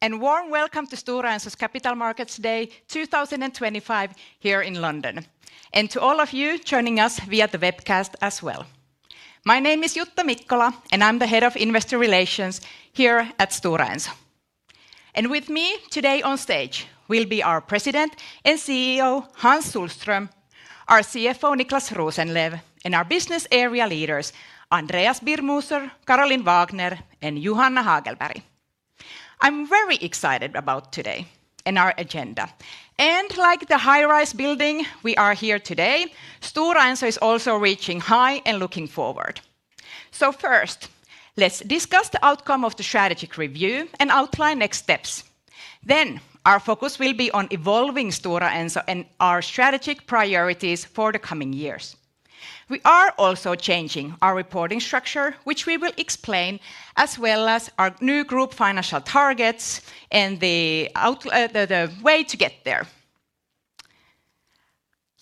Hello everyone, and warm welcome to Stora Enso's Capital Markets Day 2025 here in London, and to all of you joining us via the webcast as well. My name is Jutta Mikkola, and I'm the Head of Investor Relations here at Stora Enso. With me today on stage will be our President and CEO, Hans Sohlström, our CFO, Niclas Rosenlew, and our business area leaders, Andreas Birmoser, Carolyn Wagner, and Johanna Hagelberg. I'm very excited about today and our agenda. Like the high-rise building we are here today, Stora Enso is also reaching high and looking forward. First, let's discuss the outcome of the strategic review and outline next steps. Our focus will be on evolving Stora Enso and our strategic priorities for the coming years. We are also changing our reporting structure, which we will explain, as well as our new group financial targets and the way to get there.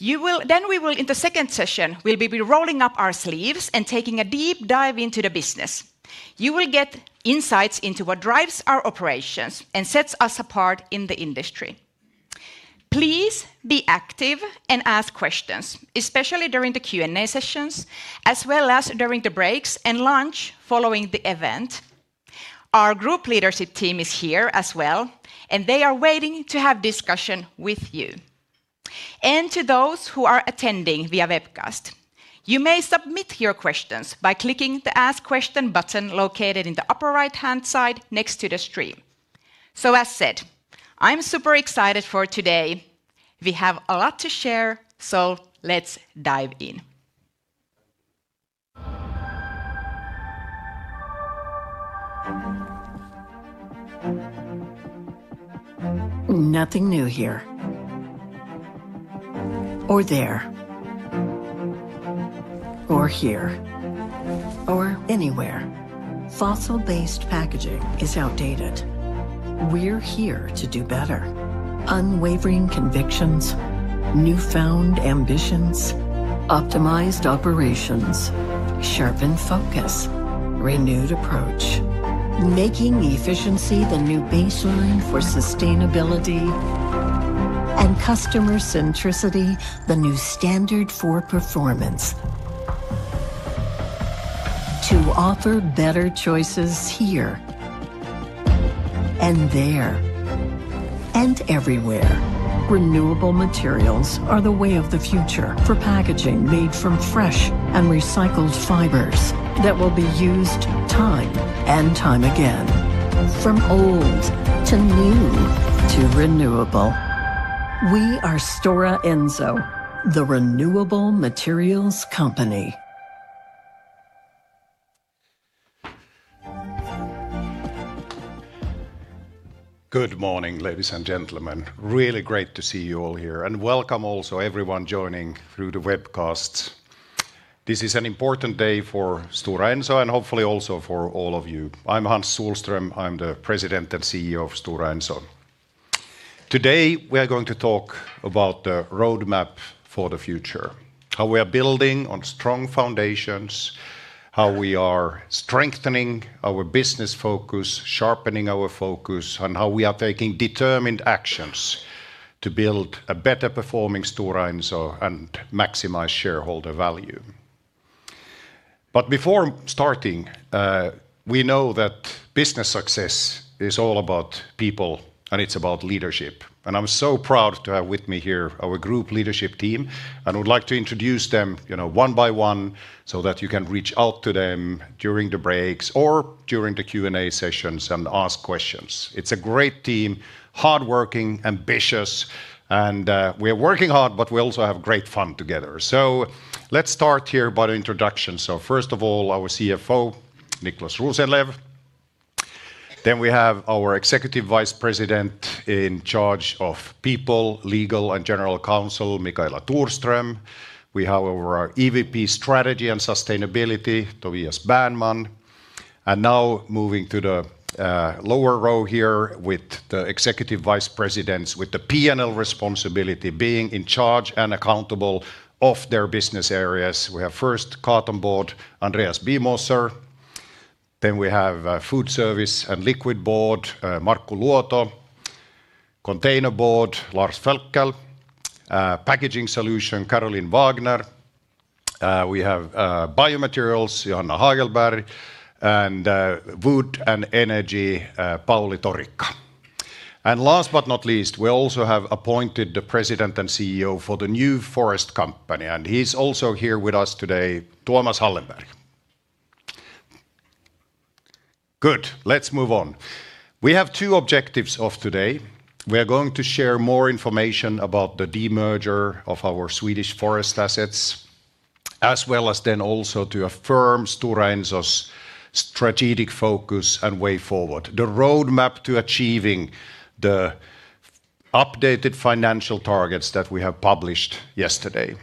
We will, in the second session, be rolling up our sleeves and taking a deep dive into the business. You will get insights into what drives our operations and sets us apart in the industry. Please be active and ask questions, especially during the Q&A sessions, as well as during the breaks and lunch following the event. Our group leadership team is here as well, and they are waiting to have discussion with you. To those who are attending via webcast, you may submit your questions by clicking the Ask Question button located in the upper right-hand side next to the stream. As said, I'm super excited for today. We have a lot to share, so let's dive in. Nothing new here. Or there. Or here. Or anywhere. Fossil-based packaging is outdated. We're here to do better. Unwavering convictions. Newfound ambitions. Optimized operations. Sharpened focus. Renewed approach. Making efficiency the new baseline for sustainability. Customer centricity is the new standard for performance. To offer better choices here. There. Everywhere. Renewable materials are the way of the future for packaging made from fresh and recycled fibers that will be used time and time again. From old to new to renewable. We are Stora Enso, the Renewable Materials Company. Good morning, ladies and gentlemen. Really great to see you all here, and welcome also everyone joining through the webcast. This is an important day for Stora Enso and hopefully also for all of you. I'm Hans Sohlström, I'm the President and CEO of Stora Enso. Today we are going to talk about the roadmap for the future, how we are building on strong foundations, how we are strengthening our business focus, sharpening our focus, and how we are taking determined actions to build a better-performing Stora Enso and maximize shareholder value. Before starting, we know that business success is all about people and it's about leadership. I'm so proud to have with me here our group leadership team, and I would like to introduce them one by one so that you can reach out to them during the breaks or during the Q&A sessions and ask questions. It's a great team, hardworking, ambitious, and we are working hard, but we also have great fun together. Let's start here by introduction. First of all, our CFO, Niclas Rosenlew. Then we have our Executive Vice President in charge of People, Legal, and General Counsel, Micaela Thorström. We have our EVP Strategy and Sustainability, Tobias Bäärnman. Now moving to the lower row here with the Executive Vice Presidents, with the P&L responsibility being in charge and accountable of their business areas. We have first Cardboard, Andreas Birmoser. Then we have Food Service and Liquid Board, Markku Luoto. Container Board, Lars Völkel. Packaging Solutions, Carolyn Wagner. We have Biomaterials, Johanna Hagelberg. Wood and Energy, Pauli Torikka. Last but not least, we also have appointed the President and CEO for the new forest company. He's also here with us today, Tuomas Hallenberg. Good. Let's move on. We have two objectives of today. We are going to share more information about the demerger of our Swedish forest assets, as well as then also to affirm Stora Enso's strategic focus and way forward, the roadmap to achieving the updated financial targets that we have published yesterday.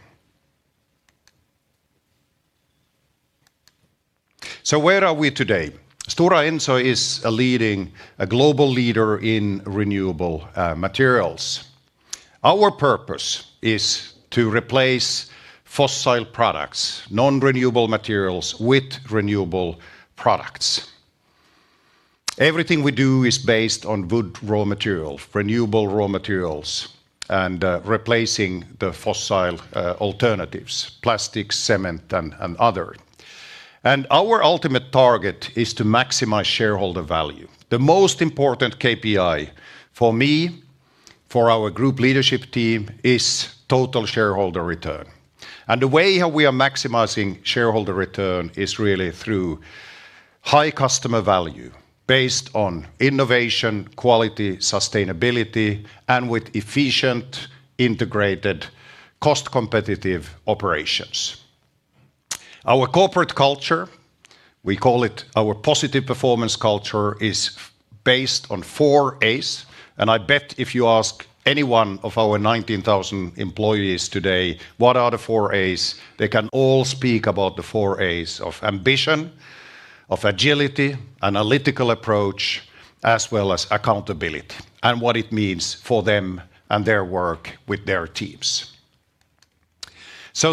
Where are we today? Stora Enso is a leading, a global leader in renewable materials. Our purpose is to replace fossil products, non-renewable materials with renewable products. Everything we do is based on wood raw material, renewable raw materials, and replacing the fossil alternatives, plastics, cement, and other. Our ultimate target is to maximize shareholder value. The most important KPI for me, for our group leadership team, is total shareholder return. The way we are maximizing shareholder return is really through high customer value based on innovation, quality, sustainability, and with efficient, integrated, cost-competitive operations. Our corporate culture, we call it our positive performance culture, is based on four A's. I bet if you ask any one of our 19,000 employees today what are the four A's, they can all speak about the four A's of ambition, of agility, analytical approach, as well as accountability, and what it means for them and their work with their teams.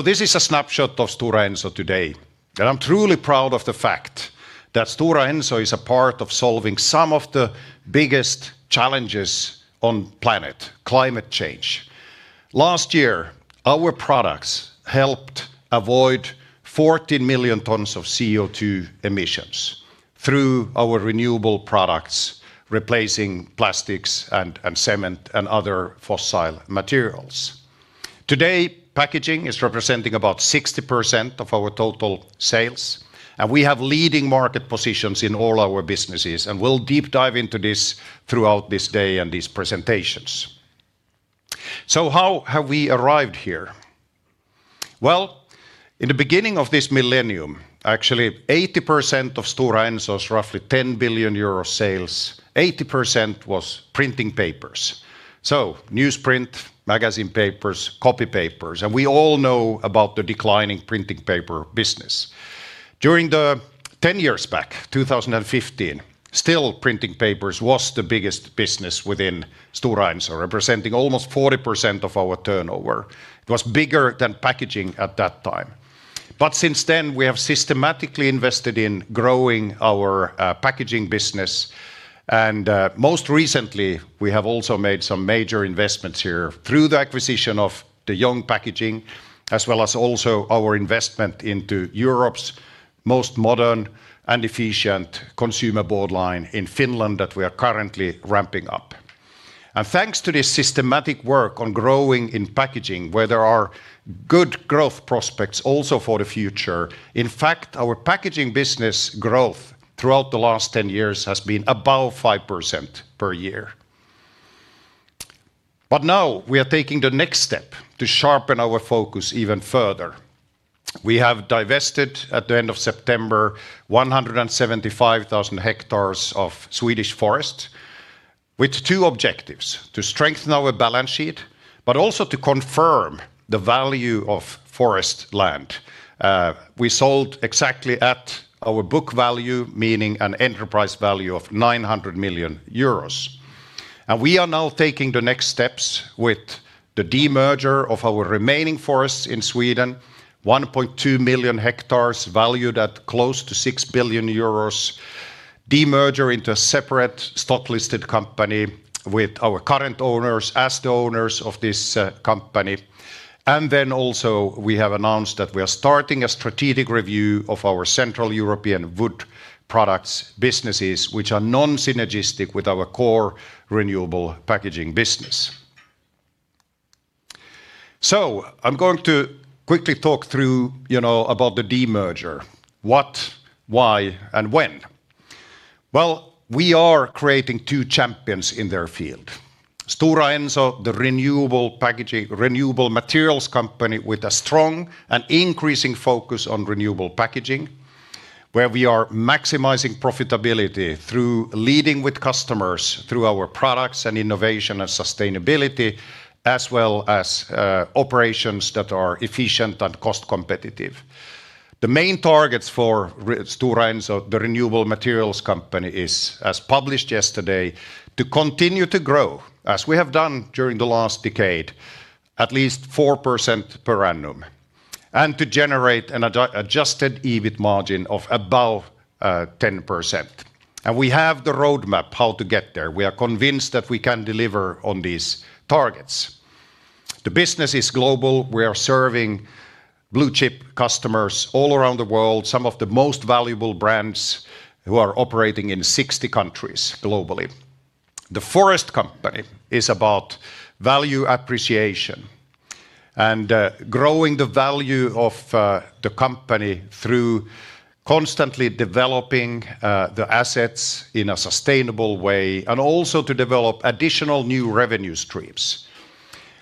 This is a snapshot of Stora Enso today. I'm truly proud of the fact that Stora Enso is a part of solving some of the biggest challenges on the planet, climate change. Last year, our products helped avoid 14 million tons of CO2 emissions through our renewable products, replacing plastics and cement and other fossil materials. Today, packaging is representing about 60% of our total sales, and we have leading market positions in all our businesses, and we will deep dive into this throughout this day and these presentations. How have we arrived here? In the beginning of this millennium, actually 80% of Stora Enso's roughly 10 billion euro sales, 80% was printing papers. So newsprint, magazine papers, copy papers, and we all know about the declining printing paper business. During the 10 years back, 2015, still printing papers was the biggest business within Stora Enso, representing almost 40% of our turnover. It was bigger than packaging at that time. Since then, we have systematically invested in growing our packaging business. Most recently, we have also made some major investments here through the acquisition of Young Packaging, as well as our investment into Europe's most modern and efficient consumer board line in Finland that we are currently ramping up. Thanks to this systematic work on growing in packaging, where there are good growth prospects also for the future, in fact, our packaging business growth throughout the last 10 years has been above 5% per year. Now we are taking the next step to sharpen our focus even further. We have divested at the end of September 175,000 hectares of Swedish forest with two objectives: to strengthen our balance sheet, but also to confirm the value of forest land. We sold exactly at our book value, meaning an enterprise value of 900 million euros. We are now taking the next steps with the demerger of our remaining forests in Sweden, 1.2 million hectares valued at close to 6 billion euros, demerger into a separate stock-listed company with our current owners as the owners of this company. We have also announced that we are starting a strategic review of our Central European wood products businesses, which are non-synergistic with our core renewable packaging business. I'm going to quickly talk through about the demerger. What, why, and when? We are creating two champions in their field. Stora Enso, the renewable packaging renewable materials company with a strong and increasing focus on renewable packaging, where we are maximizing profitability through leading with customers through our products and innovation and sustainability, as well as operations that are efficient and cost-competitive. The main targets for Stora Enso, the renewable materials company, is, as published yesterday, to continue to grow, as we have done during the last decade, at least 4% per annum, and to generate an adjusted EBIT margin of above 10%. We have the roadmap how to get there. We are convinced that we can deliver on these targets. The business is global. We are serving blue chip customers all around the world, some of the most valuable brands who are operating in 60 countries globally. The forest company is about value appreciation and growing the value of the company through constantly developing the assets in a sustainable way and also to develop additional new revenue streams.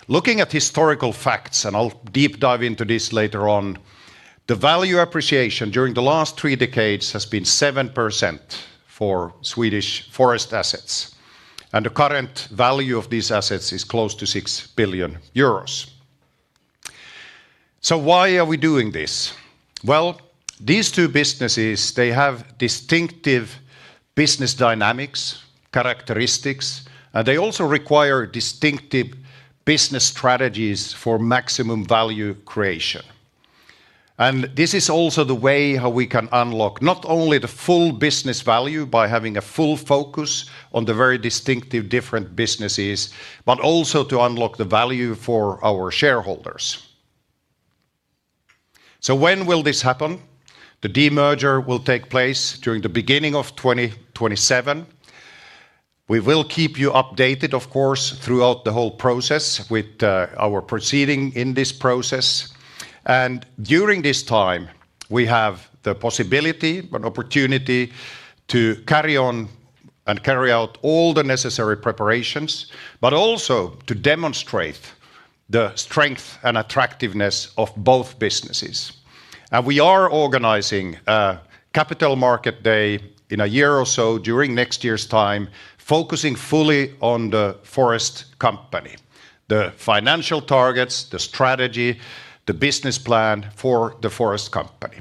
Looking at historical facts, and I'll deep dive into this later on, the value appreciation during the last three decades has been 7% for Swedish forest assets. The current value of these assets is close to 6 billion euros. Why are we doing this? These two businesses have distinctive business dynamics, characteristics, and they also require distinctive business strategies for maximum value creation. This is also the way we can unlock not only the full business value by having a full focus on the very distinctive different businesses, but also to unlock the value for our shareholders. When will this happen? The demerger will take place during the beginning of 2027. We will keep you updated, of course, throughout the whole process with our proceeding in this process. During this time, we have the possibility and opportunity to carry on and carry out all the necessary preparations, but also to demonstrate the strength and attractiveness of both businesses. We are organizing a capital market day in a year or so during next year's time, focusing fully on the forest company, the financial targets, the strategy, the business plan for the forest company.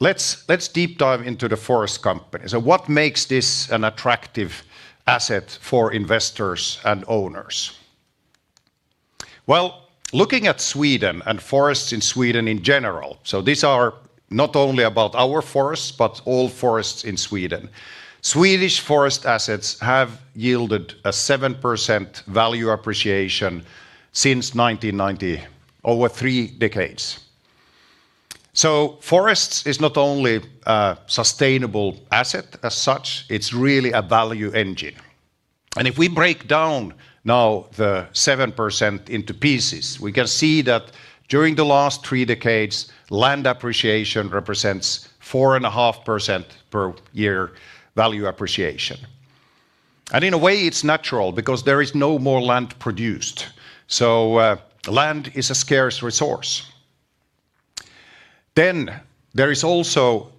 Let's deep dive into the forest company. What makes this an attractive asset for investors and owners? Looking at Sweden and forests in Sweden in general, these are not only about our forests, but all forests in Sweden. Swedish forest assets have yielded a 7% value appreciation since 1990, over three decades. Forests are not only a sustainable asset as such, it's really a value engine. If we break down now the 7% into pieces, we can see that during the last three decades, land appreciation represents 4.5% per year value appreciation. In a way, it's natural because there is no more land produced. Land is a scarce resource. There is also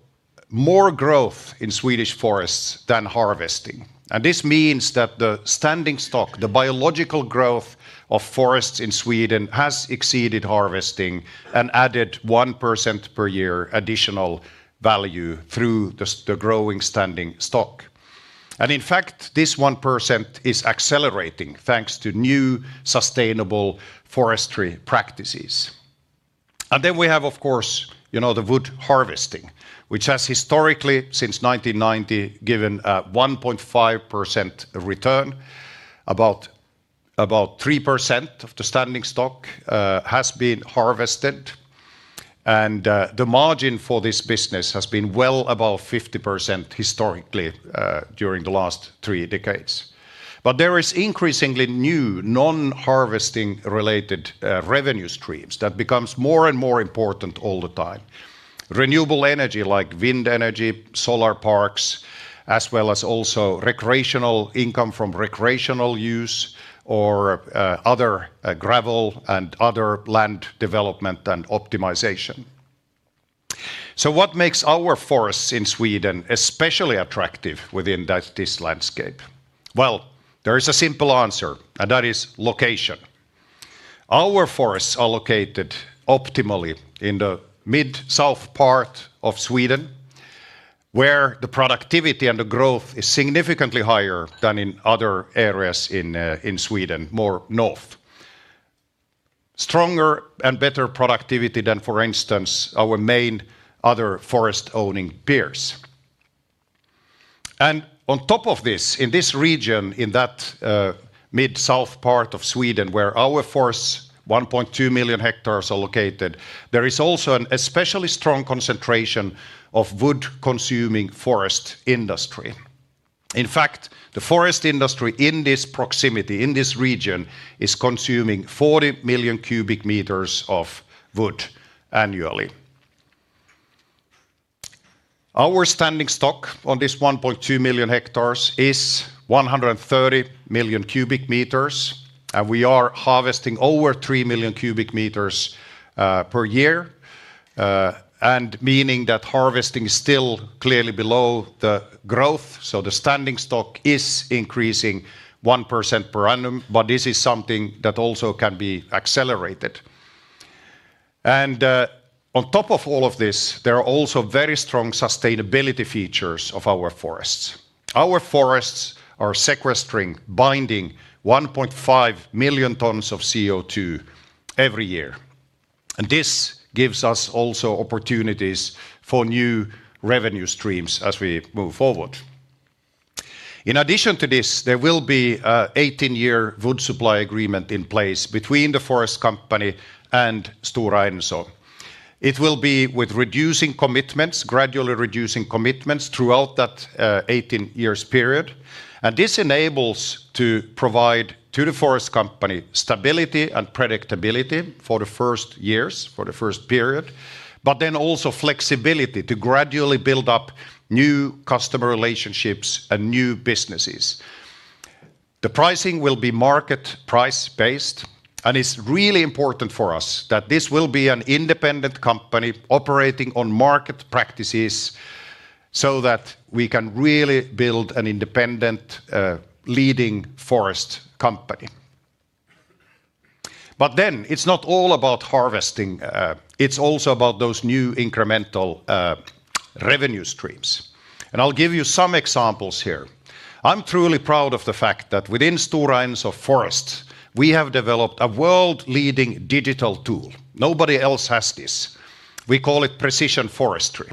more growth in Swedish forests than harvesting. This means that the standing stock, the biological growth of forests in Sweden, has exceeded harvesting and added 1% per year additional value through the growing standing stock. In fact, this 1% is accelerating thanks to new sustainable forestry practices. We have, of course, the wood harvesting, which has historically, since 1990, given a 1.5% return. About 3% of the standing stock has been harvested. The margin for this business has been well above 50% historically during the last three decades. There are increasingly new non-harvesting related revenue streams that become more and more important all the time. Renewable energy like wind energy, solar parks, as well as also recreational income from recreational use or other gravel and other land development and optimization. What makes our forests in Sweden especially attractive within this landscape? There is a simple answer, and that is location. Our forests are located optimally in the mid-south part of Sweden, where the productivity and the growth is significantly higher than in other areas in Sweden, more north. Stronger and better productivity than, for instance, our main other forest-owning peers. On top of this, in this region, in that mid-south part of Sweden where our forests, 1.2 million hectares, are located, there is also an especially strong concentration of wood-consuming forest industry. In fact, the forest industry in this proximity, in this region, is consuming 40 million cu m of wood annually. Our standing stock on this 1.2 million hectares is 130 million cu m, and we are harvesting over 3 million cu m per year, meaning that harvesting is still clearly below the growth. The standing stock is increasing 1% per annum, but this is something that also can be accelerated. On top of all of this, there are also very strong sustainability features of our forests. Our forests are sequestering, binding 1.5 million tons of CO2 every year. This gives us also opportunities for new revenue streams as we move forward. In addition to this, there will be an 18-year wood supply agreement in place between the forest company and Stora Enso. It will be with reducing commitments, gradually reducing commitments throughout that 18-year period. This enables to provide to the forest company stability and predictability for the first years, for the first period, but then also flexibility to gradually build up new customer relationships and new businesses. The pricing will be market price-based, and it's really important for us that this will be an independent company operating on market practices so that we can really build an independent leading forest company. It is not all about harvesting. It is also about those new incremental revenue streams. I'll give you some examples here. I'm truly proud of the fact that within Stora Enso Forests, we have developed a world-leading digital tool. Nobody else has this. We call it precision forestry.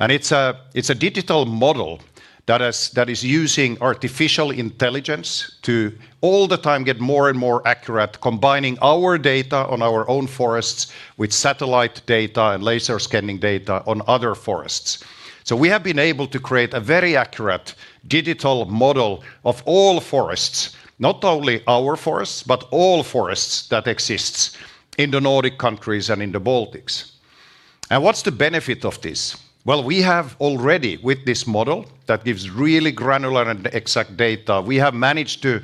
It is a digital model that is using artificial intelligence to all the time get more and more accurate, combining our data on our own forests with satellite data and laser scanning data on other forests. We have been able to create a very accurate digital model of all forests, not only our forests, but all forests that exist in the Nordic countries and in the Baltics. What's the benefit of this? We have already, with this model that gives really granular and exact data, managed to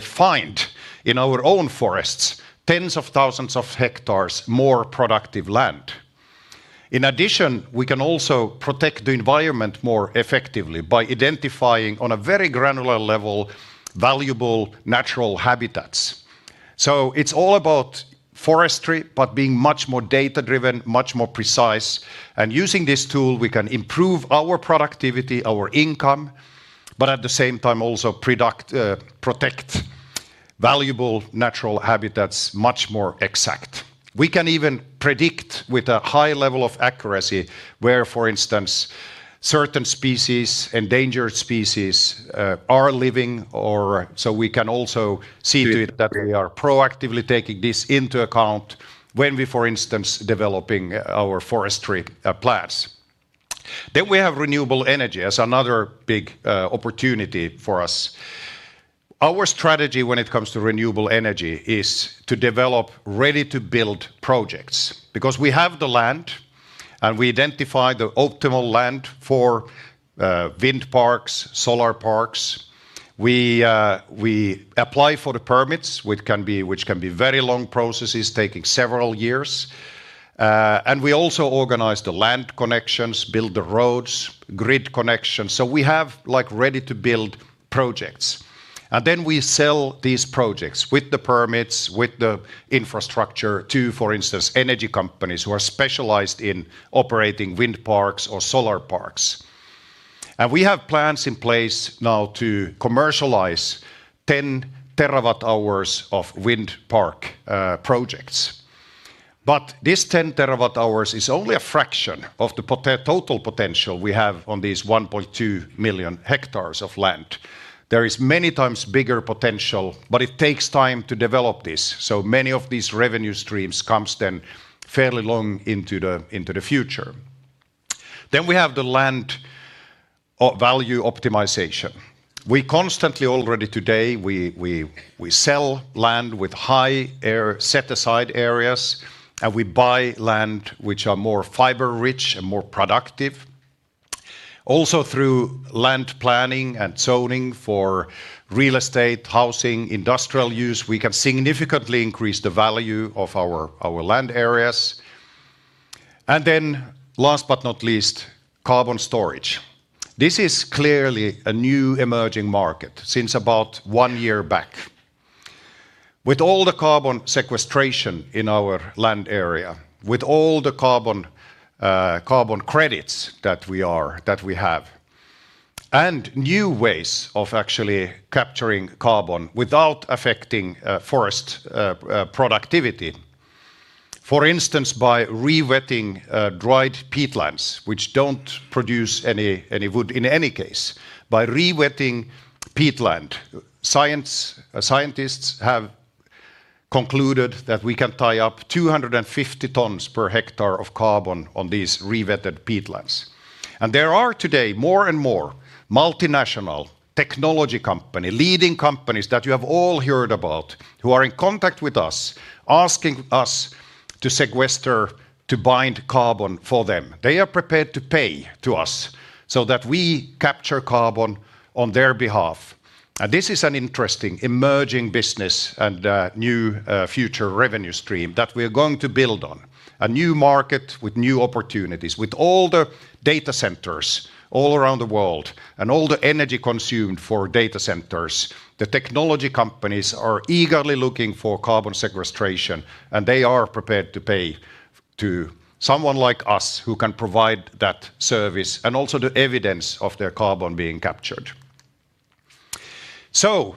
find in our own forests tens of thousands of hectares more productive land. In addition, we can also protect the environment more effectively by identifying on a very granular level valuable natural habitats. It's all about forestry, but being much more data-driven, much more precise. Using this tool, we can improve our productivity, our income, but at the same time also protect valuable natural habitats much more exact. We can even predict with a high level of accuracy where, for instance, certain species and endangered species are living, or we can also see that we are proactively taking this into account when we, for instance, are developing our forestry plans. We have renewable energy as another big opportunity for us. Our strategy when it comes to renewable energy is to develop ready-to-build projects because we have the land and we identify the optimal land for wind parks, solar parks. We apply for the permits, which can be very long processes taking several years. We also organize the land connections, build the roads, grid connections. We have ready-to-build projects. We sell these projects with the permits, with the infrastructure to, for instance, energy companies who are specialized in operating wind parks or solar parks. We have plans in place now to commercialize 10 TWh of wind park projects. This 10 TWh is only a fraction of the total potential we have on these 1.2 million hectares of land. There is many times bigger potential, but it takes time to develop this. Many of these revenue streams come then fairly long into the future. We have the land value optimization. We constantly already today, we sell land with high air set-aside areas, and we buy land which are more fiber-rich and more productive. Also through land planning and zoning for real estate, housing, industrial use, we can significantly increase the value of our land areas. Last but not least, carbon storage. This is clearly a new emerging market since about one year back. With all the carbon sequestration in our land area, with all the carbon credits that we have, and new ways of actually capturing carbon without affecting forest productivity. For instance, by rewetting dried peatlands, which do not produce any wood in any case, by rewetting peatland, scientists have concluded that we can tie up 250 tons per hectare of carbon on these rewetted peatlands. There are today more and more multinational technology companies, leading companies that you have all heard about, who are in contact with us, asking us to sequester, to bind carbon for them. They are prepared to pay to us so that we capture carbon on their behalf. This is an interesting emerging business and new future revenue stream that we are going to build on. A new market with new opportunities, with all the data centers all around the world and all the energy consumed for data centers. The technology companies are eagerly looking for carbon sequestration, and they are prepared to pay to someone like us who can provide that service and also the evidence of their carbon being captured.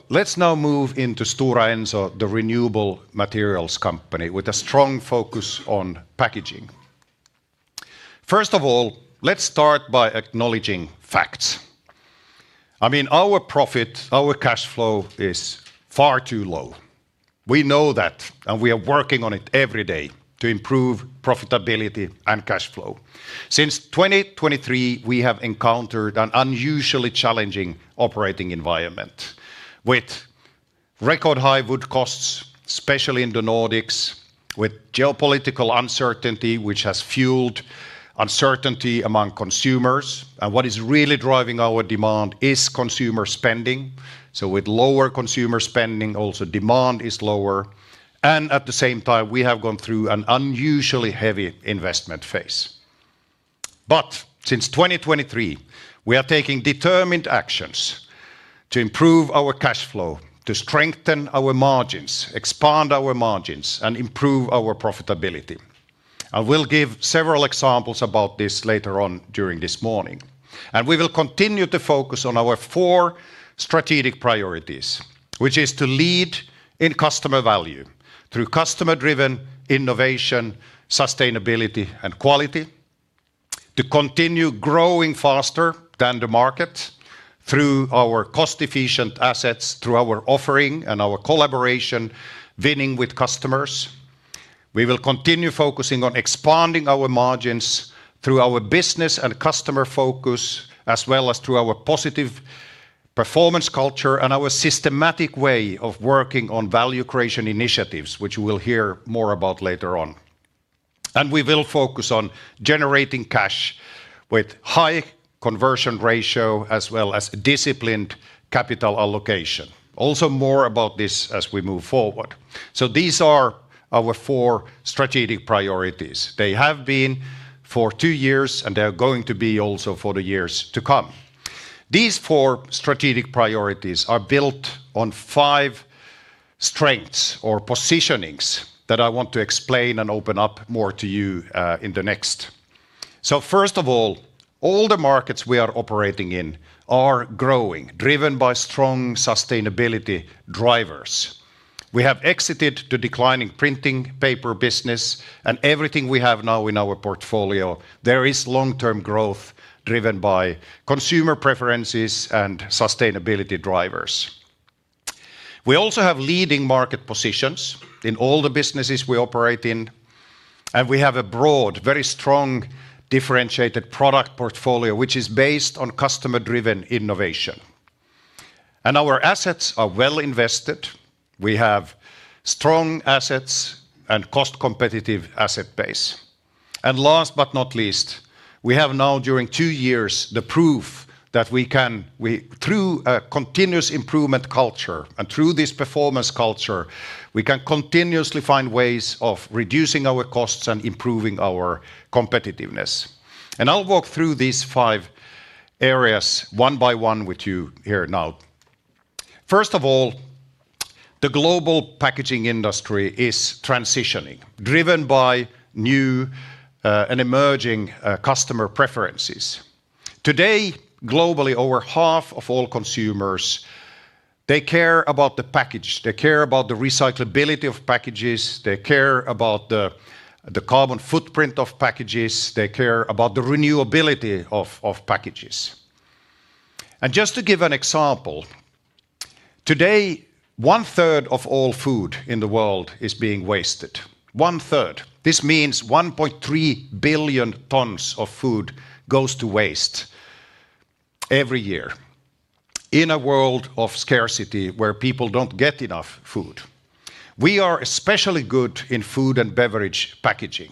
Let's now move into Stora Enso, the renewable materials company with a strong focus on packaging. First of all, let's start by acknowledging facts. I mean, our profit, our cash flow is far too low. We know that, and we are working on it every day to improve profitability and cash flow. Since 2023, we have encountered an unusually challenging operating environment with record high wood costs, especially in the Nordics, with geopolitical uncertainty, which has fueled uncertainty among consumers. What is really driving our demand is consumer spending. With lower consumer spending, also demand is lower. At the same time, we have gone through an unusually heavy investment phase. Since 2023, we are taking determined actions to improve our cash flow, to strengthen our margins, expand our margins, and improve our profitability. I will give several examples about this later on during this morning. We will continue to focus on our four strategic priorities, which is to lead in customer value through customer-driven innovation, sustainability, and quality. To continue growing faster than the market through our cost-efficient assets, through our offering and our collaboration, winning with customers. We will continue focusing on expanding our margins through our business and customer focus, as well as through our positive performance culture and our systematic way of working on value creation initiatives, which we will hear more about later on. We will focus on generating cash with high conversion ratio, as well as disciplined capital allocation. Also more about this as we move forward. These are our four strategic priorities. They have been for two years, and they are going to be also for the years to come. These four strategic priorities are built on five strengths or positionings that I want to explain and open up more to you in the next. First of all, all the markets we are operating in are growing, driven by strong sustainability drivers. We have exited the declining printing paper business, and everything we have now in our portfolio, there is long-term growth driven by consumer preferences and sustainability drivers. We also have leading market positions in all the businesses we operate in, and we have a broad, very strong differentiated product portfolio, which is based on customer-driven innovation. Our assets are well invested. We have strong assets and a cost-competitive asset base. Last but not least, we have now, during two years, the proof that we can, through a continuous improvement culture and through this performance culture, continuously find ways of reducing our costs and improving our competitiveness. I'll walk through these five areas one by one with you here now. First of all, the global packaging industry is transitioning, driven by new and emerging customer preferences. Today, globally, over half of all consumers care about the package. They care about the recyclability of packages. They care about the carbon footprint of packages. They care about the renewability of packages. Just to give an example, today, 1/3 of all food in the world is being wasted. 1/3. This means 1.3 billion tons of food goes to waste every year in a world of scarcity where people do not get enough food. We are especially good in food and beverage packaging.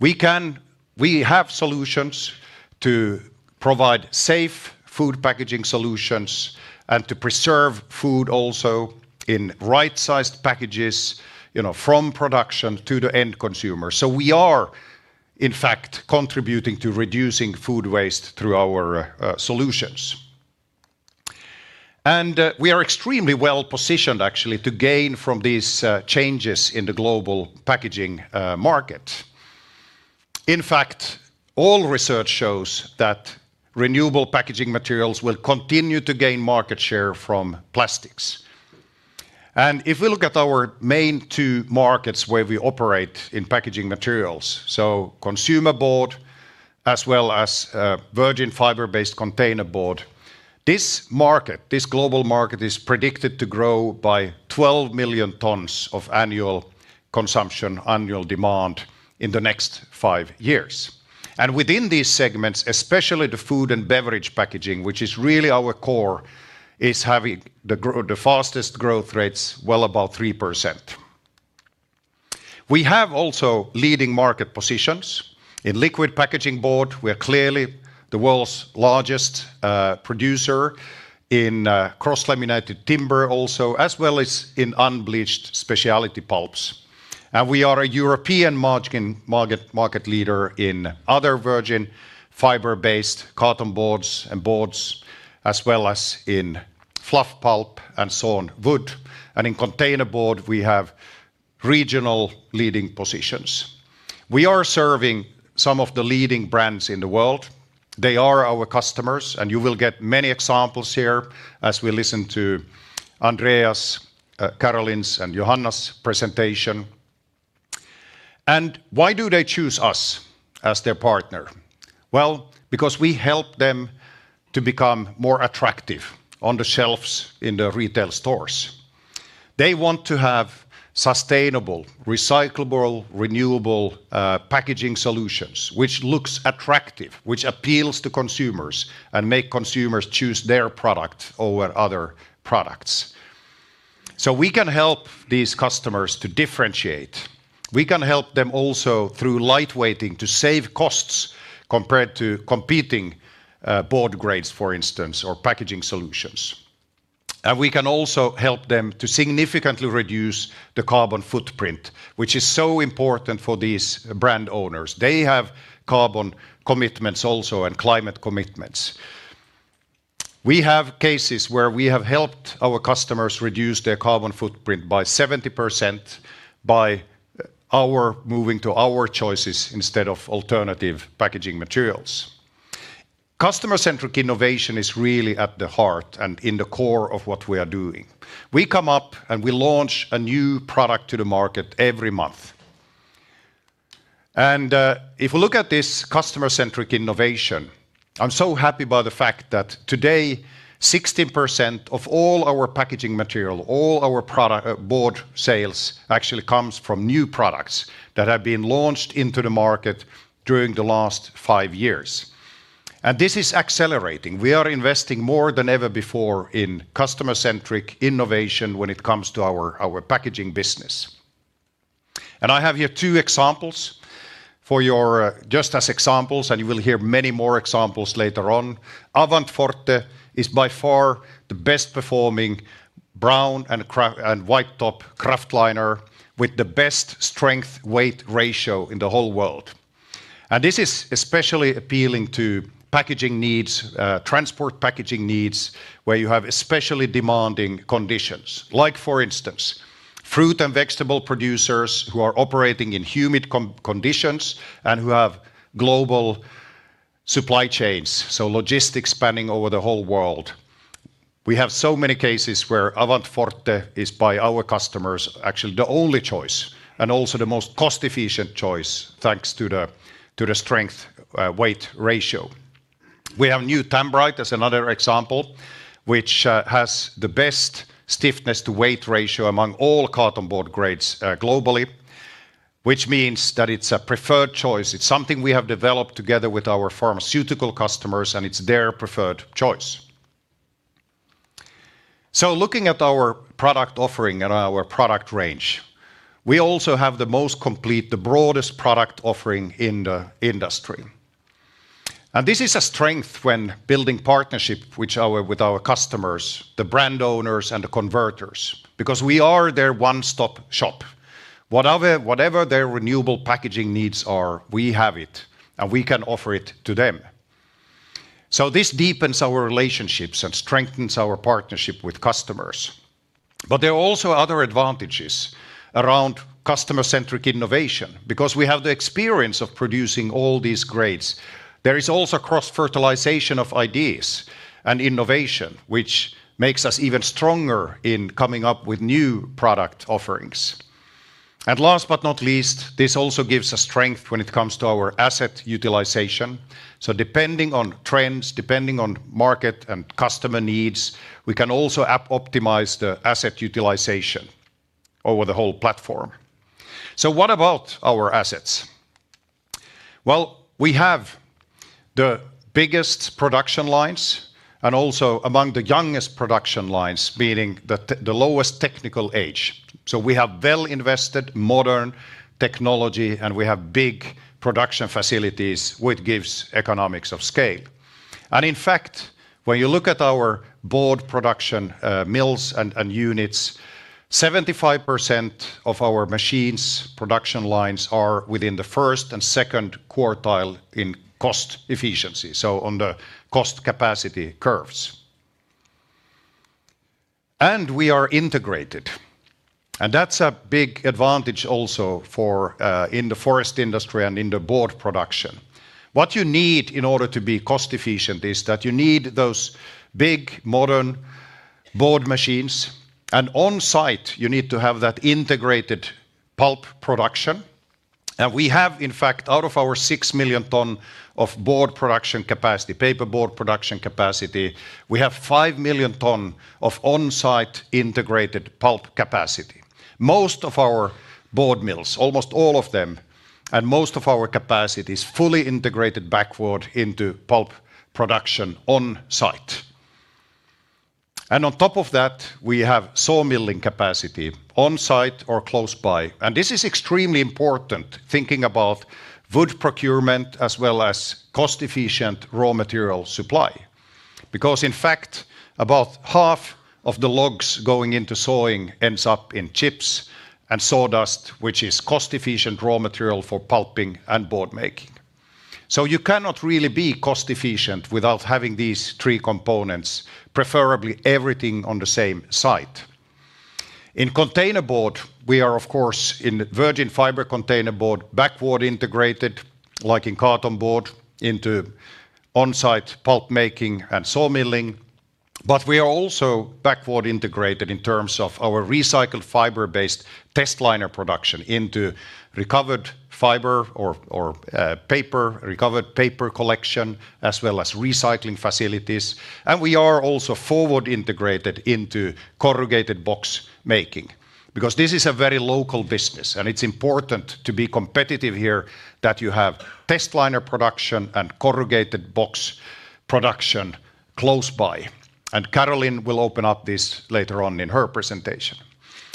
We have solutions to provide safe food packaging solutions and to preserve food also in right-sized packages from production to the end consumer. We are, in fact, contributing to reducing food waste through our solutions. We are extremely well positioned, actually, to gain from these changes in the global packaging market. In fact, all research shows that renewable packaging materials will continue to gain market share from plastics. If we look at our main two markets where we operate in packaging materials, consumer board as well as virgin fiber-based container board, this market, this global market, is predicted to grow by 12 million tons of annual consumption, annual demand in the next five years. Within these segments, especially the food and beverage packaging, which is really our core, is having the fastest growth rates, well above 3%. We have also leading market positions in liquid packaging board. We are clearly the world's largest producer in cross-laminated timber also, as well as in unbleached specialty pulps. We are a European market leader in other virgin fiber-based carton boards and boards, as well as in fluff pulp and sawn wood. In container board, we have regional leading positions. We are serving some of the leading brands in the world. They are our customers, and you will get many examples here as we listen to Andreas', Carolyn's, and Johanna's presentation. Why do they choose us as their partner? Because we help them to become more attractive on the shelves in the retail stores. They want to have sustainable, recyclable, renewable packaging solutions, which look attractive, which appeal to consumers and make consumers choose their product over other products. We can help these customers to differentiate. We can help them also through lightweighting to save costs compared to competing board grades, for instance, or packaging solutions. We can also help them to significantly reduce the carbon footprint, which is so important for these brand owners. They have carbon commitments also and climate commitments. We have cases where we have helped our customers reduce their carbon footprint by 70% by moving to our choices instead of alternative packaging materials. Customer-centric innovation is really at the heart and in the core of what we are doing. We come up and we launch a new product to the market every month. If we look at this customer-centric innovation, I'm so happy by the fact that today, 16% of all our packaging material, all our board sales actually comes from new products that have been launched into the market during the last five years. This is accelerating. We are investing more than ever before in customer-centric innovation when it comes to our packaging business. I have here two examples for you just as examples, and you will hear many more examples later on. AvantForte is by far the best performing brown and white top kraft liner with the best strength-weight ratio in the whole world. This is especially appealing to packaging needs, transport packaging needs, where you have especially demanding conditions, like for instance, fruit and vegetable producers who are operating in humid conditions and who have global supply chains, so logistics spanning over the whole world. We have so many cases where AvantForte is by our customers actually the only choice and also the most cost-efficient choice thanks to the strength-weight ratio. We have new Tambrite as another example, which has the best stiffness-to-weight ratio among all carton board grades globally, which means that it's a preferred choice. It's something we have developed together with our pharmaceutical customers, and it's their preferred choice. Looking at our product offering and our product range, we also have the most complete, the broadest product offering in the industry. This is a strength when building partnership with our customers, the brand owners, and the converters, because we are their one-stop shop. Whatever their renewable packaging needs are, we have it, and we can offer it to them. This deepens our relationships and strengthens our partnership with customers. There are also other advantages around customer-centric innovation because we have the experience of producing all these grades. There is also cross-fertilization of ideas and innovation, which makes us even stronger in coming up with new product offerings. Last but not least, this also gives us strength when it comes to our asset utilization. Depending on trends, depending on market and customer needs, we can also optimize the asset utilization over the whole platform. What about our assets? We have the biggest production lines and also among the youngest production lines, meaning the lowest technical age. We have well-invested modern technology, and we have big production facilities, which gives economics of scale. In fact, when you look at our board production mills and units, 75% of our machines' production lines are within the first and second quartile in cost efficiency, so on the cost capacity curves. We are integrated. That is a big advantage also in the forest industry and in the board production. What you need in order to be cost-efficient is that you need those big modern board machines. On-site, you need to have that integrated pulp production. We have, in fact, out of our 6 million ton of board production capacity, paper board production capacity, 5 million ton of on-site integrated pulp capacity. Most of our board mills, almost all of them, and most of our capacity is fully integrated backward into pulp production on-site. On top of that, we have sawmilling capacity on-site or close by. This is extremely important thinking about wood procurement as well as cost-efficient raw material supply. Because in fact, about half of the logs going into sawing ends up in chips and sawdust, which is cost-efficient raw material for pulping and board making. You cannot really be cost-efficient without having these three components, preferably everything on the same site. In container board, we are, of course, in virgin fiber container board, backward integrated, like in cotton board, into on-site pulp making and sawmilling. We are also backward integrated in terms of our recycled fiber-based test liner production into recovered fiber or paper, recovered paper collection, as well as recycling facilities. We are also forward integrated into corrugated box making because this is a very local business. It is important to be competitive here that you have test liner production and corrugated box production close by. Carolyn will open up this later on in her presentation.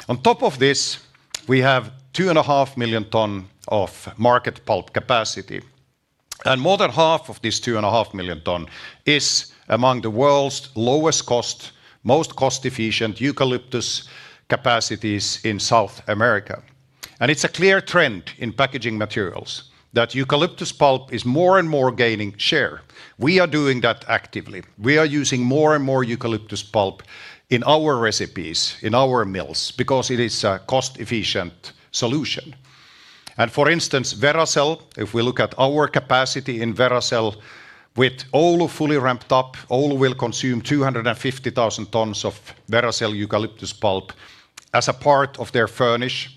On top of this, we have 2.5 million ton of market pulp capacity. More than half of this 2.5 million ton is among the world's lowest cost, most cost-efficient eucalyptus capacities in South America. It is a clear trend in packaging materials that eucalyptus pulp is more and more gaining share. We are doing that actively. We are using more and more eucalyptus pulp in our recipes, in our mills, because it is a cost-efficient solution. For instance, Veracel, if we look at our capacity in Veracel with Oulu fully ramped up, Oulu will consume 250,000 tons of Veracel eucalyptus pulp as a part of their furnish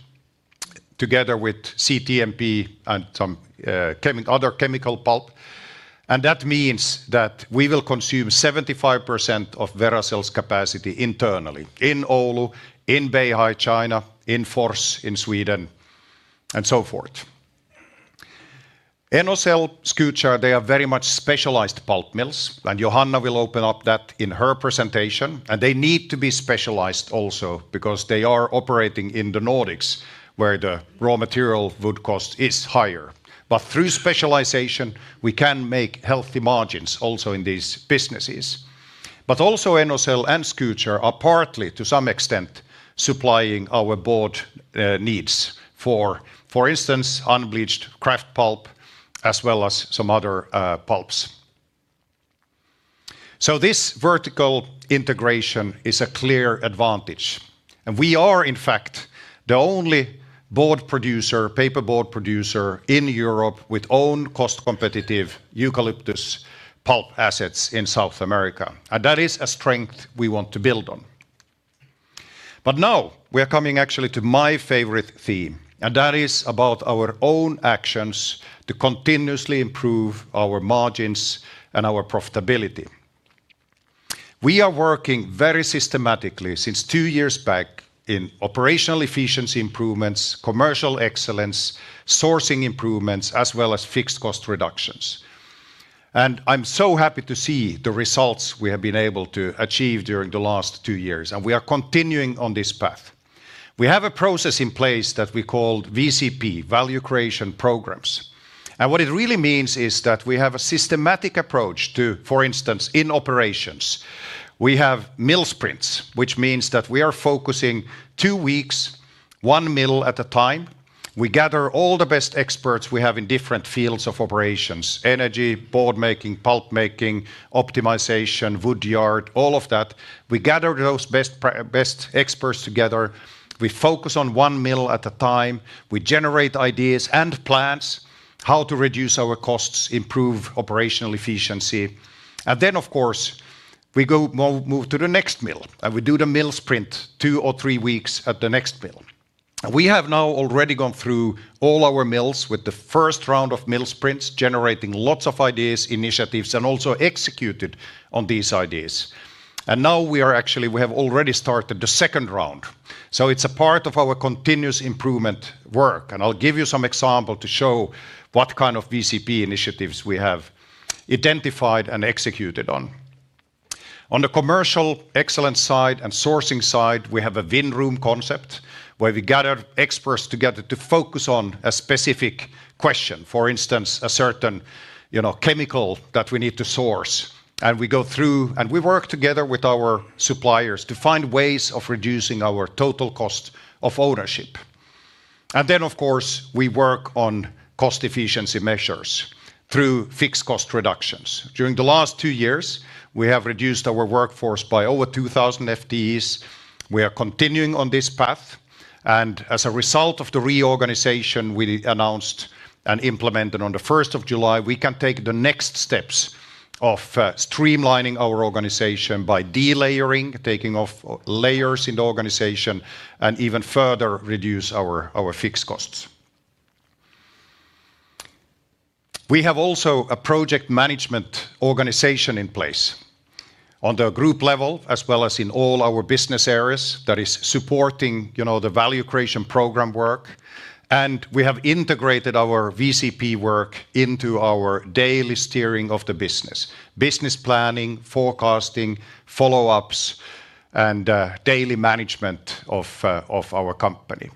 together with CTMP and some other chemical pulp. That means that we will consume 75% of Veracel's capacity internally in Oulu, in Beihai, China, in Force, in Sweden, and so forth. Enocell and Skoghall, they are very much specialized pulp mills, and Johanna will open up that in her presentation. They need to be specialized also because they are operating in the Nordics where the raw material wood cost is higher. Through specialization, we can make healthy margins also in these businesses. Enocell and Skoghall are partly, to some extent, supplying our board needs for, for instance, unbleached kraft pulp as well as some other pulps. This vertical integration is a clear advantage. We are, in fact, the only board producer, paperboard producer in Europe with own cost-competitive eucalyptus pulp assets in South America. That is a strength we want to build on. Now we are coming actually to my favorite theme, and that is about our own actions to continuously improve our margins and our profitability. We are working very systematically since two years back in operational efficiency improvements, commercial excellence, sourcing improvements, as well as fixed cost reductions. I am so happy to see the results we have been able to achieve during the last two years, and we are continuing on this path. We have a process in place that we call VCP, Value Creation Programs. What it really means is that we have a systematic approach to, for instance, in operations, we have mill sprints, which means that we are focusing two weeks, one mill at a time. We gather all the best experts we have in different fields of operations: energy, board making, pulp making, optimization, wood yard, all of that. We gather those best experts together. We focus on one mill at a time. We generate ideas and plans how to reduce our costs, improve operational efficiency. Of course, we move to the next mill, and we do the mill sprint two or three weeks at the next mill. We have now already gone through all our mills with the first round of mill sprints, generating lots of ideas, initiatives, and also executed on these ideas. We are actually, we have already started the second round. It is a part of our continuous improvement work. I'll give you some example to show what kind of VCP initiatives we have identified and executed on. On the commercial excellence side and sourcing side, we have a win-room concept where we gather experts together to focus on a specific question, for instance, a certain chemical that we need to source. We go through and we work together with our suppliers to find ways of reducing our total cost of ownership. Of course, we work on cost efficiency measures through fixed cost reductions. During the last two years, we have reduced our workforce by over 2,000 FTEs. We are continuing on this path. As a result of the reorganization we announced and implemented on July 1st, we can take the next steps of streamlining our organization by delayering, taking off layers in the organization, and even further reduce our fixed costs. We have also a project management organization in place on the group level, as well as in all our business areas that is supporting the Value Creation Program work. We have integrated our VCP work into our daily steering of the business: business planning, forecasting, follow-ups, and daily management of our company.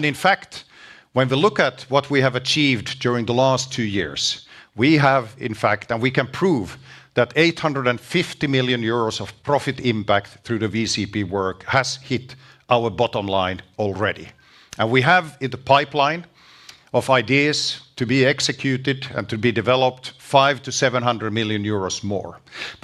In fact, when we look at what we have achieved during the last two years, we have, in fact, and we can prove that 850 million euros of profit impact through the VCP work has hit our bottom line already. We have in the pipeline of ideas to be executed and to be developed 500 million-700 million euros more.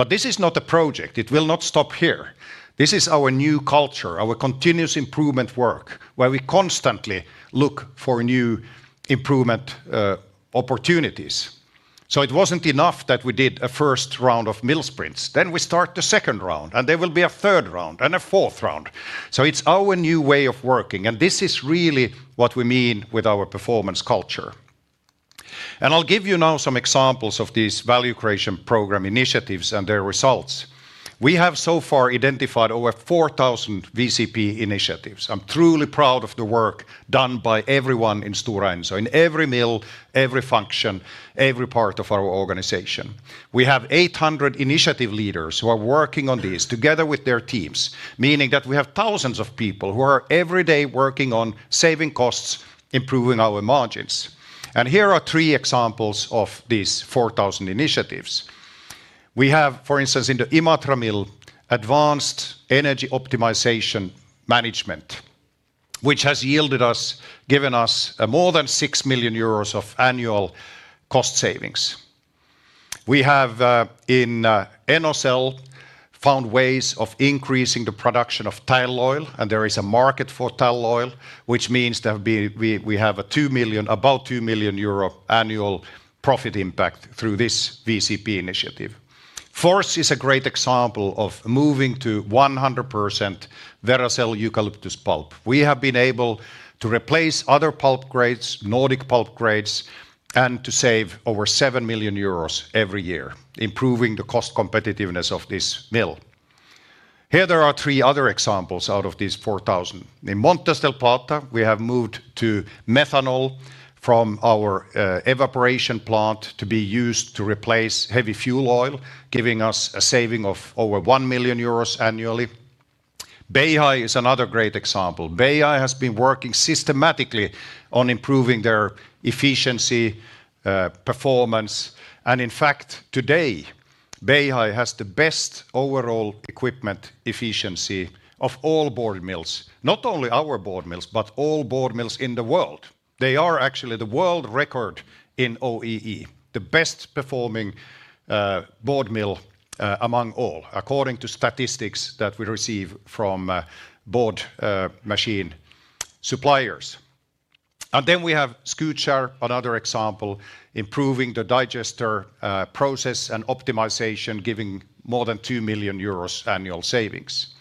This is not a project. It will not stop here. This is our new culture, our continuous improvement work, where we constantly look for new improvement opportunities. It was not enough that we did a first round of mill sprints. We started the second round, and there will be a third round and a fourth round. It is our new way of working. This is really what we mean with our performance culture. I will give you now some examples of these Value Creation Program initiatives and their results. We have so far identified over 4,000 VCP initiatives. I am truly proud of the work done by everyone in Stora Enso in every mill, every function, every part of our organization. We have 800 initiative leaders who are working on these together with their teams, meaning that we have thousands of people who are every day working on saving costs, improving our margins. Here are three examples of these 4,000 initiatives. We have, for instance, in the Imatra mill, Advanced Energy Optimization Management, which has yielded us, given us more than 6 million euros of annual cost savings. We have in Enocell found ways of increasing the production of tall oil, and there is a market for tall oil, which means that we have about 2 million euro annual profit impact through this VCP initiative. Force is a great example of moving to 100% Veracel eucalyptus pulp. We have been able to replace other pulp grades, Nordic pulp grades, and to save over 7 million euros every year, improving the cost competitiveness of this mill. Here there are three other examples out of these 4,000. In Montes del Plata, we have moved to methanol from our evaporation plant to be used to replace heavy fuel oil, giving us a saving of over 1 million euros annually. Beihai is another great example. Beihai has been working systematically on improving their efficiency, performance. In fact, today, Beihai has the best overall equipment efficiency of all board mills, not only our board mills, but all board mills in the world. They are actually the world record in OEE, the best performing board mill among all, according to statistics that we receive from board machine suppliers. We have Skoghall, another example, improving the digester process and optimization, giving more than 2 million euros annual savings.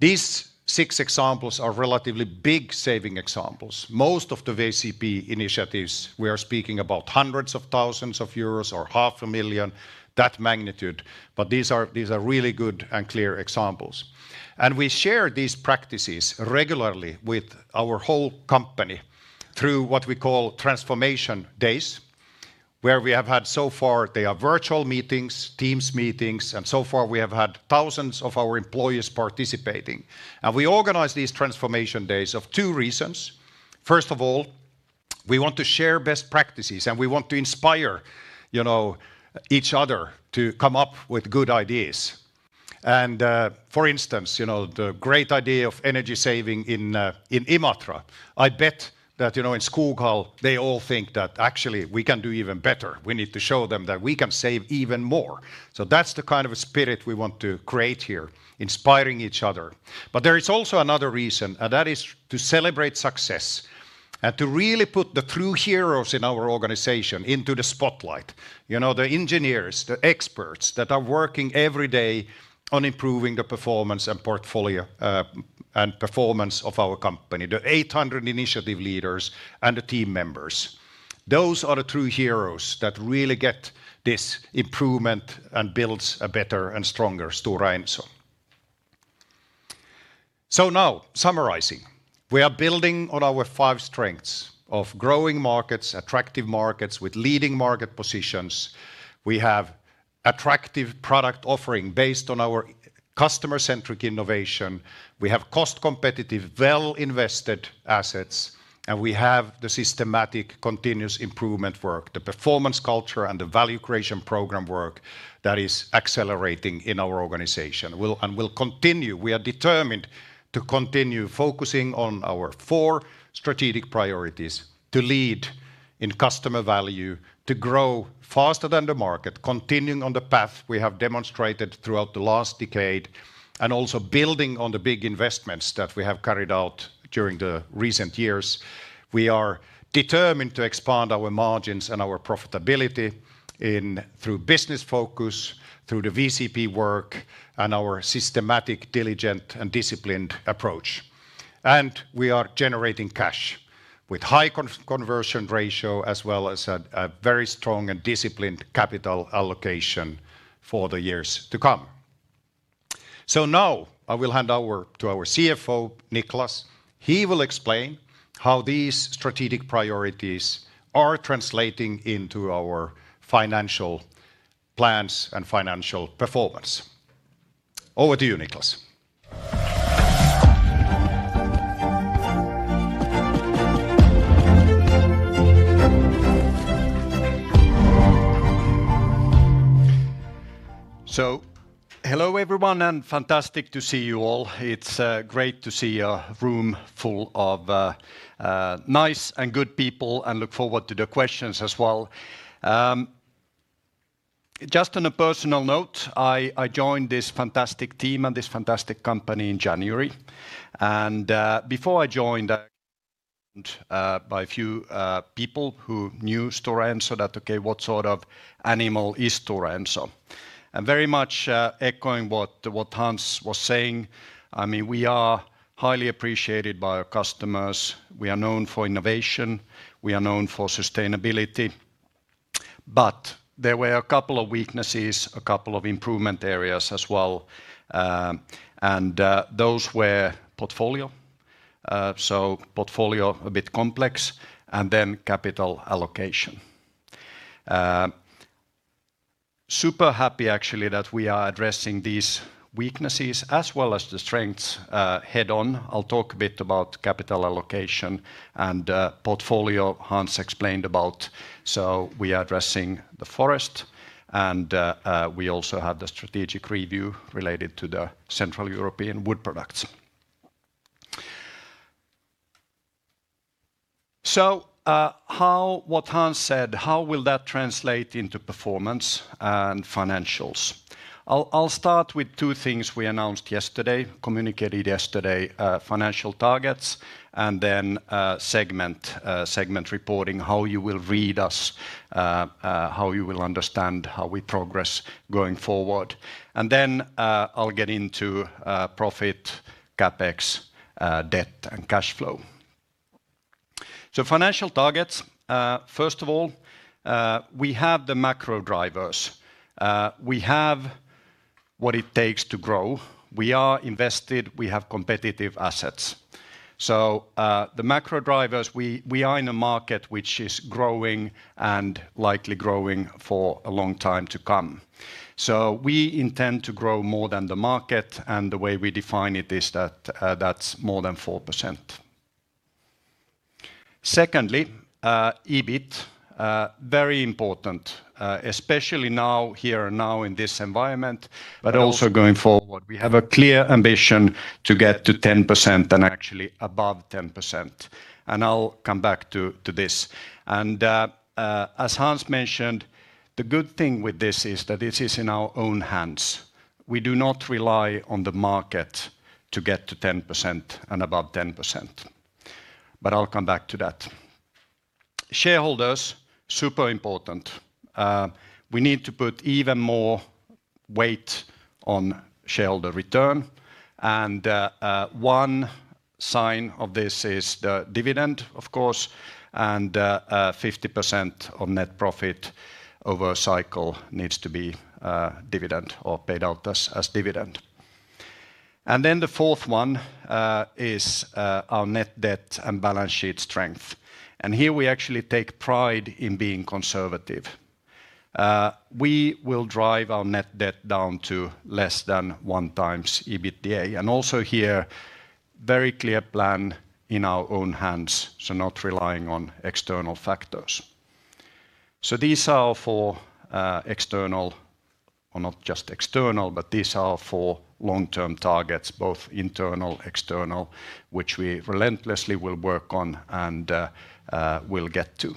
These six examples are relatively big saving examples. Most of the VCP initiatives, we are speaking about hundreds of thousands of euros or 500,000, that magnitude. These are really good and clear examples. We share these practices regularly with our whole company through what we call transformation days, where we have had so far, they are virtual meetings, Teams meetings, and so far we have had thousands of our employees participating. We organize these transformation days for two reasons. First of all, we want to share best practices, and we want to inspire each other to come up with good ideas. For instance, the great idea of energy saving in Imatra, I bet that in Skoghall they all think that actually we can do even better. We need to show them that we can save even more. That is the kind of spirit we want to create here, inspiring each other. There is also another reason, and that is to celebrate success and to really put the true heroes in our organization into the spotlight. The engineers, the experts that are working every day on improving the performance and portfolio and performance of our company, the 800 initiative leaders and the team members. Those are the true heroes that really get this improvement and builds a better and stronger Stora Enso. Now, summarizing, we are building on our five strengths of growing markets, attractive markets with leading market positions. We have attractive product offering based on our customer-centric innovation. We have cost-competitive, well-invested assets, and we have the systematic continuous improvement work, the performance culture, and the Value Creation Program work that is accelerating in our organization. We are determined to continue focusing on our four strategic priorities to lead in customer value, to grow faster than the market, continuing on the path we have demonstrated throughout the last decade, and also building on the big investments that we have carried out during the recent years. We are determined to expand our margins and our profitability through business focus, through the VCP work, and our systematic, diligent, and disciplined approach. We are generating cash with high conversion ratio as well as a very strong and disciplined capital allocation for the years to come. Now I will hand over to our CFO, Niclas. He will explain how these strategic priorities are translating into our financial plans and financial performance. Over to you, Niclas. Hello everyone and fantastic to see you all. It's great to see a room full of nice and good people and look forward to the questions as well. Just on a personal note, I joined this fantastic team and this fantastic company in January. Before I joined, I was joined by a few people who knew Stora Enso that, okay, what sort of animal is Stora Enso? Very much echoing what Hans was saying, I mean, we are highly appreciated by our customers. We are known for innovation. We are known for sustainability. There were a couple of weaknesses, a couple of improvement areas as well. Those were portfolio. Portfolio a bit complex and then capital allocation. Super happy actually that we are addressing these weaknesses as well as the strengths head on. I'll talk a bit about capital allocation and portfolio Hans explained about. We are addressing the forest and we also have the strategic review related to the Central European wood products. What Hans said, how will that translate into performance and financials? I'll start with two things we announced yesterday, communicated yesterday, financial targets and then segment reporting, how you will read us, how you will understand how we progress going forward. I'll get into profit, CapEx, debt, and cash flow. Financial targets, first of all, we have the macro drivers. We have what it takes to grow. We are invested. We have competitive assets. The macro drivers, we are in a market which is growing and likely growing for a long time to come. We intend to grow more than the market. The way we define it is that that's more than 4%. Secondly, EBIT, very important, especially now here now in this environment, but also going forward. We have a clear ambition to get to 10% and actually above 10%. I'll come back to this. As Hans mentioned, the good thing with this is that this is in our own hands. We do not rely on the market to get to 10% and above 10%. I'll come back to that. Shareholders, super important. We need to put even more weight on shareholder return. One sign of this is the dividend, of course. 50% of net profit over a cycle needs to be dividend or paid out as dividend. The fourth one is our net debt and balance sheet strength. Here we actually take pride in being conservative. We will drive our net debt down to less than one times EBITDA. Also here, very clear plan in our own hands, not relying on external factors. These are for external, or not just external, but these are for long-term targets, both internal and external, which we relentlessly will work on and will get to.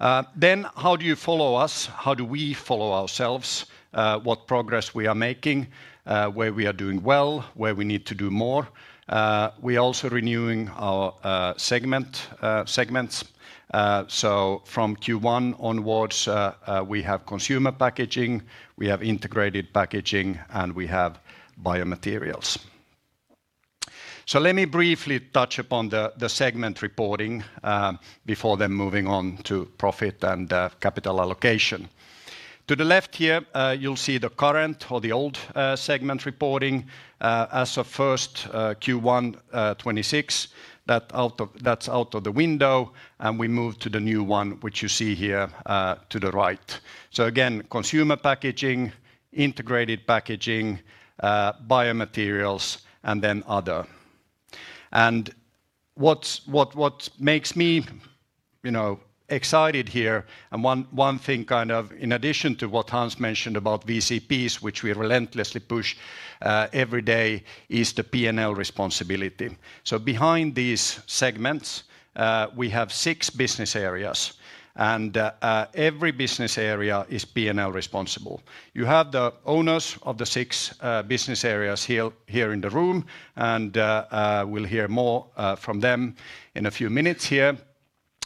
How do you follow us? How do we follow ourselves? What progress we are making, where we are doing well, where we need to do more. We are also renewing our segments. From Q1 onwards, we have consumer packaging, we have integrated packaging, and we have biomaterials. Let me briefly touch upon the segment reporting before moving on to profit and capital allocation. To the left here, you'll see the current or the old segment reporting as of first Q1 2026. That's out of the window, and we move to the new one, which you see here to the right. Again, consumer packaging, integrated packaging, biomaterials, and then other. What makes me excited here, and one thing kind of in addition to what Hans mentioned about VCPs, which we relentlessly push every day, is the P&L responsibility. Behind these segments, we have six business areas, and every business area is P&L responsible. You have the owners of the six business areas here in the room, and we'll hear more from them in a few minutes here.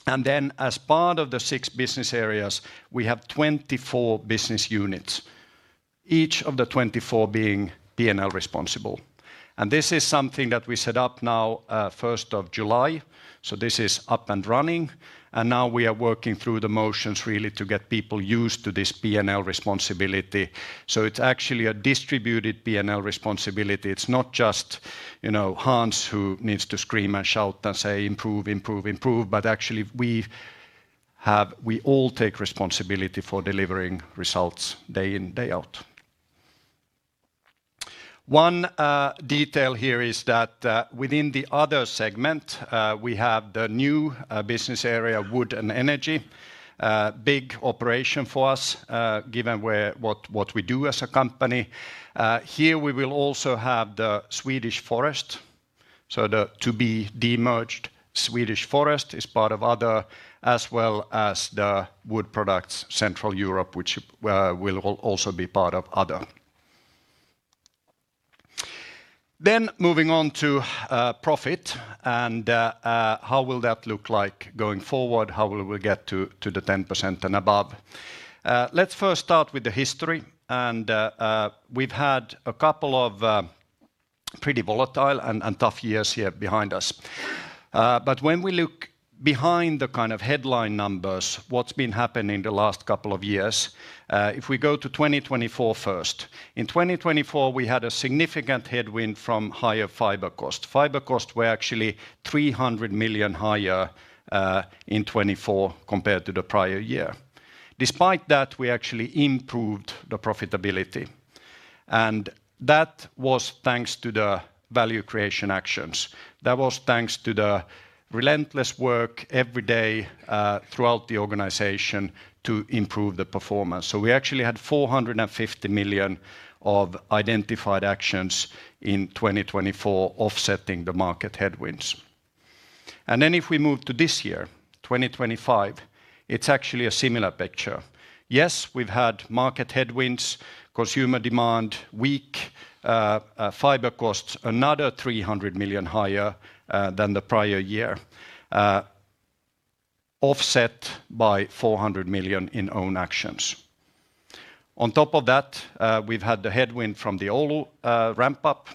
As part of the six business areas, we have 24 business units, each of the 24 being P&L responsible. This is something that we set up now July 1st. This is up and running. Now we are working through the motions really to get people used to this P&L responsibility. It's actually a distributed P&L responsibility. It's not just Hans who needs to scream and shout and say, "Improve, improve, improve," but actually we all take responsibility for delivering results day in, day out. One detail here is that within the other segment, we have the new business area, wood and energy, big operation for us given what we do as a company. Here we will also have the Swedish forest. So the to be de-merged Swedish forest is part of other, as well as the wood products, Central Europe, which will also be part of other. Moving on to profit and how will that look like going forward, how will we get to the 10% and above? Let's first start with the history. We've had a couple of pretty volatile and tough years here behind us. When we look behind the kind of headline numbers, what's been happening the last couple of years, if we go to 2024 first, in 2024, we had a significant headwind from higher fiber cost. Fiber cost were actually 300 million higher in 2024 compared to the prior year. Despite that, we actually improved the profitability. That was thanks to the value creation actions. That was thanks to the relentless work every day throughout the organization to improve the performance. We actually had 450 million of identified actions in 2024, offsetting the market headwinds. If we move to this year, 2025, it's actually a similar picture. Yes, we've had market headwinds, consumer demand, weak fiber costs, another 300 million higher than the prior year, offset by 400 million in own actions. On top of that, we've had the headwind from the Oulu ramp-up,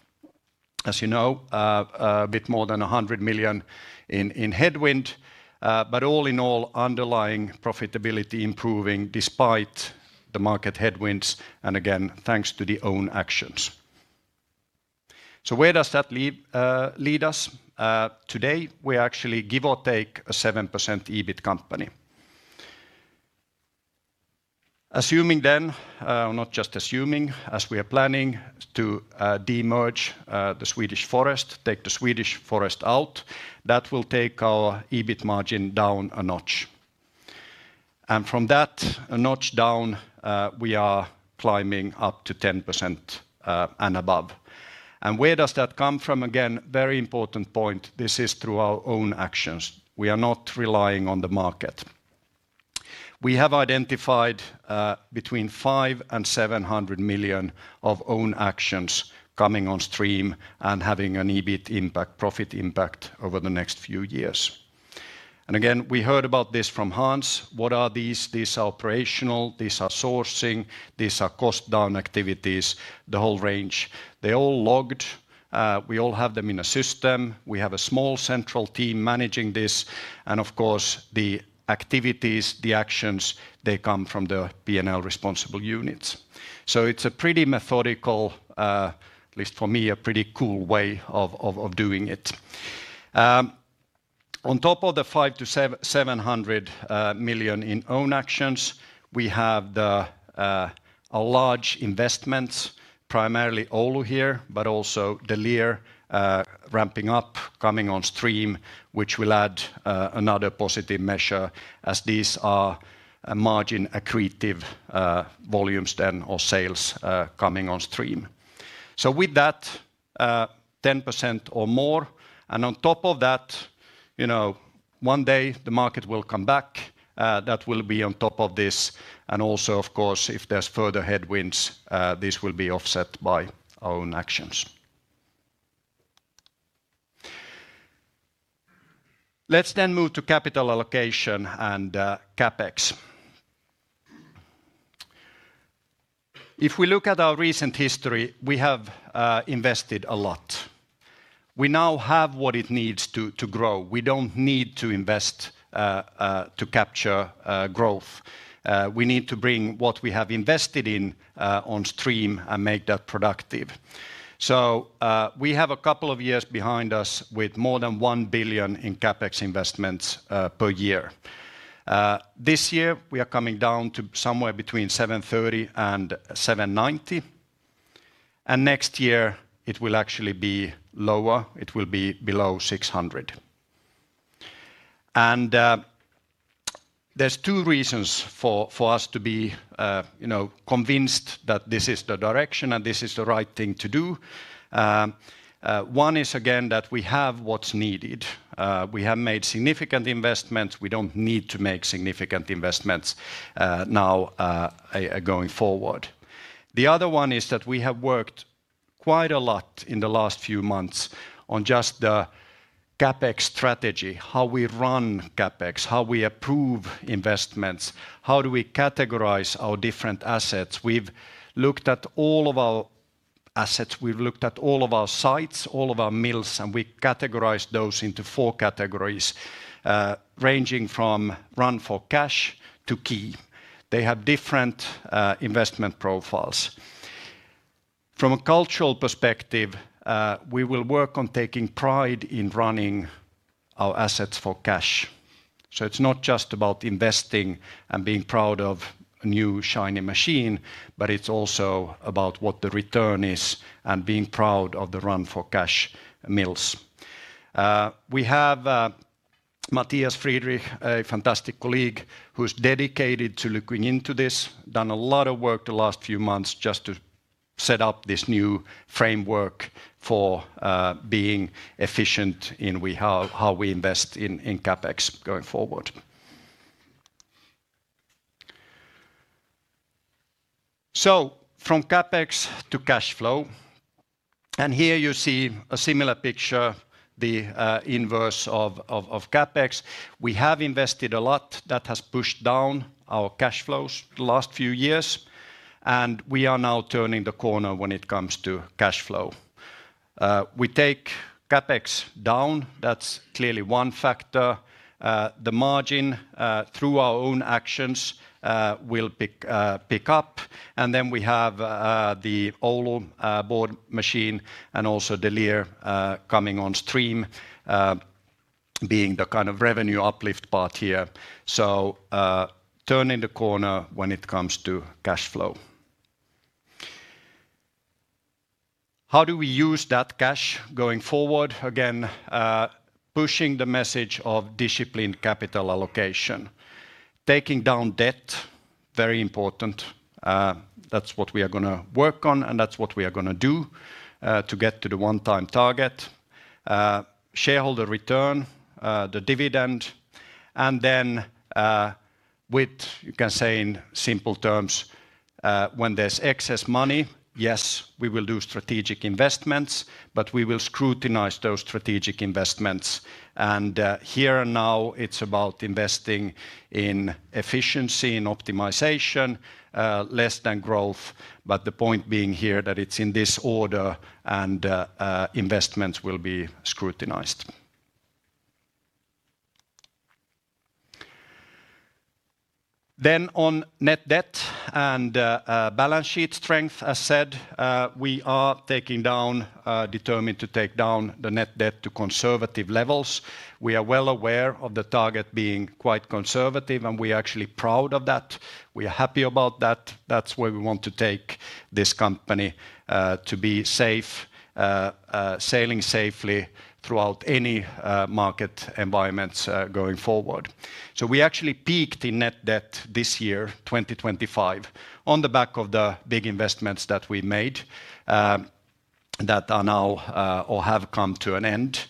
as you know, a bit more than 100 million in headwind, but all in all, underlying profitability improving despite the market headwinds and again, thanks to the own actions. Where does that lead us? Today, we actually give or take a 7% EBIT company. Assuming then, not just assuming, as we are planning to de-merge the Swedish forest, take the Swedish forest out, that will take our EBIT margin down a notch. From that notch down, we are climbing up to 10% and above. Where does that come from? Again, very important point, this is through our own actions. We are not relying on the market. We have identified between 500 million and 700 million of own actions coming on stream and having an EBIT impact, profit impact over the next few years. Again, we heard about this from Hans. What are these? These are operational, these are sourcing, these are cost-down activities, the whole range. They are all logged. We all have them in a system. We have a small central team managing this. Of course, the activities, the actions, they come from the P&L responsible units. It is a pretty methodical, at least for me, a pretty cool way of doing it. On top of the 500 million-700 million in own actions, we have a large investment, primarily Oulu here, but also the Lier ramping up, coming on stream, which will add another positive measure as these are margin accretive volumes or sales coming on stream. With that, 10% or more. On top of that, one day the market will come back. That will be on top of this. Of course, if there's further headwinds, this will be offset by our own actions. Let's then move to capital allocation and CapEx. If we look at our recent history, we have invested a lot. We now have what it needs to grow. We don't need to invest to capture growth. We need to bring what we have invested in on stream and make that productive. We have a couple of years behind us with more than 1 billion in CapEx investments per year. This year, we are coming down to somewhere between 730 million-790 million. Next year, it will actually be lower. It will be below 600 million. There are two reasons for us to be convinced that this is the direction and this is the right thing to do. One is again that we have what's needed. We have made significant investments. We don't need to make significant investments now going forward. The other one is that we have worked quite a lot in the last few months on just the CapEx strategy, how we run CapEx, how we approve investments, how do we categorize our different assets. We've looked at all of our assets. We've looked at all of our sites, all of our mills, and we categorize those into four categories ranging from run for cash to key. They have different investment profiles. From a cultural perspective, we will work on taking pride in running our assets for cash. So it's not just about investing and being proud of a new shiny machine, but it's also about what the return is and being proud of the run for cash mills. We have Matthias Friedrich, a fantastic colleague who's dedicated to looking into this, done a lot of work the last few months just to set up this new framework for being efficient in how we invest in CapEx going forward. From CapEx to cash flow, and here you see a similar picture, the inverse of CapEx. We have invested a lot that has pushed down our cash flows the last few years, and we are now turning the corner when it comes to cash flow. We take CapEx down. That's clearly one factor. The margin through our own actions will pick up. We have the Oulu board machine and also the Lier coming on stream being the kind of revenue uplift part here. Turning the corner when it comes to cash flow. How do we use that cash going forward? Again, pushing the message of disciplined capital allocation, taking down debt, very important. That is what we are going to work on, and that is what we are going to do to get to the one-time target. Shareholder return, the dividend, and then with, you can say in simple terms, when there is excess money, yes, we will do strategic investments, but we will scrutinize those strategic investments. Here and now, it is about investing in efficiency and optimization, less than growth, but the point being here that it is in this order and investments will be scrutinized. On net debt and balance sheet strength, as said, we are taking down, determined to take down the net debt to conservative levels. We are well aware of the target being quite conservative, and we are actually proud of that. We are happy about that. That's where we want to take this company, to be safe, sailing safely throughout any market environments going forward. We actually peaked in net debt this year, 2025, on the back of the big investments that we made that are now or have come to an end.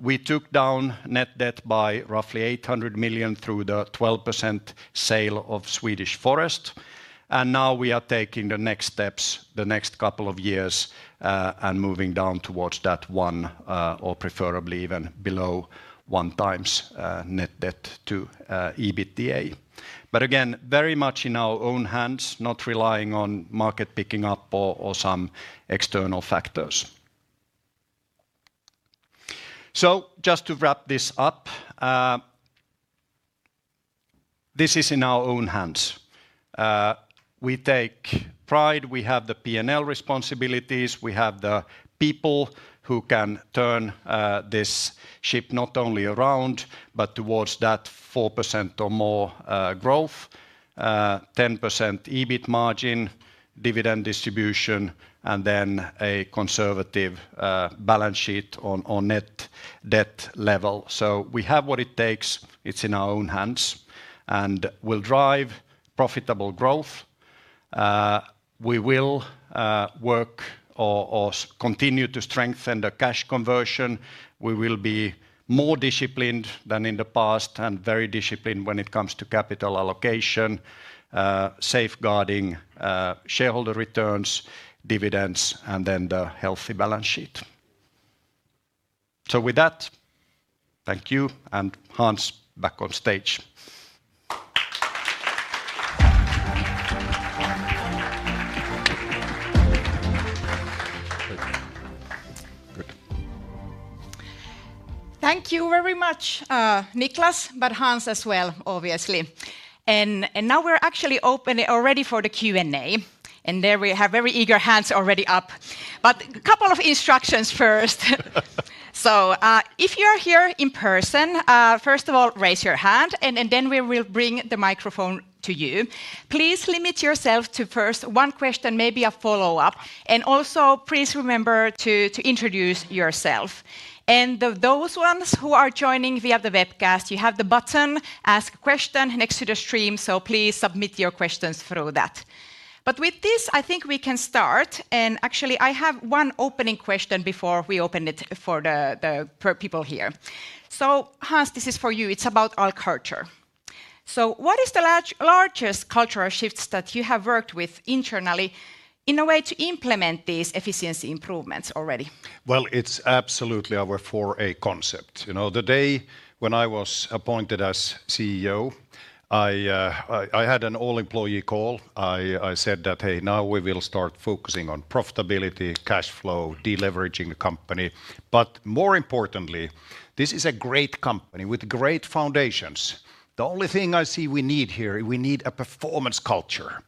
We took down net debt by roughly 800 million through the 12% sale of Swedish forest. Now we are taking the next steps, the next couple of years and moving down towards that one or preferably even below one times net debt to EBITDA. Again, very much in our own hands, not relying on market picking up or some external factors. Just to wrap this up, this is in our own hands. We take pride. We have the P&L responsibilities. We have the people who can turn this ship not only around, but towards that 4% or more growth, 10% EBIT margin, dividend distribution, and then a conservative balance sheet on net debt level. We have what it takes. It's in our own hands and will drive profitable growth. We will work or continue to strengthen the cash conversion. We will be more disciplined than in the past and very disciplined when it comes to capital allocation, safeguarding shareholder returns, dividends, and then the healthy balance sheet. Thank you. Hans, back on stage. Thank you very much, Niclas, but Hans as well, obviously. Now we're actually open already for the Q&A. There we have very eager hands already up. A couple of instructions first. If you are here in person, first of all, raise your hand and then we will bring the microphone to you. Please limit yourself to first one question, maybe a follow-up. Also, please remember to introduce yourself. Those ones who are joining via the webcast, you have the button ask question next to the stream. Please submit your questions through that. With this, I think we can start. Actually, I have one opening question before we open it for the people here. Hans, this is for you. It's about our culture. What is the largest cultural shifts that you have worked with internally in a way to implement these efficiency improvements already? It's absolutely our 4A concept. The day when I was appointed as CEO, I had an all-employee call. I said that, hey, now we will start focusing on profitability, cash flow, deleveraging the company. More importantly, this is a great company with great foundations. The only thing I see we need here, we need a performance culture.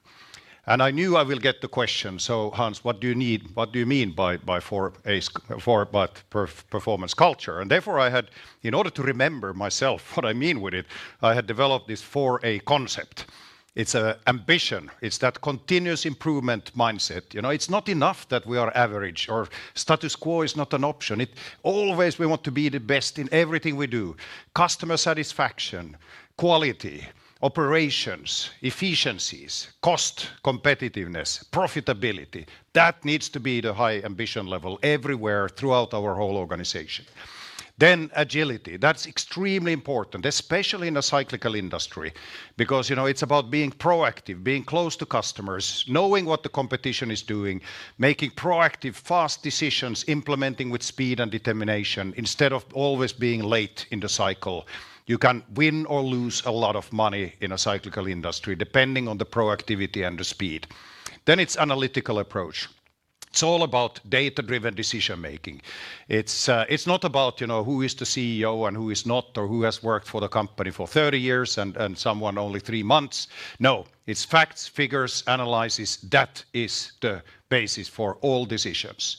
I knew I will get the question. Hans, what do you need? What do you mean by 4A performance culture? Therefore, I had, in order to remember myself what I mean with it, I had developed this 4A concept. It's an ambition. It's that continuous improvement mindset. It's not enough that we are average or status quo is not an option. Always we want to be the best in everything we do. Customer satisfaction, quality, operations, efficiencies, cost competitiveness, profitability. That needs to be the high ambition level everywhere throughout our whole organization. Then agility. That's extremely important, especially in a cyclical industry because it's about being proactive, being close to customers, knowing what the competition is doing, making proactive, fast decisions, implementing with speed and determination instead of always being late in the cycle. You can win or lose a lot of money in a cyclical industry depending on the proactivity and the speed. It is analytical approach. It's all about data-driven decision-making. It's not about who is the CEO and who is not or who has worked for the company for 30 years and someone only three months. No, it's facts, figures, analysis. That is the basis for all decisions.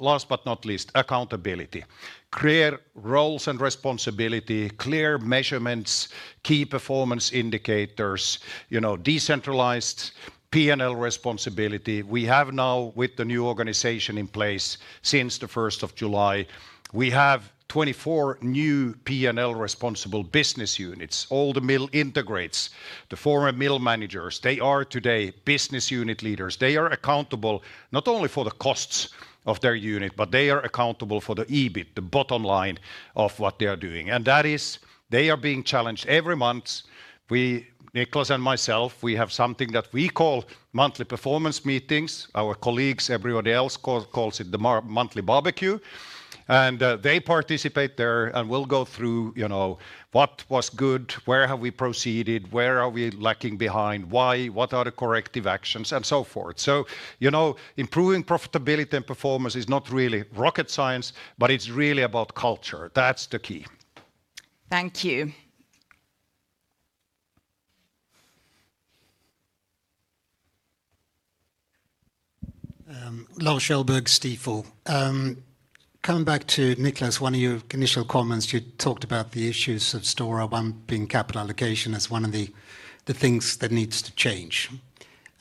Last but not least, accountability. Clear roles and responsibility, clear measurements, key performance indicators, decentralized P&L responsibility. We have now, with the new organization in place since July 1st, 24 new P&L responsible business units. All the mill integrates, the former mill managers, they are today business unit leaders. They are accountable not only for the costs of their unit, but they are accountable for the EBIT, the bottom line of what they are doing. That is, they are being challenged every month. We, Niclas and myself, we have something that we call monthly performance meetings. Our colleagues, everybody else calls it the monthly barbecue. They participate there and will go through what was good, where have we proceeded, where are we lacking behind, why, what are the corrective actions, and so forth. Improving profitability and performance is not really rocket science, but it's really about culture. That's the key. Thank you. Lars Kjellberg, Stifel. Coming back to Niclas, one of your initial comments, you talked about the issues of Stora, one being capital allocation as one of the things that needs to change.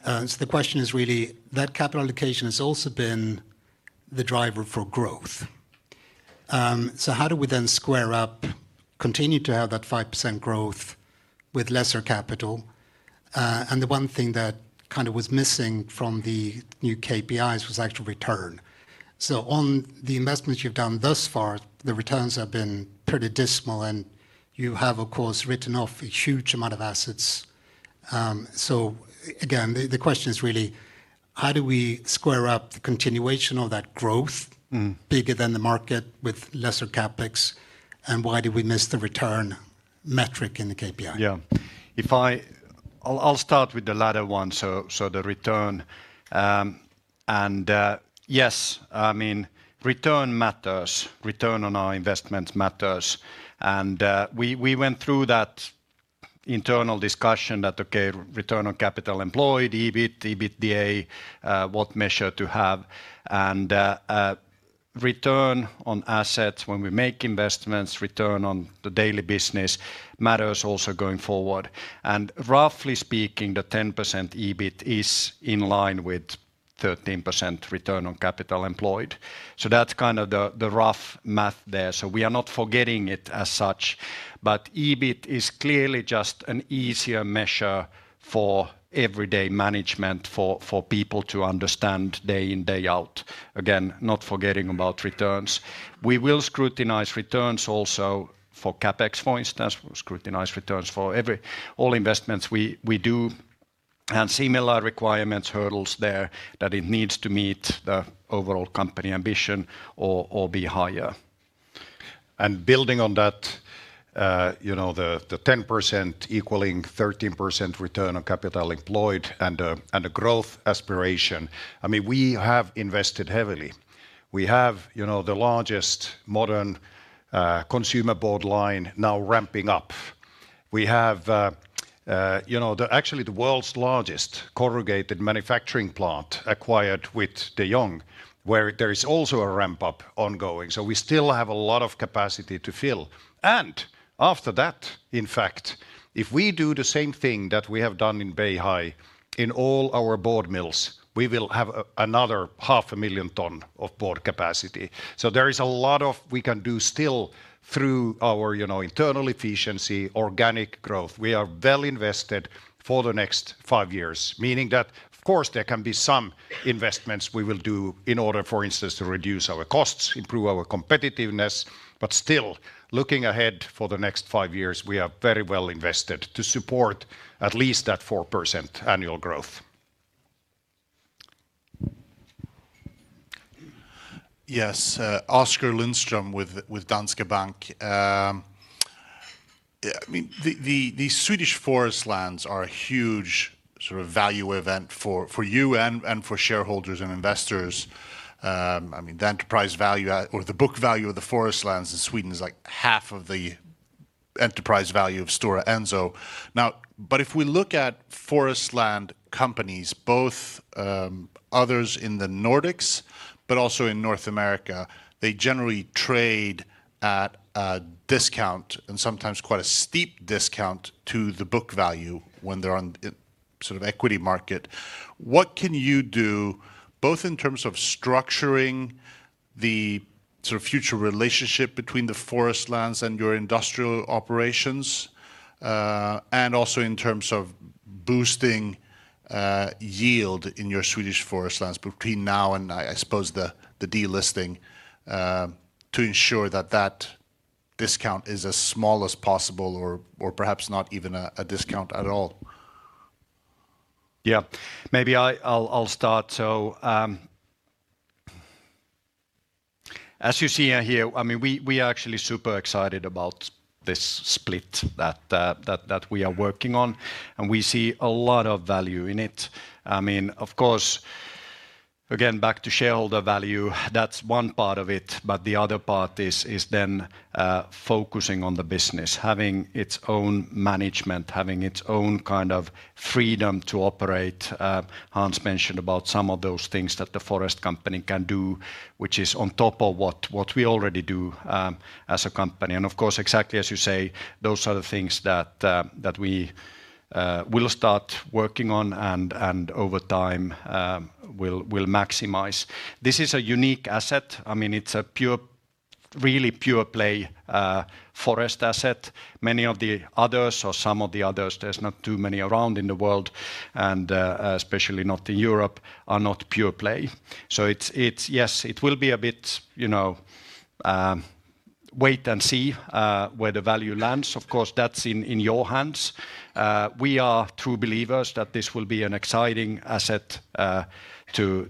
The question is really that capital allocation has also been the driver for growth. How do we then square up, continue to have that 5% growth with lesser capital? The one thing that kind of was missing from the new KPIs was actual return. On the investments you've done thus far, the returns have been pretty dismal, and you have, of course, written off a huge amount of assets. Again, the question is really, how do we square up the continuation of that growth bigger than the market with lesser CapEx? Why did we miss the return metric in the KPI? Yeah. I'll start with the latter one. The return. Yes, I mean, return matters. Return on our investments matters. We went through that internal discussion that, okay, return on capital employed, EBIT, EBITDA, what measure to have. Return on assets when we make investments, return on the daily business matters also going forward. Roughly speaking, the 10% EBIT is in line with 13% return on capital employed. That is kind of the rough math there. We are not forgetting it as such, but EBIT is clearly just an easier measure for everyday management, for people to understand day in, day out. Again, not forgetting about returns. We will scrutinize returns also for CapEx, for instance, scrutinize returns for all investments we do. Similar requirements, hurdles there that it needs to meet the overall company ambition or be higher. Building on that, the 10% equaling 13% return on capital employed and the growth aspiration, I mean, we have invested heavily. We have the largest modern consumer board line now ramping up. We have actually the world's largest corrugated manufacturing plant acquired with De Jong, where there is also a ramp-up ongoing. We still have a lot of capacity to fill. After that, in fact, if we do the same thing that we have done in Beihai in all our board mills, we will have another 500,000 ton of board capacity. There is a lot we can do still through our internal efficiency, organic growth. We are well invested for the next five years, meaning that, of course, there can be some investments we will do in order, for instance, to reduce our costs, improve our competitiveness. Still, looking ahead for the next five years, we are very well invested to support at least that 4% annual growth. Yes, Oskar Lindström with Danske Bank. I mean, the Swedish forest lands are a huge sort of value event for you and for shareholders and investors. I mean, the enterprise value or the book value of the forest lands in Sweden is like half of the enterprise value of Stora Enso. Now, if we look at forest land companies, both others in the Nordics, but also in North America, they generally trade at a discount and sometimes quite a steep discount to the book value when they're on sort of equity market. What can you do both in terms of structuring the sort of future relationship between the forest lands and your industrial operations and also in terms of boosting yield in your Swedish forest lands between now and, I suppose, the delisting to ensure that that discount is as small as possible or perhaps not even a discount at all? Yeah, maybe I'll start. As you see here, I mean, we are actually super excited about this split that we are working on, and we see a lot of value in it. I mean, of course, again, back to shareholder value, that's one part of it, but the other part is then focusing on the business, having its own management, having its own kind of freedom to operate. Hans mentioned about some of those things that the forest company can do, which is on top of what we already do as a company. Of course, exactly as you say, those are the things that we will start working on and over time will maximize. This is a unique asset. I mean, it's a really pure play forest asset. Many of the others or some of the others, there's not too many around in the world, and especially not in Europe, are not pure play. Yes, it will be a bit wait and see where the value lands. Of course, that's in your hands. We are true believers that this will be an exciting asset to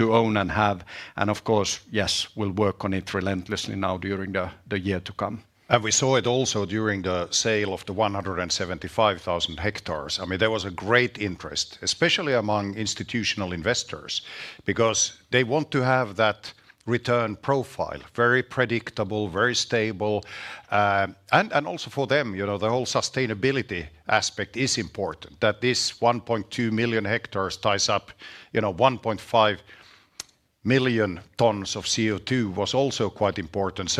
own and have. Of course, yes, we'll work on it relentlessly now during the year to come. We saw it also during the sale of the 175,000 hectares. I mean, there was a great interest, especially among institutional investors, because they want to have that return profile, very predictable, very stable. Also for them, the whole sustainability aspect is important that this 1.2 million hectares ties up 1.5 million tons of CO2 was also quite important.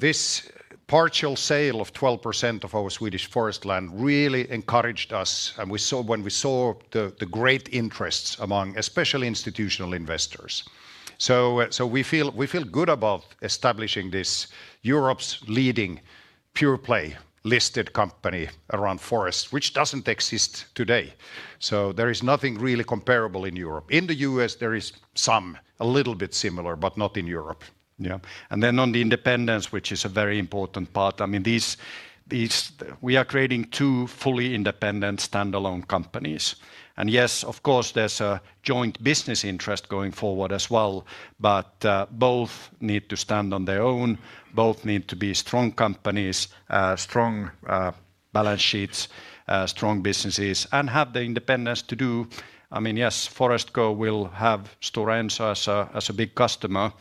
This partial sale of 12% of our Swedish forest land really encouraged us when we saw the great interests among especially institutional investors. We feel good about establishing this Europe's leading pure play listed company around forest, which does not exist today. There is nothing really comparable in Europe. In the U.S., there is some a little bit similar, but not in Europe. On the independence, which is a very important part, I mean, we are creating two fully independent standalone companies. Yes, of course, there is a joint business interest going forward as well, but both need to stand on their own. Both need to be strong companies, strong balance sheets, strong businesses, and have the independence to do. I mean, yes, Forestco will have Stora Enso as a big customer.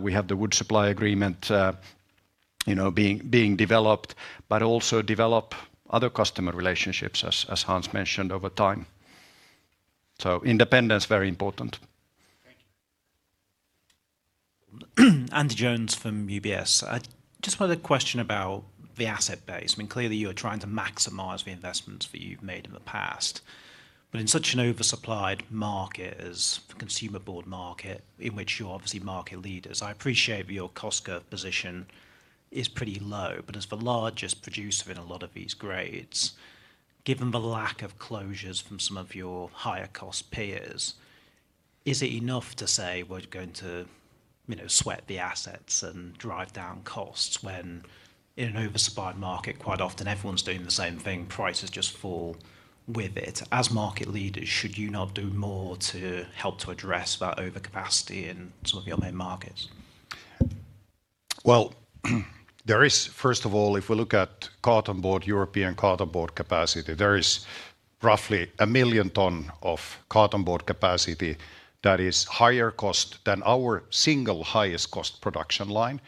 We have the wood supply agreement being developed, but also develop other customer relationships, as Hans mentioned, over time. Independence is very important. Thank you. Andy Jones from UBS. Just another question about the asset base. I mean, clearly you are trying to maximize the investments that you have made in the past. In such an oversupplied market, the consumer board market, in which you're obviously market leaders, I appreciate your cost curve position is pretty low, but as the largest producer in a lot of these grades, given the lack of closures from some of your higher cost peers, is it enough to say we're going to sweat the assets and drive down costs when in an oversupplied market, quite often everyone's doing the same thing, prices just fall with it? As market leaders, should you not do more to help to address that overcapacity in some of your main markets? There is, first of all, if we look at carton board, European carton board capacity, there is roughly 1 million ton of carton board capacity that is higher cost than our single highest cost production line.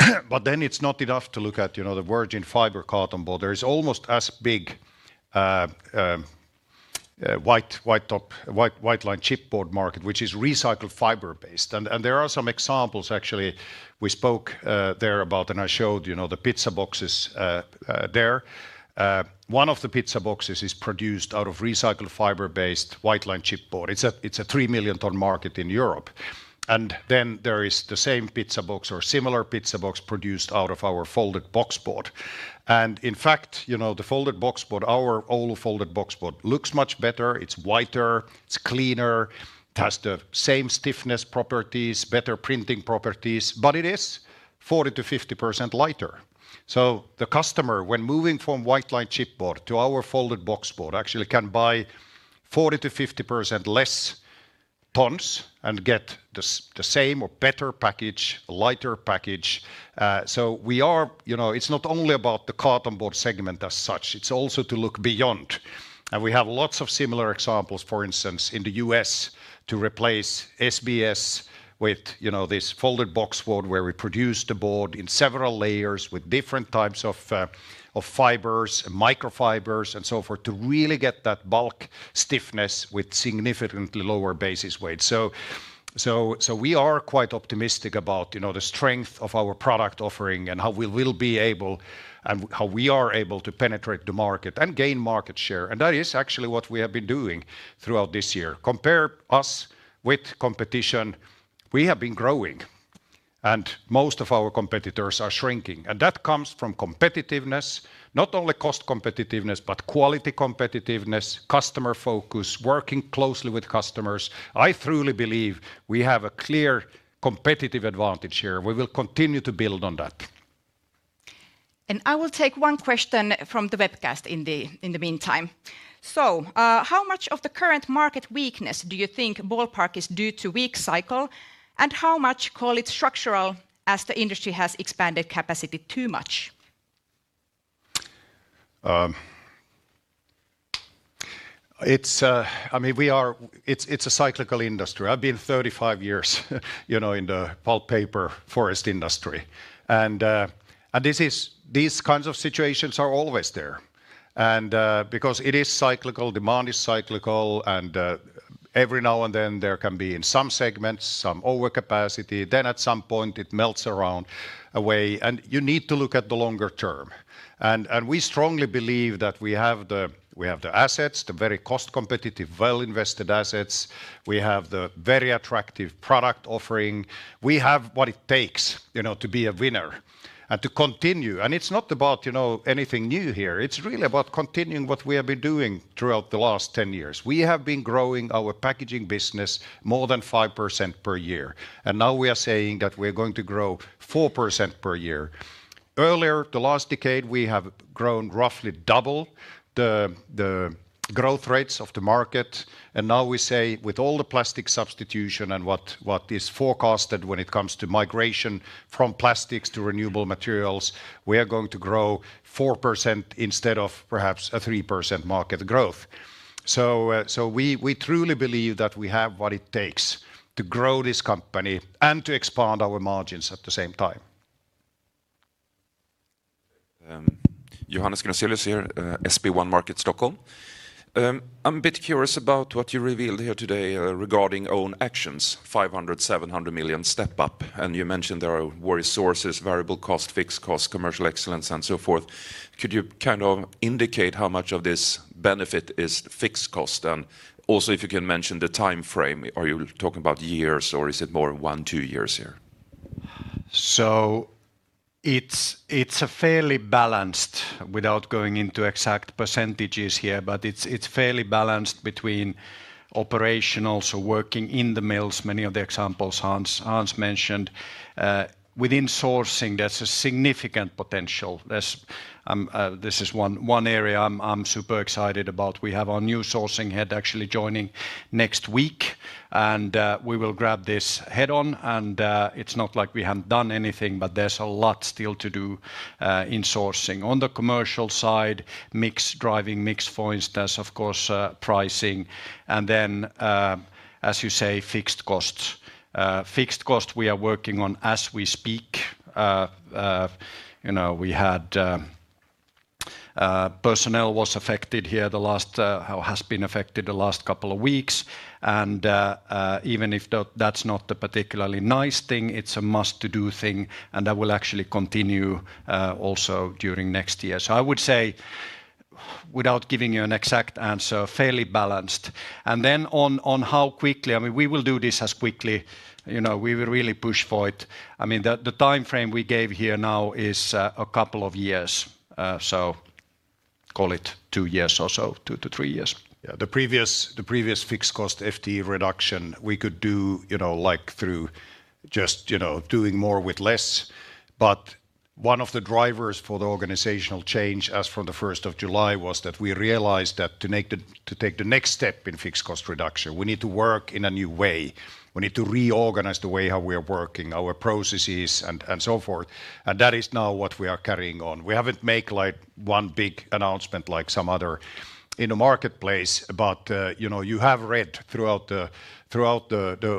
It is not enough to look at the virgin fiber carton board. There is almost as big white line chipboard market, which is recycled fiber based. There are some examples actually we spoke there about, and I showed the pizza boxes there. One of the pizza boxes is produced out of recycled fiber based white line chipboard. It is a 3 million ton market in Europe. There is the same pizza box or similar pizza box produced out of our folded box board. In fact, the folded box board, our all folded box board looks much better. It is whiter, it is cleaner, it has the same stiffness properties, better printing properties, but it is 40%-50% lighter. The customer, when moving from white line chipboard to our folded box board, actually can buy 40%-50% less tons and get the same or better package, lighter package. It is not only about the carton board segment as such, it is also to look beyond. We have lots of similar examples, for instance, in the U.S. to replace SBS with this folded box board where we produce the board in several layers with different types of fibers, microfibers, and so forth to really get that bulk stiffness with significantly lower basis weight. We are quite optimistic about the strength of our product offering and how we will be able and how we are able to penetrate the market and gain market share. That is actually what we have been doing throughout this year. Compare us with competition. We have been growing and most of our competitors are shrinking. That comes from competitiveness, not only cost competitiveness, but quality competitiveness, customer focus, working closely with customers. I truly believe we have a clear competitive advantage here. We will continue to build on that. I will take one question from the webcast in the meantime. How much of the current market weakness do you think ballpark is due to weak cycle and how much, call it structural, as the industry has expanded capacity too much? I mean, it is a cyclical industry. I have been 35 years in the pulp, paper, forest industry. These kinds of situations are always there. Because it is cyclical, demand is cyclical, and every now and then there can be in some segments some overcapacity. At some point it melts away. You need to look at the longer term. We strongly believe that we have the assets, the very cost competitive, well invested assets. We have the very attractive product offering. We have what it takes to be a winner and to continue. It is not about anything new here. It is really about continuing what we have been doing throughout the last 10 years. We have been growing our packaging business more than 5% per year. Now we are saying that we are going to grow 4% per year. Earlier, the last decade, we have grown roughly double the growth rates of the market. Now we say with all the plastic substitution and what is forecasted when it comes to migration from plastics to renewable materials, we are going to grow 4% instead of perhaps a 3% market growth. We truly believe that we have what it takes to grow this company and to expand our margins at the same time. Johannes Grunselius here, SB1 Market Stockholm. I am a bit curious about what you revealed here today regarding own actions, 500 million-700 million step up. You mentioned there are worry sources, variable cost, fixed cost, commercial excellence, and so forth. Could you kind of indicate how much of this benefit is fixed cost? Also, if you can mention the time frame, are you talking about years or is it more one, two years here? It is a fairly balanced, without going into exact percentages here, but it is fairly balanced between operational, so working in the mills, many of the examples Hans mentioned. Within sourcing, there is a significant potential. This is one area I am super excited about. We have our new sourcing head actually joining next week, and we will grab this head on. It is not like we have not done anything, but there is a lot still to do in sourcing. On the commercial side, mixed driving, mixed, for instance, of course, pricing. Then, as you say, fixed costs. Fixed costs we are working on as we speak. We had personnel was affected here the last, or has been affected the last couple of weeks. Even if that's not a particularly nice thing, it's a must-to-do thing, and that will actually continue also during next year. I would say, without giving you an exact answer, fairly balanced. On how quickly, I mean, we will do this as quickly. We will really push for it. The time frame we gave here now is a couple of years. Call it two years or so, two to three years. Yeah, the previous fixed cost FTE reduction, we could do like through just doing more with less. One of the drivers for the organizational change as from July 1st was that we realized that to take the next step in fixed cost reduction, we need to work in a new way. We need to reorganize the way how we are working, our processes and so forth. That is now what we are carrying on. We haven't made one big announcement like some others in the marketplace, but you have read throughout the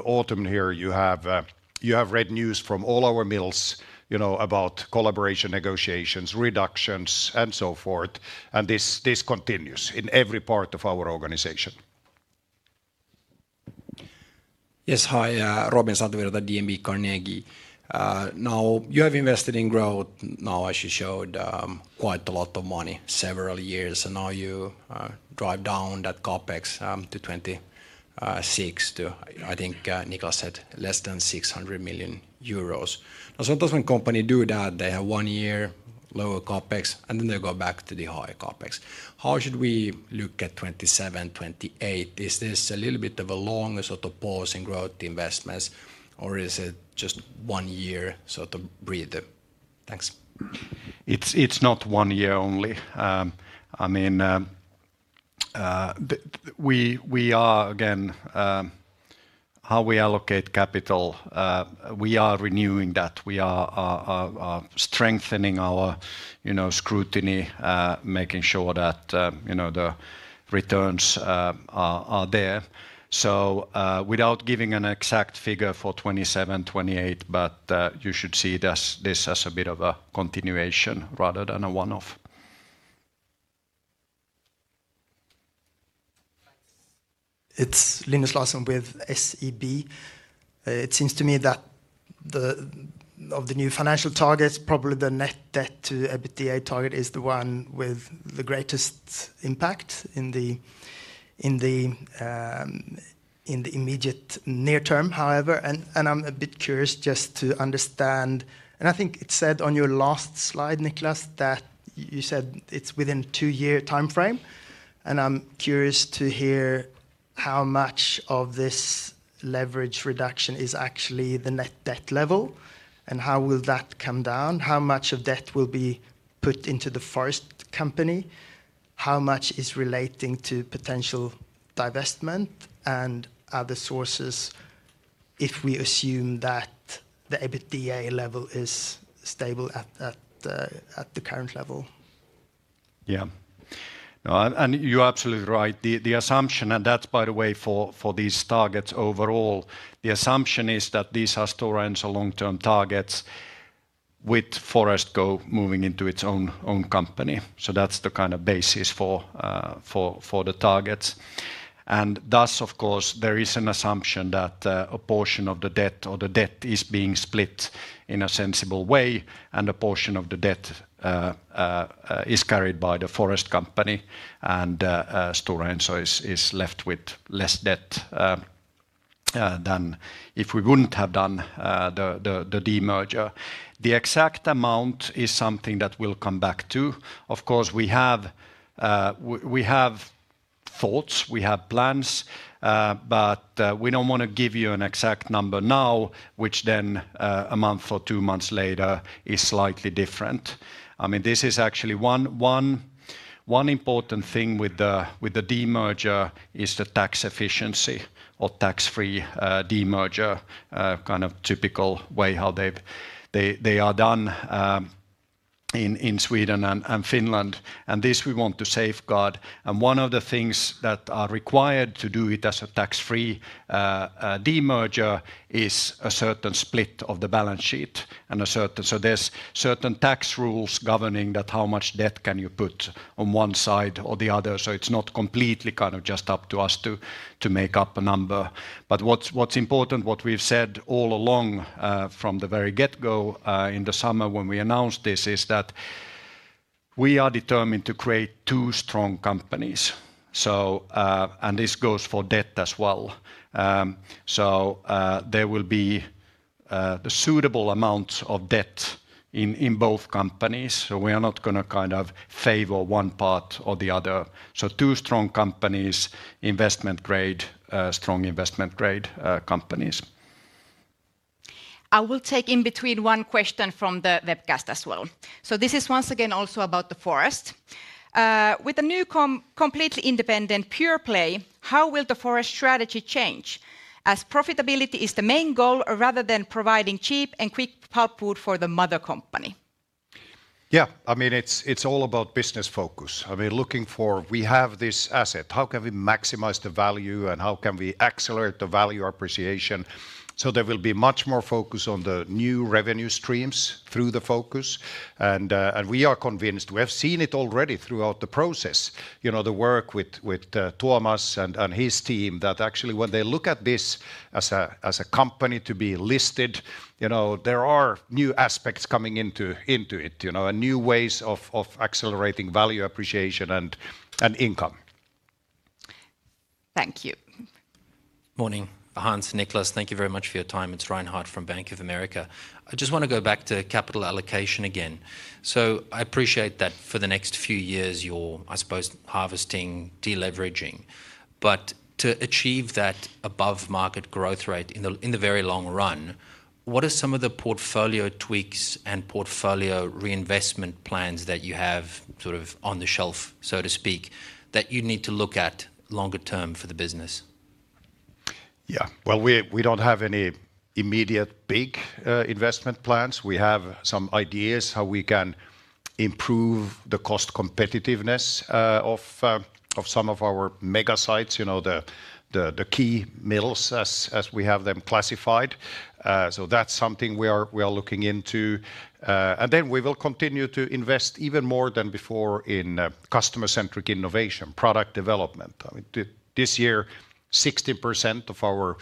autumn here, you have read news from all our mills about collaboration negotiations, reductions, and so forth. This continues in every part of our organization. Yes, hi, Robin Santavirta, DNB Carnegie. Now, you have invested in growth, now, as you showed, quite a lot of money, several years. Now you drive down that CapEx to 26 to, I think Niclas said, less than 600 million euros. Now, sometimes when companies do that, they have one year lower CapEx, and then they go back to the high CapEx. How should we look at 2027, 2028? Is this a little bit of a longer sort of pause in growth investments, or is it just one year sort of breather? Thanks. It's not one year only. I mean, we are, again, how we allocate capital, we are renewing that. We are strengthening our scrutiny, making sure that the returns are there. So without giving an exact figure for 2027, 2028, but you should see this as a bit of a continuation rather than a one-off. It's Linus Larsson with SEB. It seems to me that of the new financial targets, probably the net debt to EBITDA target is the one with the greatest impact in the immediate near term, however, I'm a bit curious just to understand, and I think it said on your last slide, Niclas, that you said it's within a two-year time frame. I'm curious to hear how much of this leverage reduction is actually the net debt level and how will that come down. How much of debt will be put into the forest company? How much is relating to potential divestment and other sources if we assume that the EBITDA level is stable at the current level? Yeah. You're absolutely right. The assumption, and that's by the way for these targets overall, the assumption is that these are stories and long-term targets with Forestco moving into its own company. That's the kind of basis for the targets. Thus, of course, there is an assumption that a portion of the debt or the debt is being split in a sensible way, and a portion of the debt is carried by the forest company and Stora Enso is left with less debt than if we would not have done the demerger. The exact amount is something that we will come back to. Of course, we have thoughts, we have plans, but we do not want to give you an exact number now, which a month or two months later is slightly different. I mean, this is actually one important thing with the demerger: the tax efficiency or tax-free demerger kind of typical way how they are done in Sweden and Finland. This we want to safeguard. One of the things that are required to do it as a tax-free demerger is a certain split of the balance sheet. There are certain tax rules governing that, how much debt can you put on one side or the other. It is not completely kind of just up to us to make up a number. What is important, what we have said all along from the very get-go in the summer when we announced this, is that we are determined to create two strong companies. This goes for debt as well. There will be suitable amounts of debt in both companies. We are not going to kind of favor one part or the other. Two strong companies, investment-grade, strong investment-grade companies. I will take in between one question from the webcast as well. This is once again also about the forest. With a new completely independent pure play, how will the forest strategy change as profitability is the main goal rather than providing cheap and quick pulpwood for the mother company? Yeah, I mean, it's all about business focus. I mean, looking for, we have this asset, how can we maximize the value and how can we accelerate the value appreciation? There will be much more focus on the new revenue streams through the focus. We are convinced, we have seen it already throughout the process, the work with Tuomas and his team that actually when they look at this as a company to be listed, there are new aspects coming into it, new ways of accelerating value appreciation and income. Thank you. Morning, Hans and Niclas. Thank you very much for your time. It's Reinhardt from Bank of America. I just want to go back to capital allocation again. I appreciate that for the next few years you're, I suppose, harvesting deleveraging. To achieve that above market growth rate in the very long run, what are some of the portfolio tweaks and portfolio reinvestment plans that you have sort of on the shelf, so to speak, that you need to look at longer term for the business? Yeah, we don't have any immediate big investment plans. We have some ideas how we can improve the cost competitiveness of some of our mega sites, the key mills as we have them classified. That is something we are looking into. We will continue to invest even more than before in customer-centric innovation, product development. This year, 60% of our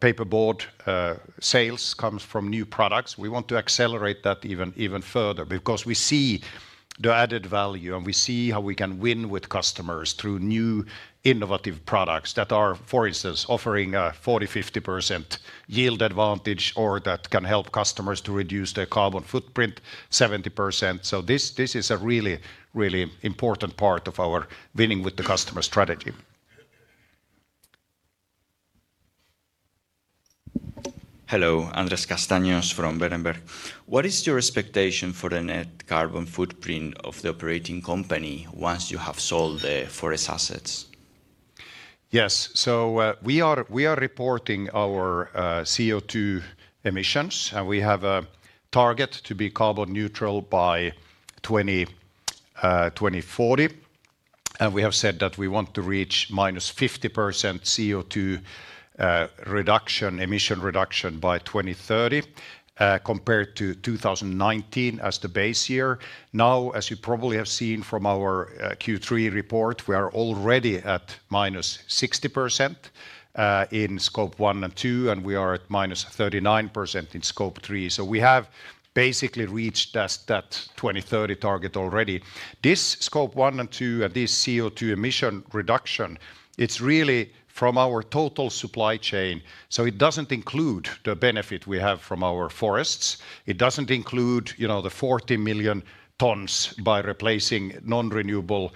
paperboard sales comes from new products. We want to accelerate that even further because we see the added value and we see how we can win with customers through new innovative products that are, for instance, offering a 40-50% yield advantage or that can help customers to reduce their carbon footprint 70%. This is a really, really important part of our winning with the customer strategy. Hello, Andrés Castaños from Berenberg. What is your expectation for the net carbon footprint of the operating company once you have sold the forest assets? Yes, we are reporting our CO2 emissions and we have a target to be carbon neutral by 2040. We have said that we want to reach -50% CO2 reduction, emission reduction by 2030 compared to 2019 as the base year. Now, as you probably have seen from our Q3 report, we are already at -60% in scope one and two, and we are at -39% in scope three. We have basically reached that 2030 target already. This scope one and two and this CO2 emission reduction, it's really from our total supply chain. It does not include the benefit we have from our forests. It does not include the 40 million tons by replacing non-renewable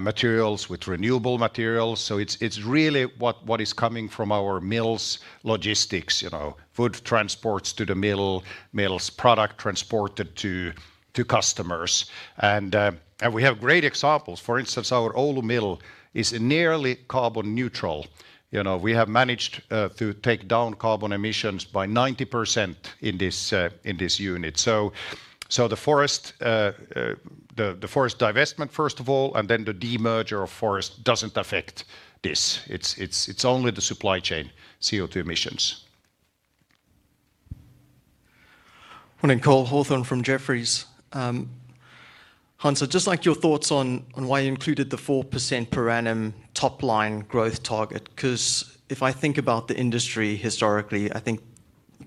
materials with renewable materials. It is really what is coming from our mills, logistics, food transports to the mill, mills product transported to customers. We have great examples. For instance, our Oulu mill is nearly carbon neutral. We have managed to take down carbon emissions by 90% in this unit. The forest divestment, first of all, and then the demerger of forest does not affect this. It's only the supply chain CO2 emissions. Morning, Cole Hathorn from Jefferies. Hans, just like your thoughts on why you included the 4% per annum top-line growth target, because if I think about the industry historically, I think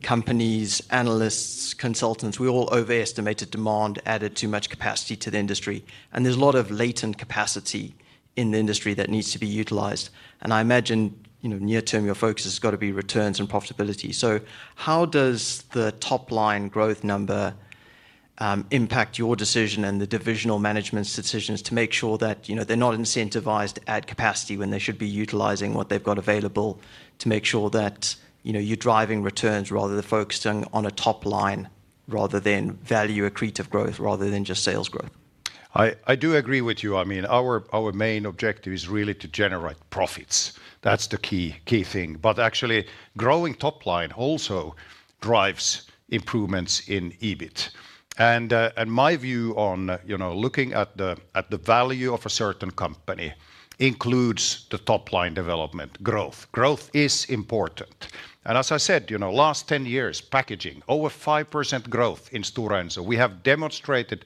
companies, analysts, consultants, we all overestimated demand, added too much capacity to the industry. There's a lot of latent capacity in the industry that needs to be utilized. I imagine near-term your focus has got to be returns and profitability. How does the top-line growth number impact your decision and the divisional management's decisions to make sure that they're not incentivized at capacity when they should be utilizing what they've got available to make sure that you're driving returns rather than focusing on a top-line rather than value accretive growth rather than just sales growth? I do agree with you. I mean, our main objective is really to generate profits. That's the key thing. Actually, growing top-line also drives improvements in EBIT. My view on looking at the value of a certain company includes the top-line development growth. Growth is important. As I said, last 10 years, packaging, over 5% growth in Stora Enso. We have demonstrated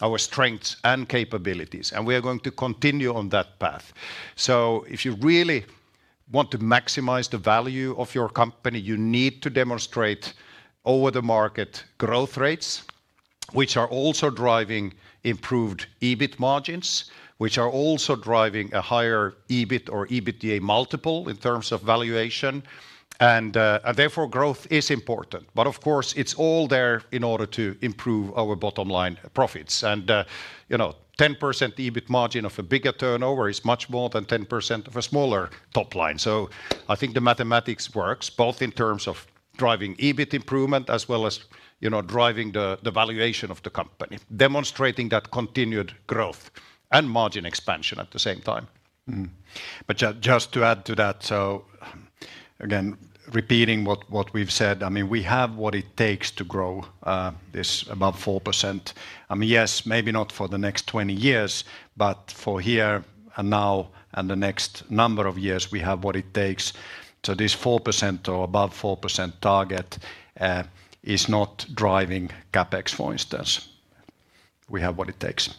our strengths and capabilities, and we are going to continue on that path. If you really want to maximize the value of your company, you need to demonstrate over-the-market growth rates, which are also driving improved EBIT margins, which are also driving a higher EBIT or EBITDA multiple in terms of valuation. Therefore, growth is important. Of course, it's all there in order to improve our bottom-line profits. A 10% EBIT margin of a bigger turnover is much more than 10% of a smaller top-line. I think the mathematics works both in terms of driving EBIT improvement as well as driving the valuation of the company, demonstrating that continued growth and margin expansion at the same time. Just to add to that, again, repeating what we've said, I mean, we have what it takes to grow this above 4%. I mean, yes, maybe not for the next 20 years, but for here and now and the next number of years, we have what it takes. This 4% or above 4% target is not driving CapEx, for instance. We have what it takes.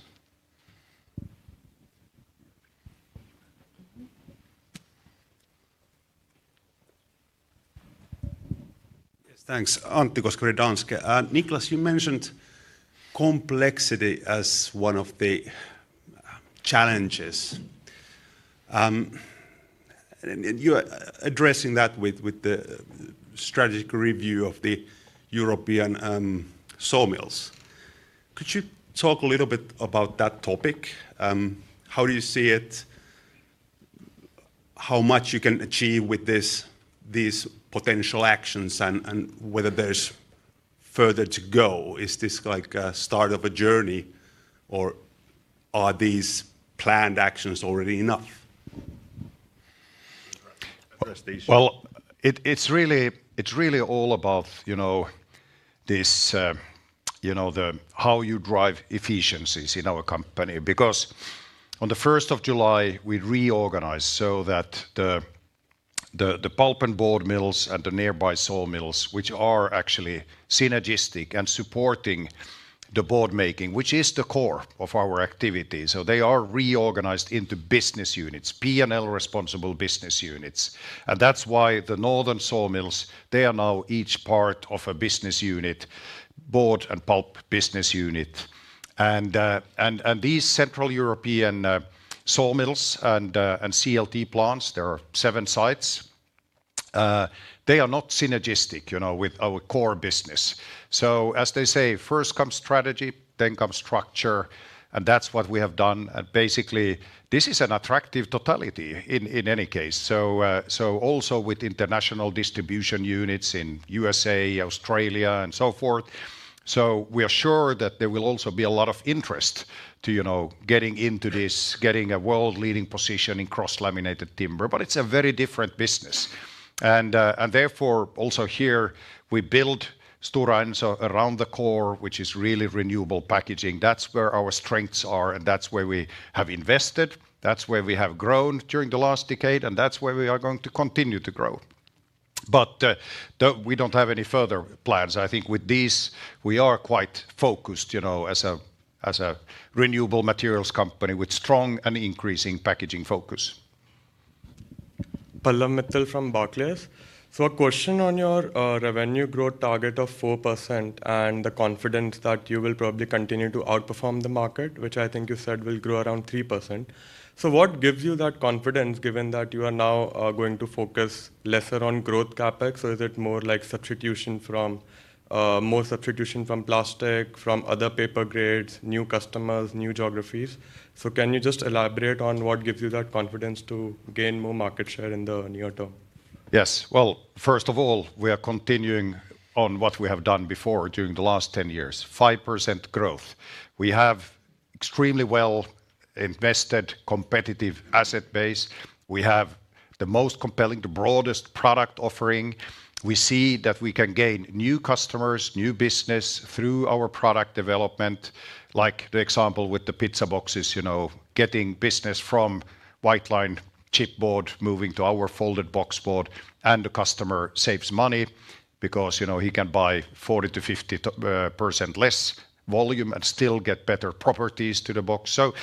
Thanks, Antti Koskivuori, Danske. Niclas, you mentioned complexity as one of the challenges. You're addressing that with the strategic review of the European sawmills. Could you talk a little bit about that topic? How do you see it? How much you can achieve with these potential actions and whether there's further to go? Is this like a start of a journey or are these planned actions already enough? It is really all about how you drive efficiencies in our company. Because on July 1st, we reorganized so that the pulp and board mills and the nearby sawmills, which are actually synergistic and supporting the board making, which is the core of our activity. They are reorganized into business units, P&L responsible business units. That is why the northern sawmills, they are now each part of a business unit, board and pulp business unit. These Central European sawmills and CLT plants, there are seven sites, they are not synergistic with our core business. As they say, first comes strategy, then comes structure. That is what we have done. This is an attractive totality in any case. Also with international distribution units in the U.S., Australia, and so forth. We are sure that there will also be a lot of interest to getting into this, getting a world-leading position in cross-laminated timber. It is a very different business. Therefore, also here, we build Stora Enso around the core, which is really renewable packaging. That is where our strengths are and that is where we have invested. That is where we have grown during the last decade and that is where we are going to continue to grow. We do not have any further plans. I think with these, we are quite focused as a renewable materials company with strong and increasing packaging focus. Pallav Mittal from Barclays. A question on your revenue growth target of 4% and the confidence that you will probably continue to outperform the market, which I think you said will grow around 3%. What gives you that confidence given that you are now going to focus less on growth CapEx? Is it more like substitution from plastic, from other paper grades, new customers, new geographies? Can you just elaborate on what gives you that confidence to gain more market share in the near term? Yes. First of all, we are continuing on what we have done before during the last 10 years, 5% growth. We have extremely well-invested competitive asset base. We have the most compelling, the broadest product offering. We see that we can gain new customers, new business through our product development, like the example with the pizza boxes, getting business from white line chipboard moving to our folded box board. The customer saves money because he can buy 40%-50% less volume and still get better properties to the box. It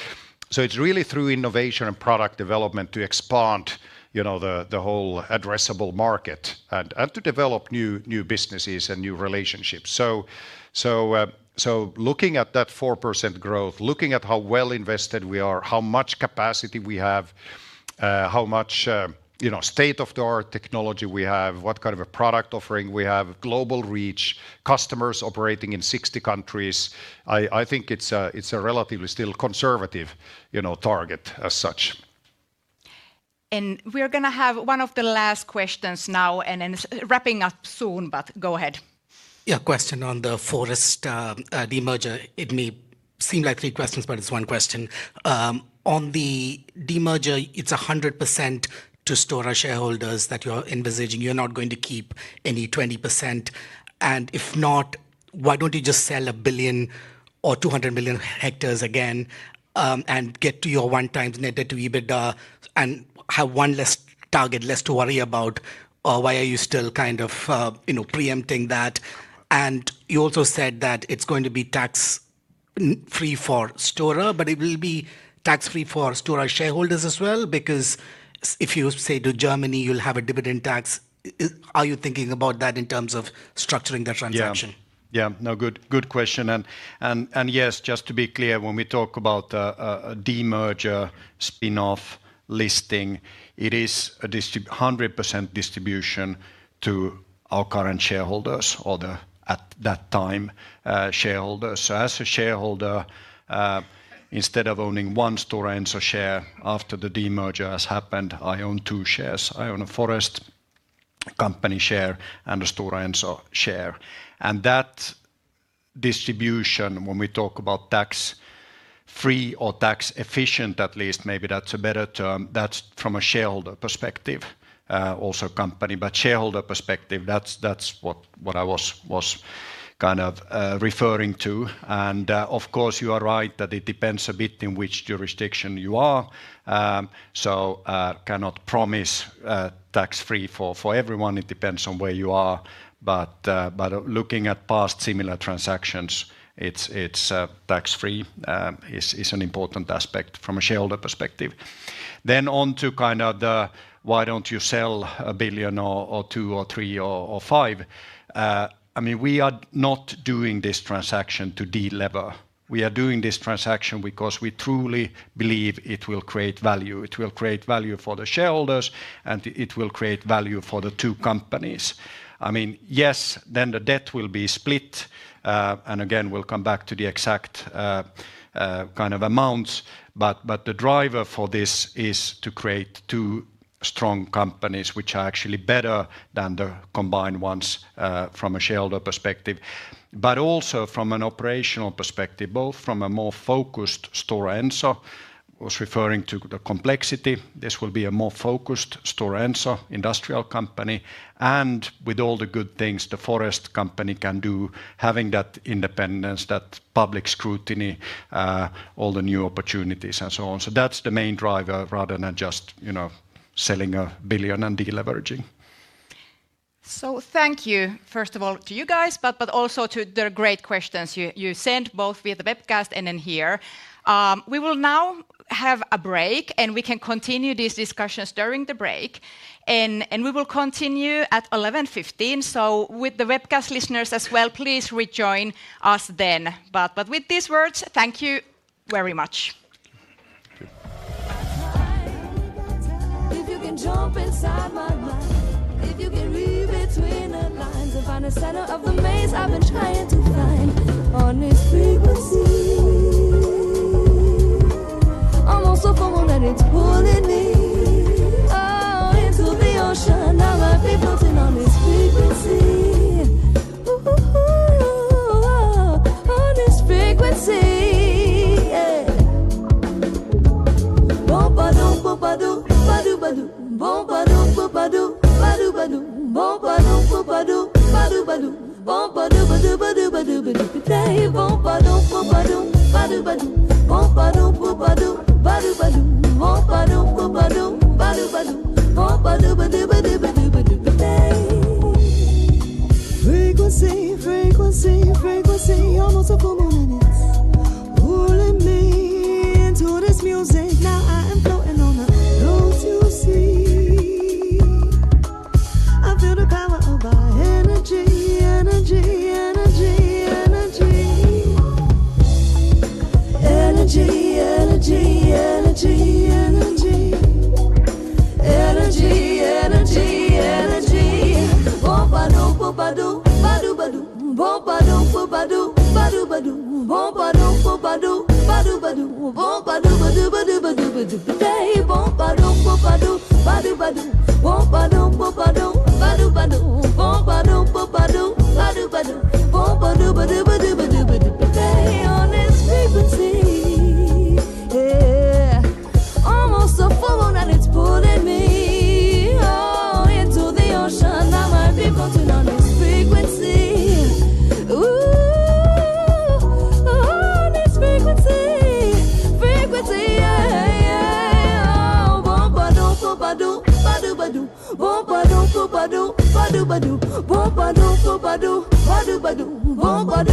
is really through innovation and product development to expand the whole addressable market and to develop new businesses and new relationships. Looking at that 4% growth, looking at how well invested we are, how much capacity we have, how much state-of-the-art technology we have, what kind of a product offering we have, global reach, customers operating in 60 countries, I think it is a relatively still conservative target as such. We are going to have one of the last questions now and wrapping up soon, but go ahead. Yeah, question on the forest demerger. It may seem like three questions, but it's one question. On the demerger, it's 100% to Stora Enso shareholders that you're envisaging. You're not going to keep any 20%. If not, why don't you just sell a billion or 200 million hectares again and get to your one-time net debt to EBITDA and have one less target, less to worry about? Why are you still kind of preempting that? You also said that it's going to be tax-free for Stora Enso, but will it be tax-free for Stora Enso shareholders as well? Because if you say to Germany, you'll have a dividend tax. Are you thinking about that in terms of structuring the transaction? Yeah, no, good question. Yes, just to be clear, when we talk about a demerger spin-off listing, it is a 100% distribution to our current shareholders or at that time shareholders. As a shareholder, instead of owning one Stora Enso share after the demerger has happened, I own two shares. I own a forest company share and a Stora Enso share. That distribution, when we talk about tax-free or tax-efficient, at least, maybe that is a better term, that is from a shareholder perspective, also company. Shareholder perspective, that is what I was kind of referring to. Of course, you are right that it depends a bit in which jurisdiction you are. I cannot promise tax-free for everyone. It depends on where you are. Looking at past similar transactions, tax-free is an important aspect from a shareholder perspective. On to kind of the, why do not you sell 1 billion or 2 billion or 3 billion or 5 billion? I mean, we are not doing this transaction to de-lever. We are doing this transaction because we truly believe it will create value. It will create value for the shareholders and it will create value for the two companies. I mean, yes, then the debt will be split. Again, we'll come back to the exact kind of amounts. The driver for this is to create two strong companies, which are actually better than the combined ones from a shareholder perspective. Also from an operational perspective, both from a more focused Stora Enso, I was referring to the complexity. This will be a more focused Stora Enso industrial company. With all the good things the forest company can do, having that independence, that public scrutiny, all the new opportunities and so on. That's the main driver rather than just selling a billion and de-leveraging. Thank you, first of all, to you guys, but also to the great questions you sent both via the webcast and then here. We will now have a break and we can continue these discussions during the break. We will continue at 11:15 A.M. With the webcast listeners as well, please rejoin us then. With these words, thank you very much. If you can jump inside my mind, if you can read between the lines and find a center of the maze I've been trying to find on this frequency. I'm also someone that is pulling me, oh, into the ocean. I might be floating on this frequency. On this frequency. Bomba do, bomba do, badoo badoo. Bomba do, bomba do, badoo badoo. Bomba do, bomba do, badoo badoo. Bomba do, badoo badoo badoo badoo. Frequency, frequency, frequency. I'm also someone that is pulling me into this music. Now I am floating on the low too sea. I feel the power of our energy, energy, energy, energy. Energy, energy, energy, energy. Energy, energy, energy. Bomba do, bomba do, badoo badoo. Bomba do,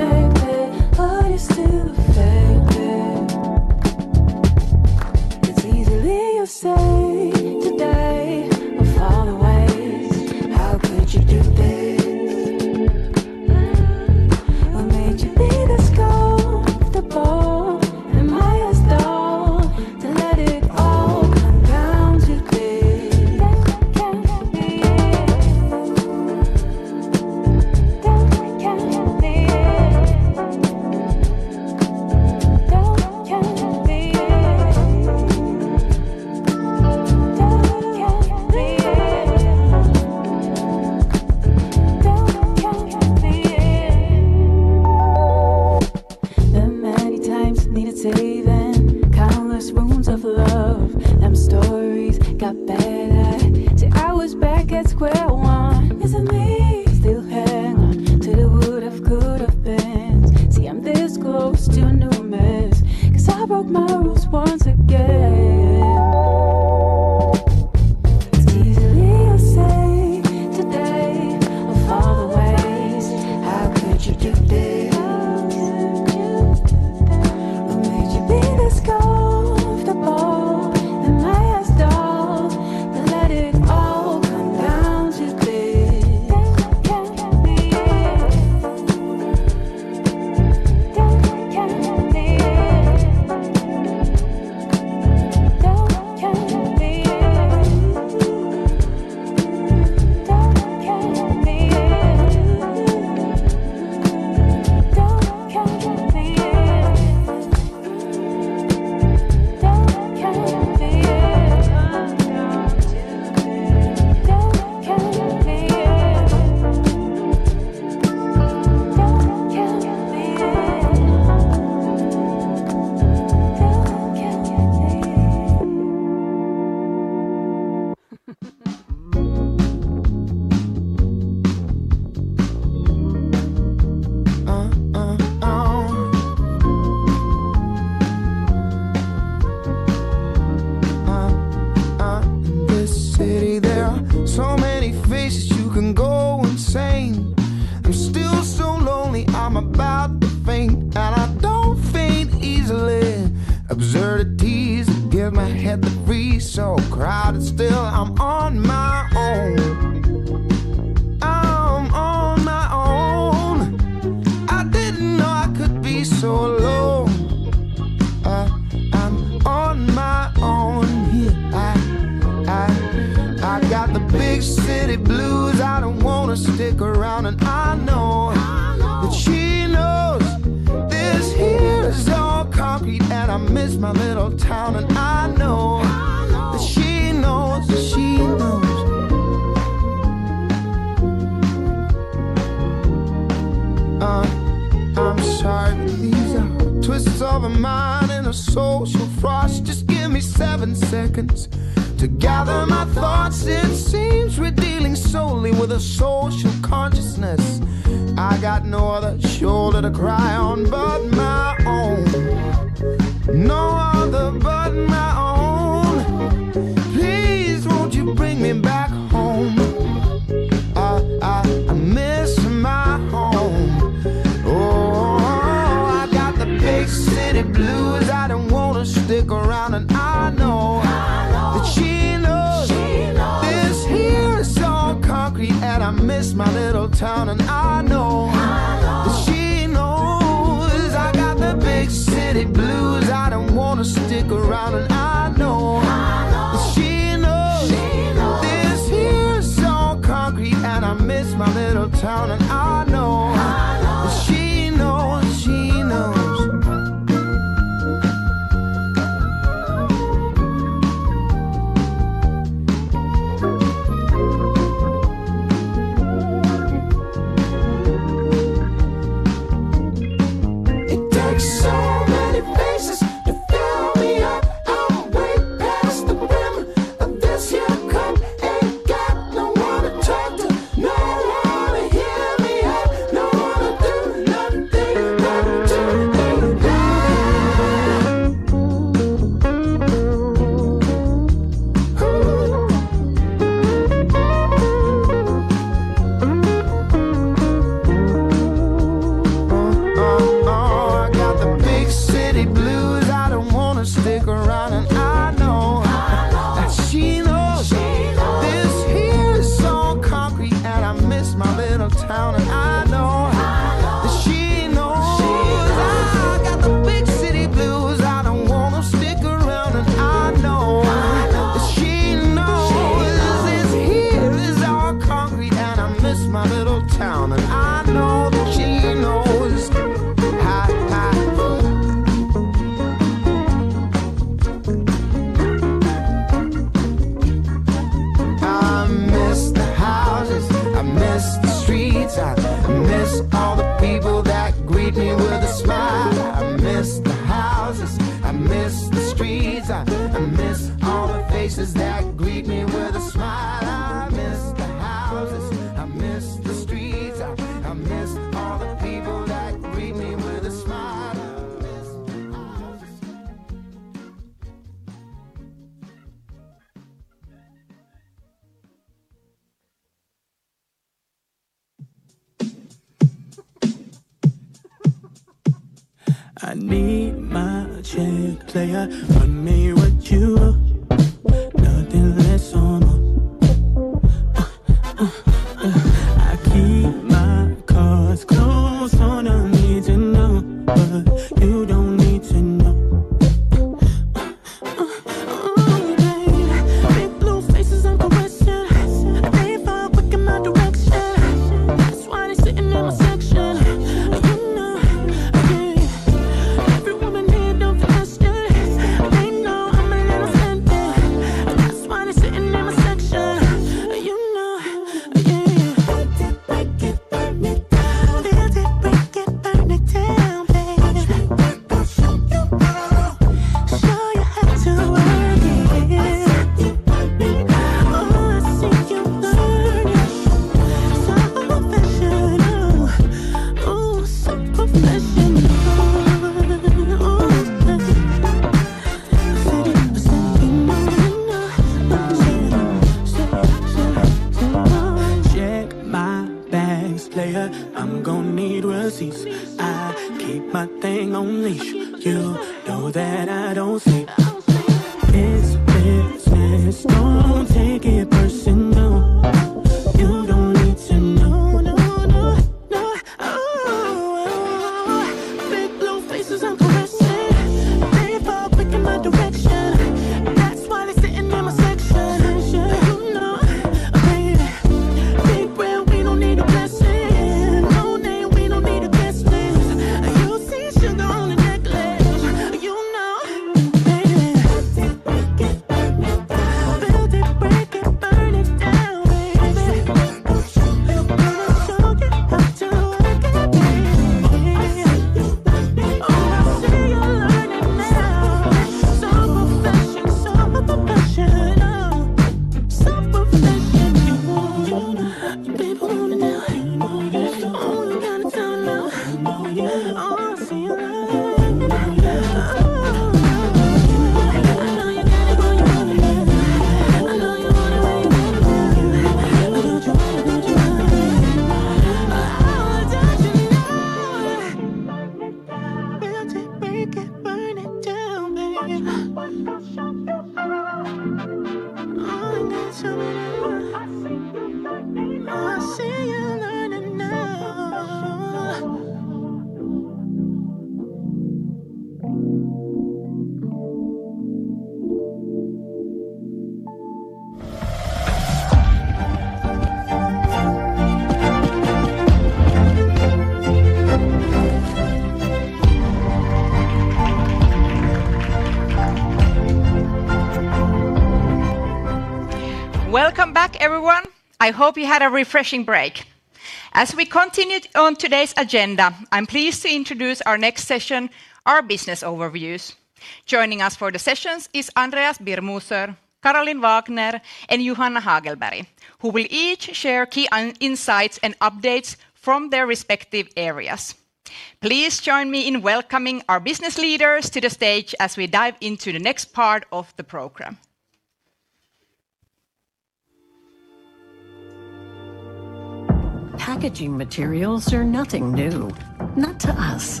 Packaging materials are nothing new, not to us,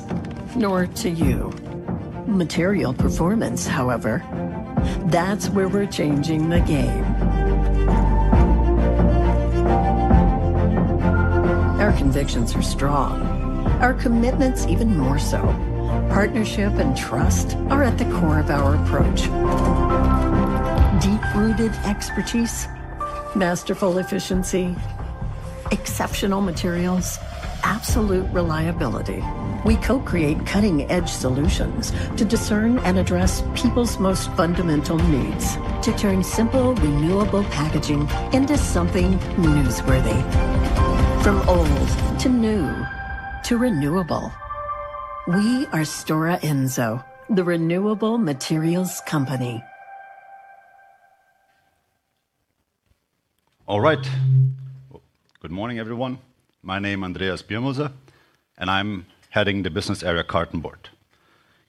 nor to you. Material performance, however, that's where we're changing the game. Our convictions are strong. Our commitments, even more so. Partnership and trust are at the core of our approach. Deep-rooted expertise, masterful efficiency, exceptional materials, absolute reliability. We co-create cutting-edge solutions to discern and address people's most fundamental needs, to turn simple, renewable packaging into something newsworthy. From old to new to renewable, we are Stora Enso, the Renewable Materials Company. All right. Good morning, everyone. My name is Andreas Birmoser, and I'm heading the Business Area Cardboard.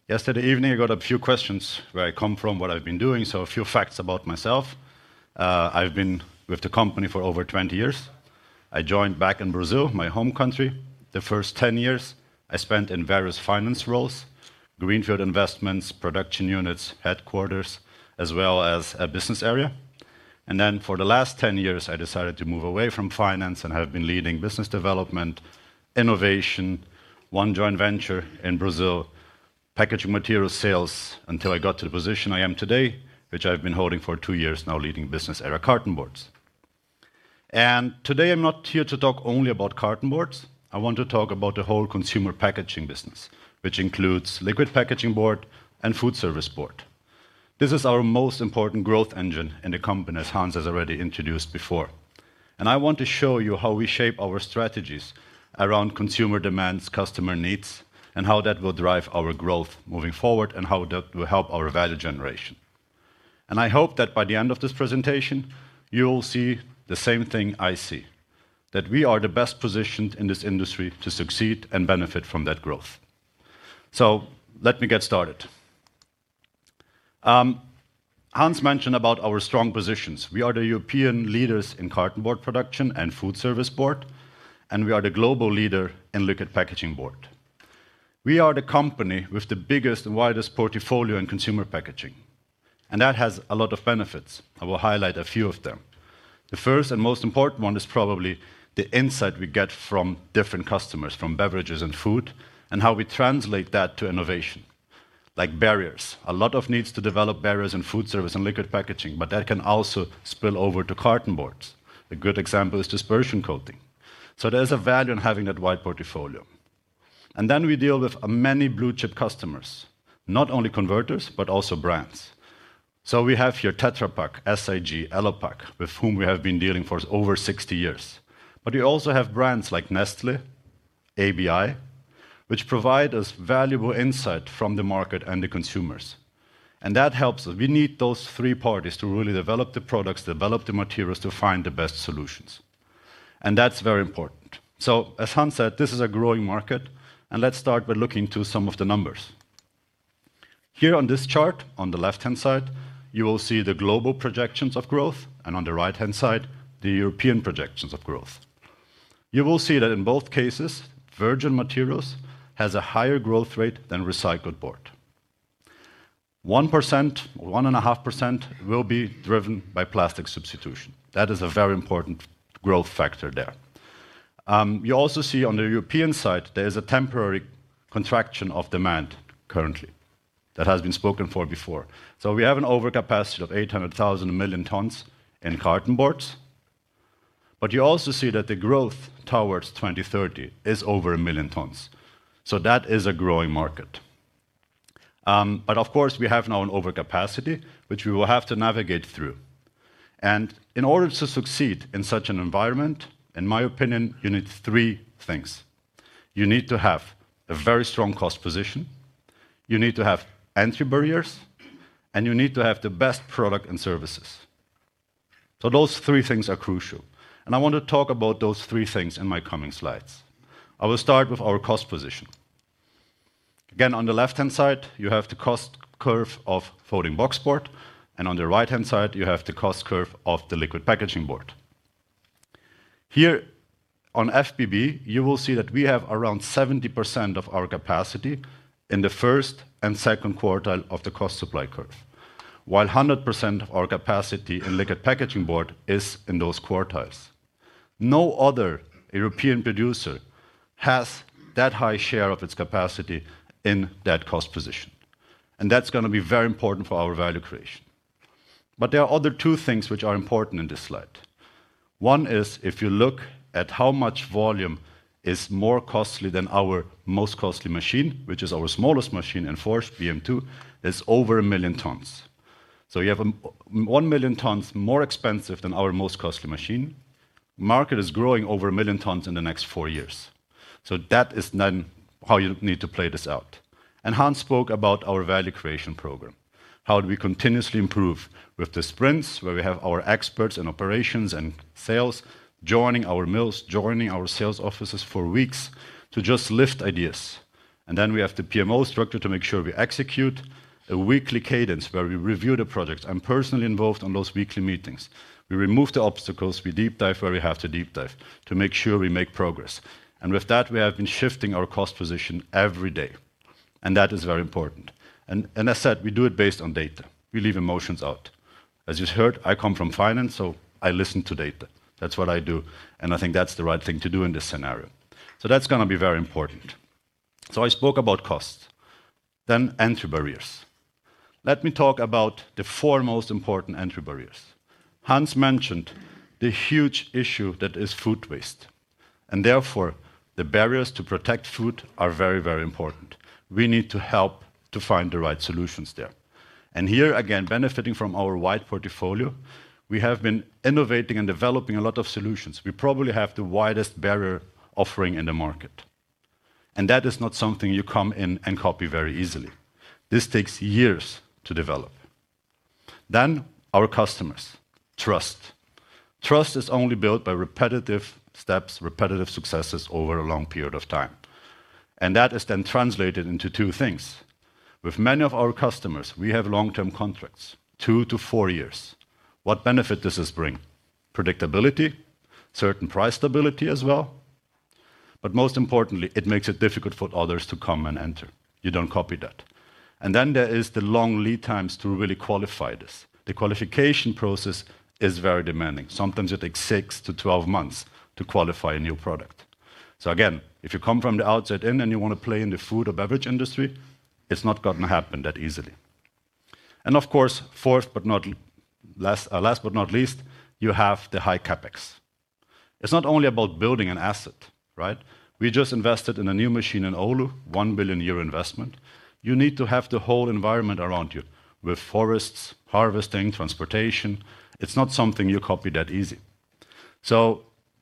Yesterday evening, I got a few questions where I come from, what I've been doing, so a few facts about myself. I've been with the company for over 20 years. I joined back in Brazil, my home country. The first 10 years, I spent in various finance roles: Greenfield Investments, production units, headquarters, as well as a business area. For the last 10 years, I decided to move away from finance and have been leading business development, innovation, one joint venture in Brazil, packaging material sales, until I got to the position I am today, which I've been holding for two years now, leading Business Area Cardboard. Today, I'm not here to talk only about cardboard. I want to talk about the whole consumer packaging business, which includes liquid packaging board and food service board. This is our most important growth engine in the company, as Hans has already introduced before. I want to show you how we shape our strategies around consumer demands, customer needs, and how that will drive our growth moving forward and how that will help our value generation. I hope that by the end of this presentation, you'll see the same thing I see: that we are the best positioned in this industry to succeed and benefit from that growth. Let me get started. Hans mentioned about our strong positions. We are the European leaders in cardboard production and food service board, and we are the global leader in liquid packaging board. We are the company with the biggest and widest portfolio in consumer packaging, and that has a lot of benefits. I will highlight a few of them. The first and most important one is probably the insight we get from different customers from beverages and food and how we translate that to innovation, like barriers. A lot of needs to develop barriers in food service and liquid packaging, but that can also spill over to cardboards. A good example is dispersion coating. There is a value in having that wide portfolio. We deal with many blue-chip customers, not only converters, but also brands. We have here Tetra Pak, SIG, Elo Pak, with whom we have been dealing for over 60 years. We also have brands like Nestlé, ABI, which provide us valuable insight from the market and the consumers. That helps us. We need those three parties to really develop the products, develop the materials to find the best solutions. That is very important. As Hans said, this is a growing market, and let's start by looking to some of the numbers. Here on this chart, on the left-hand side, you will see the global projections of growth, and on the right-hand side, the European projections of growth. You will see that in both cases, virgin materials has a higher growth rate than recycled board. 1%-1.5% will be driven by plastic substitution. That is a very important growth factor there. You also see on the European side, there is a temporary contraction of demand currently that has been spoken for before. We have an overcapacity of 800 million tons in cardboards. You also see that the growth towards 2030 is over 1 million tons. That is a growing market. Of course, we have now an overcapacity, which we will have to navigate through. In order to succeed in such an environment, in my opinion, you need three things. You need to have a very strong cost position. You need to have entry barriers, and you need to have the best product and services. Those three things are crucial. I want to talk about those three things in my coming slides. I will start with our cost position. Again, on the left-hand side, you have the cost curve of folding box board, and on the right-hand side, you have the cost curve of the liquid packaging board. Here on FBB, you will see that we have around 70% of our capacity in the first and second quartile of the cost supply curve, while 100% of our capacity in liquid packaging board is in those quartiles. No other European producer has that high share of its capacity in that cost position. That is going to be very important for our value creation. There are other two things which are important in this slide. One is, if you look at how much volume is more costly than our most costly machine, which is our smallest machine in Force, BM2, it is over 1 million tons. You have 1 million tons more expensive than our most costly machine. The market is growing over 1 million tons in the next four years. That is then how you need to play this out. Hans spoke about our value creation program, how do we continuously improve with the sprints where we have our experts in operations and sales joining our mills, joining our sales offices for weeks to just lift ideas. We have the PMO structure to make sure we execute a weekly cadence where we review the projects. I'm personally involved in those weekly meetings. We remove the obstacles. We deep dive where we have to deep dive to make sure we make progress. With that, we have been shifting our cost position every day. That is very important. As I said, we do it based on data. We leave emotions out. As you heard, I come from finance, so I listen to data. That's what I do. I think that's the right thing to do in this scenario. That is going to be very important. I spoke about costs, then entry barriers. Let me talk about the four most important entry barriers. Hans mentioned the huge issue that is food waste. Therefore, the barriers to protect food are very, very important. We need to help to find the right solutions there. Here, again, benefiting from our wide portfolio, we have been innovating and developing a lot of solutions. We probably have the widest barrier offering in the market. That is not something you come in and copy very easily. This takes years to develop. Our customers, trust. Trust is only built by repetitive steps, repetitive successes over a long period of time. That is then translated into two things. With many of our customers, we have long-term contracts, two to four years. What benefit does this bring? Predictability, certain price stability as well. Most importantly, it makes it difficult for others to come and enter. You do not copy that. There are the long lead times to really qualify this. The qualification process is very demanding. Sometimes it takes 6-12 months to qualify a new product. If you come from the outside in and you want to play in the food or beverage industry, it's not going to happen that easily. Of course, fourth, but not last, but not least, you have the high CapEx. It's not only about building an asset, right? We just invested in a new machine in Oulu, 1 billion euro investment. You need to have the whole environment around you with forests, harvesting, transportation. It's not something you copy that easy.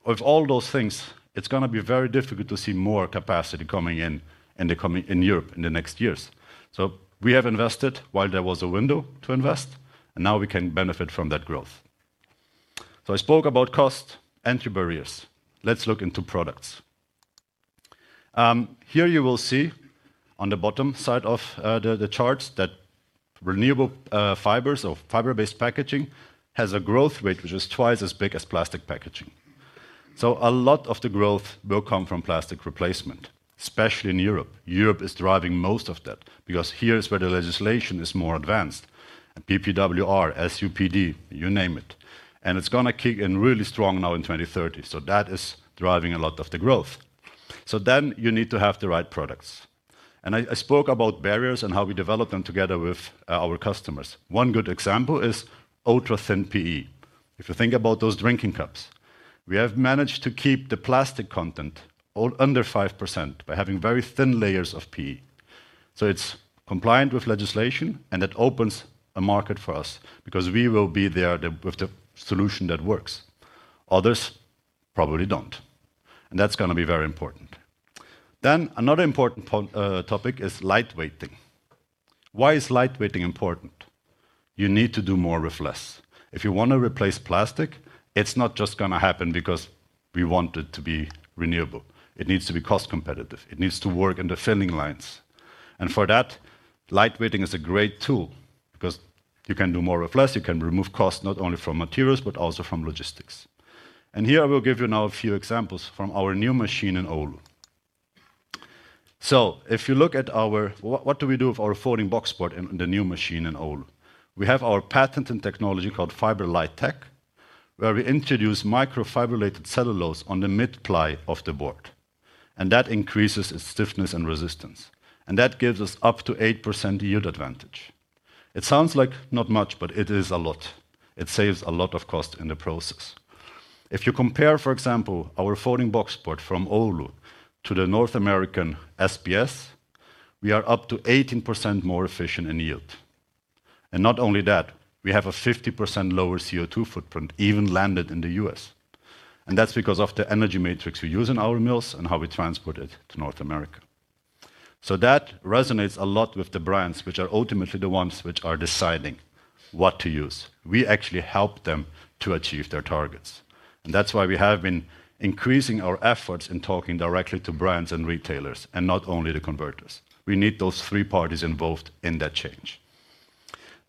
With all those things, it's going to be very difficult to see more capacity coming in Europe in the next years. We have invested while there was a window to invest, and now we can benefit from that growth. I spoke about cost, entry barriers. Let's look into products. Here you will see on the bottom side of the chart that renewable fibers or fiber-based packaging has a growth rate which is twice as big as plastic packaging. A lot of the growth will come from plastic replacement, especially in Europe. Europe is driving most of that because here is where the legislation is more advanced. PPWR, SUPD, you name it. It is going to kick in really strong now in 2030. That is driving a lot of the growth. You need to have the right products. I spoke about barriers and how we develop them together with our customers. One good example is ultra-thin PE. If you think about those drinking cups, we have managed to keep the plastic content under 5% by having very thin layers of PE. It is compliant with legislation, and it opens a market for us because we will be there with the solution that works. Others probably do not. That is going to be very important. Another important topic is lightweighting. Why is lightweighting important? You need to do more with less. If you want to replace plastic, it is not just going to happen because we want it to be renewable. It needs to be cost competitive. It needs to work in the filling lines. For that, lightweighting is a great tool because you can do more with less. You can remove cost not only from materials, but also from logistics. Here I will give you a few examples from our new machine in Oulu. If you look at what we do with our folding box board in the new machine in Oulu. We have our patented technology called FiberLiteTech, where we introduce microfibrillated cellulose on the mid-ply of the board. That increases its stiffness and resistance. That gives us up to 8% yield advantage. It sounds like not much, but it is a lot. It saves a lot of cost in the process. If you compare, for example, our folding box board from Oulu to the North American SPS, we are up to 18% more efficient in yield. Not only that, we have a 50% lower CO2 footprint, even landed in the US. That is because of the energy matrix we use in our mills and how we transport it to North America. That resonates a lot with the brands, which are ultimately the ones which are deciding what to use. We actually help them to achieve their targets. That is why we have been increasing our efforts in talking directly to brands and retailers and not only to converters. We need those three parties involved in that change.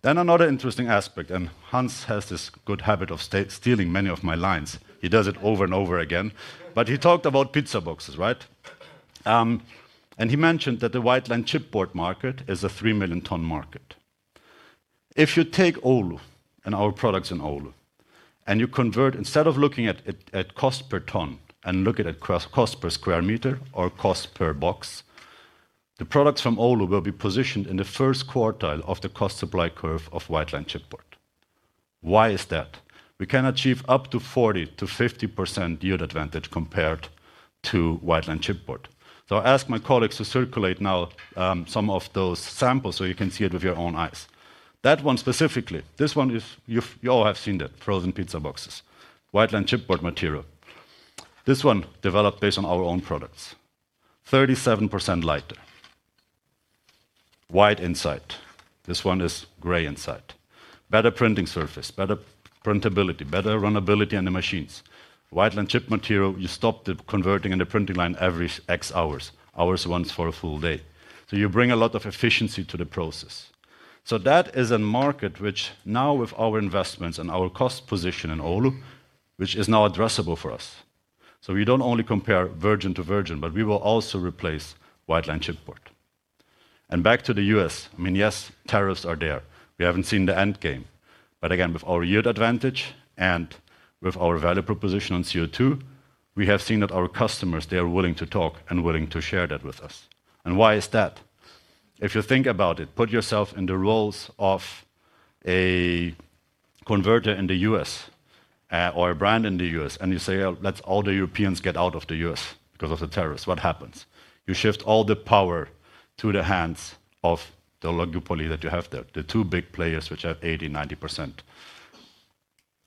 Another interesting aspect, and Hans has this good habit of stealing many of my lines. He does it over and over again. He talked about pizza boxes, right? He mentioned that the white line chipboard market is a 3 million ton market. If you take Oulu and our products in Oulu, and you convert instead of looking at cost per ton and looking at cost per square meter or cost per box, the products from Oulu will be positioned in the first quartile of the cost supply curve of white line chipboard. Why is that? We can achieve up to 40%-50% yield advantage compared to white line chipboard. I asked my colleagues to circulate now some of those samples so you can see it with your own eyes. That one specifically, this one is you all have seen that frozen pizza boxes, white line chipboard material. This one developed based on our own products, 37% lighter, white inside. This one is gray inside. Better printing surface, better printability, better runability on the machines. White line chip material, you stop the converting and the printing line every X hours, hours once for a full day. You bring a lot of efficiency to the process. That is a market which now with our investments and our cost position in Oulu, which is now addressable for us. We do not only compare virgin to virgin, but we will also replace white line chipboard. Back to the U.S., I mean, yes, tariffs are there. We have not seen the end game. Again, with our yield advantage and with our value proposition on CO2, we have seen that our customers are willing to talk and willing to share that with us. Why is that? If you think about it, put yourself in the roles of a converter in the U.S. or a brand in the U.S., and you say, "Let us all, the Europeans, get out of the U.S. because of the tariffs." What happens? You shift all the power to the hands of the oligopoly that you have there, the two big players which have 80%-90%.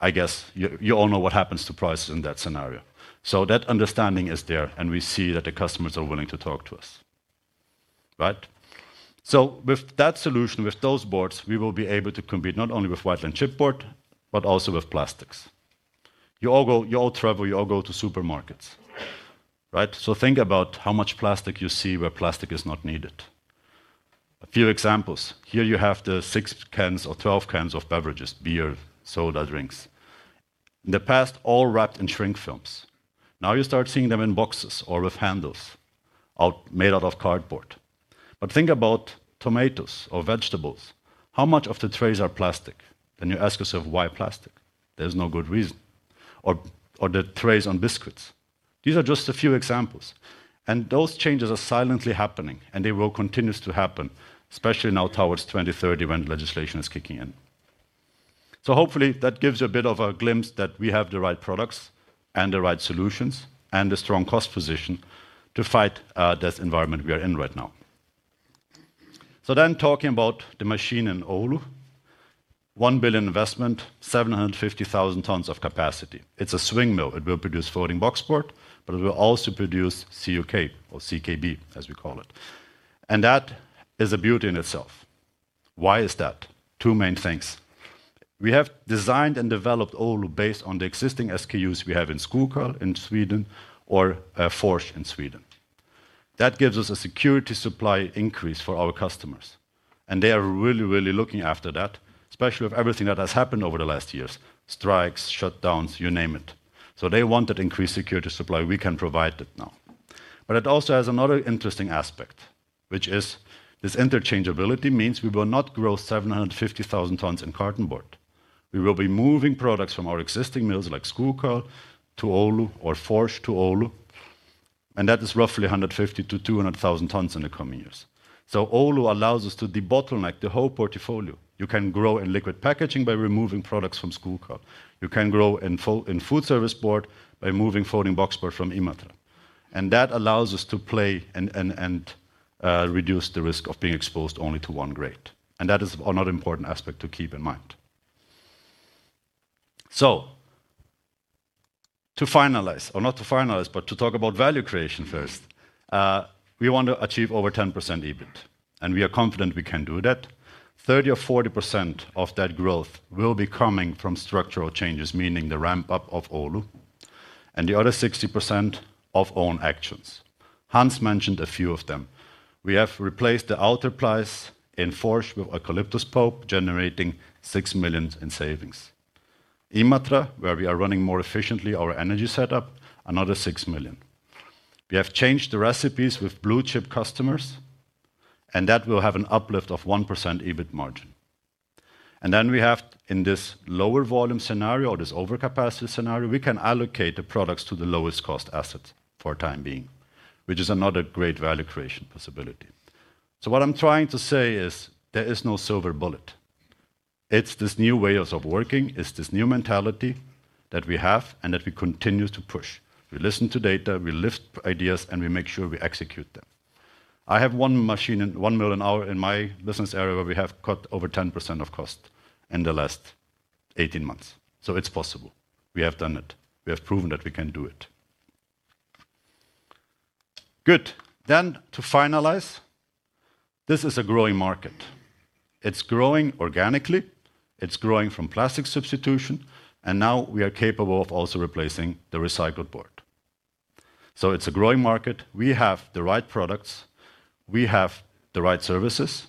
I guess you all know what happens to prices in that scenario. That understanding is there, and we see that the customers are willing to talk to us. Right? With that solution, with those boards, we will be able to compete not only with white line chipboard, but also with plastics. You all travel, you all go to supermarkets, right? Think about how much plastic you see where plastic is not needed. A few examples. Here you have the 6 cans or 12 cans of beverages, beer, soda, drinks. In the past, all wrapped in shrink films. Now you start seeing them in boxes or with handles made out of cardboard. Think about tomatoes or vegetables. How much of the trays are plastic? You ask yourself, "Why plastic?" There is no good reason. Or the trays on biscuits. These are just a few examples. Those changes are silently happening, and they will continue to happen, especially now towards 2030 when legislation is kicking in. Hopefully that gives you a bit of a glimpse that we have the right products and the right solutions and the strong cost position to fight this environment we are in right now. Talking about the machine in Oulu, 1 billion investment, 750,000 tons of capacity. It is a swing mill. It will produce folding box board, but it will also produce CKB, as we call it. That is a beauty in itself. Why is that? Two main things. We have designed and developed Oulu based on the existing SKUs we have in Skoghall in Sweden or Force in Sweden. That gives us a security supply increase for our customers. They are really, really looking after that, especially with everything that has happened over the last years, strikes, shutdowns, you name it. They want that increased security supply. We can provide it now. It also has another interesting aspect, which is this interchangeability means we will not grow 750,000 tons in cardboard. We will be moving products from our existing mills like Schukel to Oulu or Force to Oulu. That is roughly 150,000-200,000 tons in the coming years. Oulu allows us to debottleneck the whole portfolio. You can grow in liquid packaging by removing products from Schukel. You can grow in food service board by moving folding box board from Imatra. That allows us to play and reduce the risk of being exposed only to one grade. That is another important aspect to keep in mind. To talk about value creation first, we want to achieve over 10% EBIT. We are confident we can do that. 30% or 40% of that growth will be coming from structural changes, meaning the ramp-up of Oulu, and the other 60% of own actions. Hans mentioned a few of them. We have replaced the outer plies in Force with eucalyptus pulp, generating 6 million in savings. Imatra, where we are running more efficiently our energy setup, another 6 million. We have changed the recipes with blue chip customers, and that will have an uplift of 1% EBIT margin. In this lower volume scenario or this overcapacity scenario, we can allocate the products to the lowest cost assets for the time being, which is another great value creation possibility. What I am trying to say is there is no silver bullet. It is this new way of working, it is this new mentality that we have and that we continue to push. We listen to data, we lift ideas, and we make sure we execute them. I have one machine and one mill an hour in my business area where we have cut over 10% of cost in the last 18 months. It is possible. We have done it. We have proven that we can do it. Good. To finalize, this is a growing market. It is growing organically. It is growing from plastic substitution. Now we are capable of also replacing the recycled board. It is a growing market. We have the right products. We have the right services.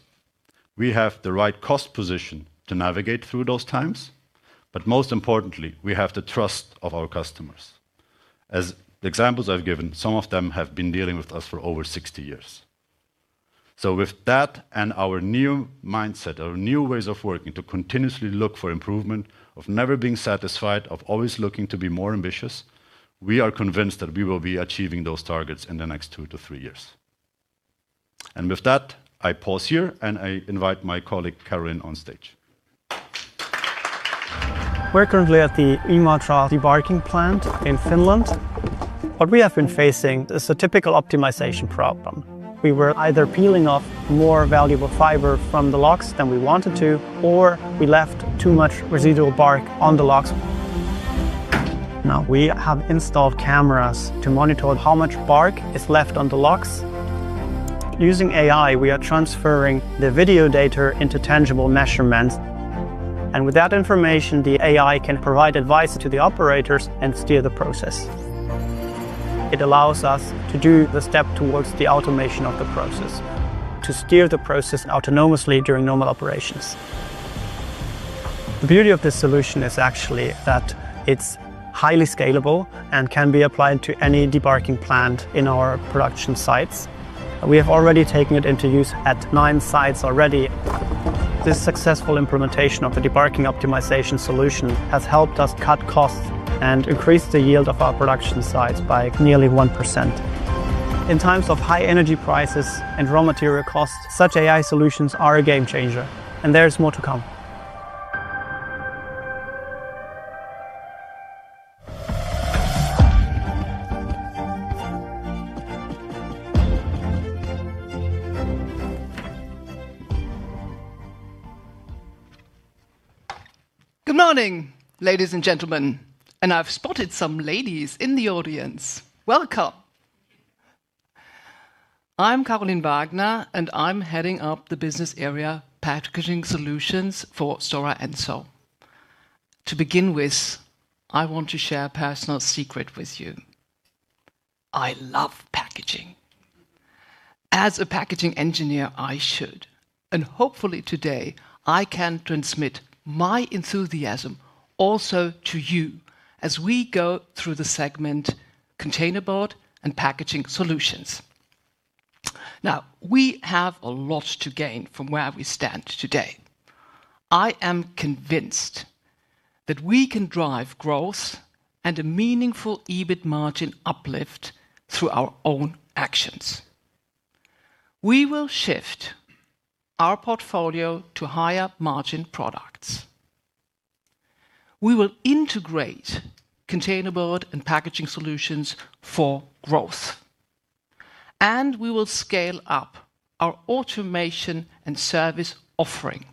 We have the right cost position to navigate through those times. Most importantly, we have the trust of our customers. As the examples I have given, some of them have been dealing with us for over 60 years. With that and our new mindset, our new ways of working to continuously look for improvement, of never being satisfied, of always looking to be more ambitious, we are convinced that we will be achieving those targets in the next 2-3 years. With that, I pause here and I invite my colleague Karin on stage. We are currently at the Imatra debarking plant in Finland. What we have been facing is a typical optimization problem. We were either peeling off more valuable fiber from the logs than we wanted to, or we left too much residual bark on the logs. Now we have installed cameras to monitor how much bark is left on the logs. Using AI, we are transferring the video data into tangible measurements. With that information, the AI can provide advice to the operators and steer the process. It allows us to do the step towards the automation of the process, to steer the process autonomously during normal operations. The beauty of this solution is actually that it's highly scalable and can be applied to any debarking plant in our production sites. We have already taken it into use at nine sites already. This successful implementation of the debarking optimization solution has helped us cut costs and increase the yield of our production sites by nearly 1%. In times of high energy prices and raw material costs, such AI solutions are a game changer, and there is more to come. Good morning, ladies and gentlemen. I've spotted some ladies in the audience. Welcome. I'm Carolyn Wagner, and I'm heading up the business area packaging solutions for Stora Enso. To begin with, I want to share a personal secret with you. I love packaging. As a packaging engineer, I should. Hopefully today, I can transmit my enthusiasm also to you as we go through the segment container board and packaging solutions. Now, we have a lot to gain from where we stand today. I am convinced that we can drive growth and a meaningful EBIT margin uplift through our own actions. We will shift our portfolio to higher margin products. We will integrate container board and packaging solutions for growth. We will scale up our automation and service offering.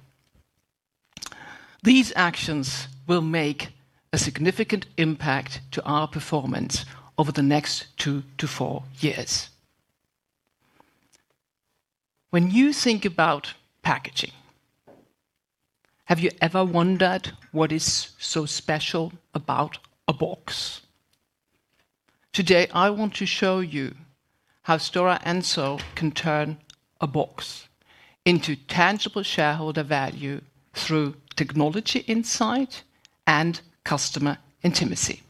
These actions will make a significant impact to our performance over the next two to four years. When you think about packaging, have you ever wondered what is so special about a box? Today, I want to show you how Stora Enso can turn a box into tangible shareholder value through technology insight and customer intimacy.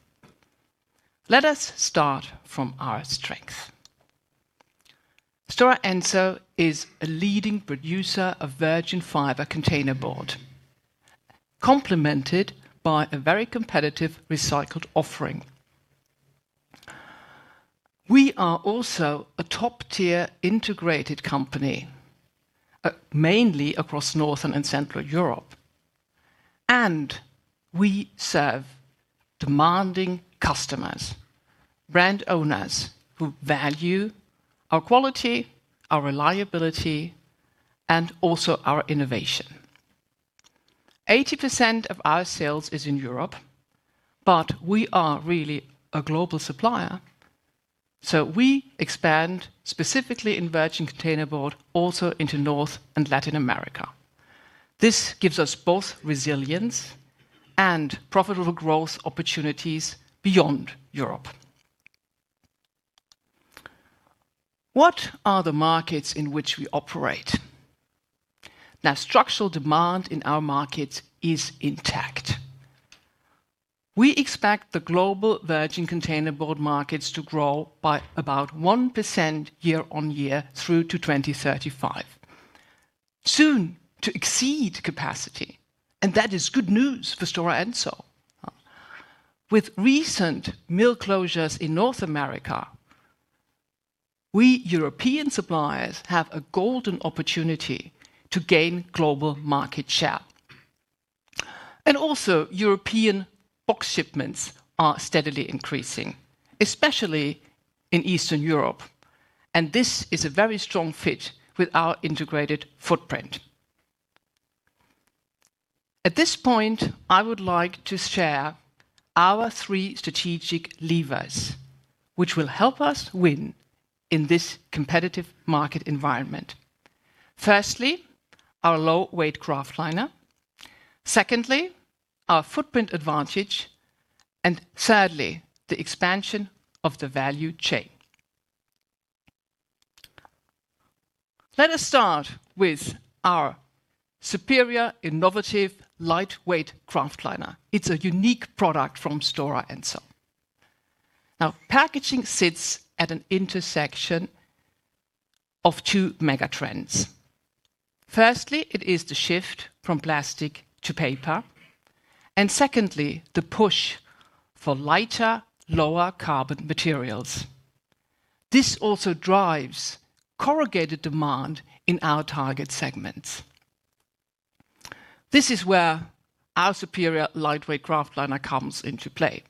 Let us start from our strength. Stora Enso is a leading producer of virgin fiber container board, complemented by a very competitive recycled offering. We are also a top-tier integrated company, mainly across Northern and Central Europe. We serve demanding customers, brand owners who value our quality, our reliability, and also our innovation. 80% of our sales is in Europe, but we are really a global supplier. We expand specifically in virgin container board, also into North and Latin America. This gives us both resilience and profitable growth opportunities beyond Europe. What are the markets in which we operate? Now, structural demand in our markets is intact. We expect the global virgin container board markets to grow by about 1% year on year through to 2035. Soon to exceed capacity. That is good news for Stora Enso. With recent mill closures in North America, we European suppliers have a golden opportunity to gain global market share. European box shipments are steadily increasing, especially in Eastern Europe. This is a very strong fit with our integrated footprint. At this point, I would like to share our three strategic levers, which will help us win in this competitive market environment. Firstly, our low-weight kraft liner. Secondly, our footprint advantage. Thirdly, the expansion of the value chain. Let us start with our superior innovative lightweight kraft liner. It is a unique product from Stora Enso. Now, packaging sits at an intersection of two mega trends. Firstly, it is the shift from plastic to paper. Secondly, the push for lighter, lower carbon materials. This also drives corrugated demand in our target segments. This is where our superior lightweight kraft liner comes into play.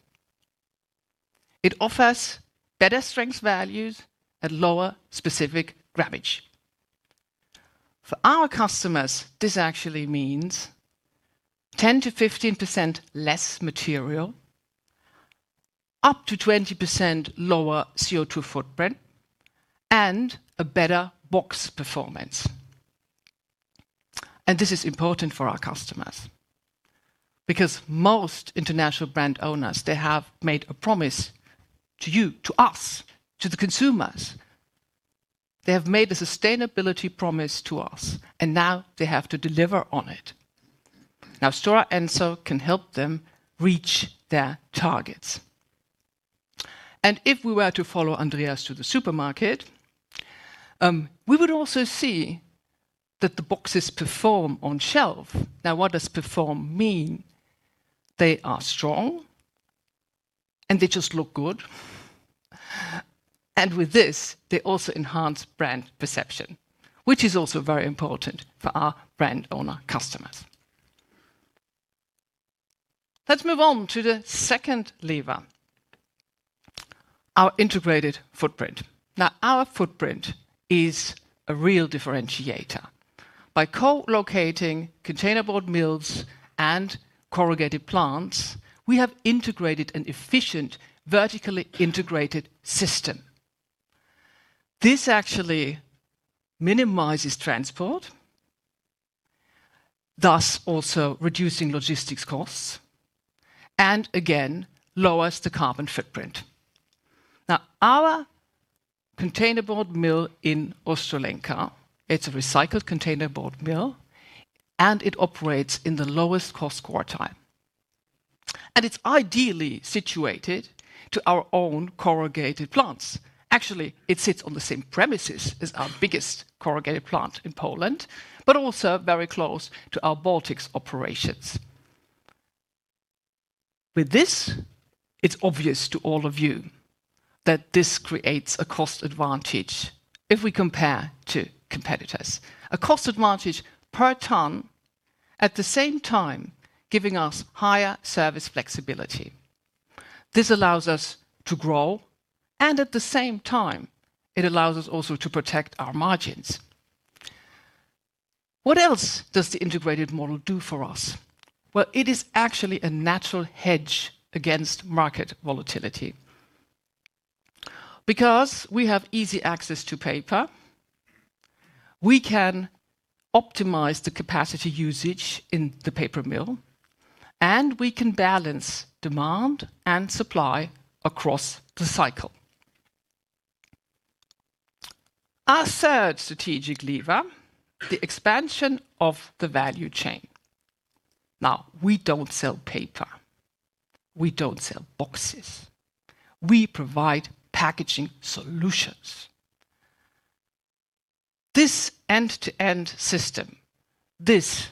It offers better strength values at lower specific grammage. For our customers, this actually means 10-15% less material, up to 20% lower CO2 footprint, and a better box performance. This is important for our customers because most international brand owners, they have made a promise to you, to us, to the consumers. They have made a sustainability promise to us, and now they have to deliver on it. Now, Stora Enso can help them reach their targets. If we were to follow Andreas to the supermarket, we would also see that the boxes perform on shelf. Now, what does perform mean? They are strong, and they just look good. With this, they also enhance brand perception, which is also very important for our brand owner customers. Let's move on to the second lever, our integrated footprint. Now, our footprint is a real differentiator. By co-locating container board mills and corrugated plants, we have integrated an efficient vertically integrated system. This actually minimizes transport, thus also reducing logistics costs and, again, lowers the carbon footprint. Now, our container board mill in Ostrołęka, it's a recycled container board mill, and it operates in the lowest cost quartile. It is ideally situated to our own corrugated plants. Actually, it sits on the same premises as our biggest corrugated plant in Poland, but also very close to our Baltics operations. With this, it's obvious to all of you that this creates a cost advantage if we compare to competitors. A cost advantage per ton, at the same time giving us higher service flexibility. This allows us to grow, and at the same time, it allows us also to protect our margins. What else does the integrated model do for us? It is actually a natural hedge against market volatility. Because we have easy access to paper, we can optimize the capacity usage in the paper mill, and we can balance demand and supply across the cycle. Our third strategic lever, the expansion of the value chain. Now, we do not sell paper. We do not sell boxes. We provide packaging solutions. This end-to-end system, this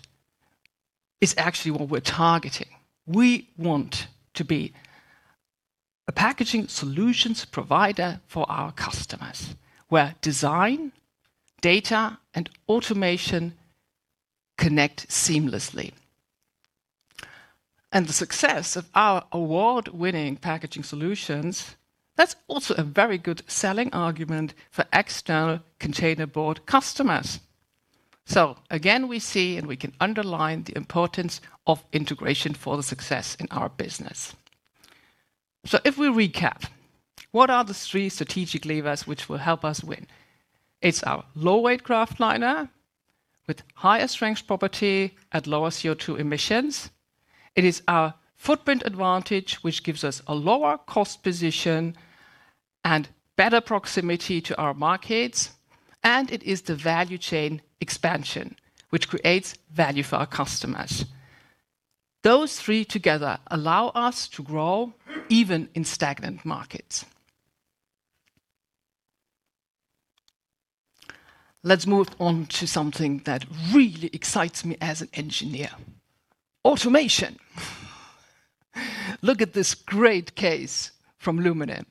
is actually what we are targeting. We want to be a packaging solutions provider for our customers where design, data, and automation connect seamlessly. The success of our award-winning packaging solutions, that is also a very good selling argument for external container board customers. Again, we see and we can underline the importance of integration for the success in our business. If we recap, what are the three strategic levers which will help us win? It's our low-weight kraft liner with higher strength property at lower CO2 emissions. It is our footprint advantage, which gives us a lower cost position and better proximity to our markets. It is the value chain expansion, which creates value for our customers. Those three together allow us to grow even in stagnant markets. Let's move on to something that really excites me as an engineer, automation. Look at this great case from Lumene.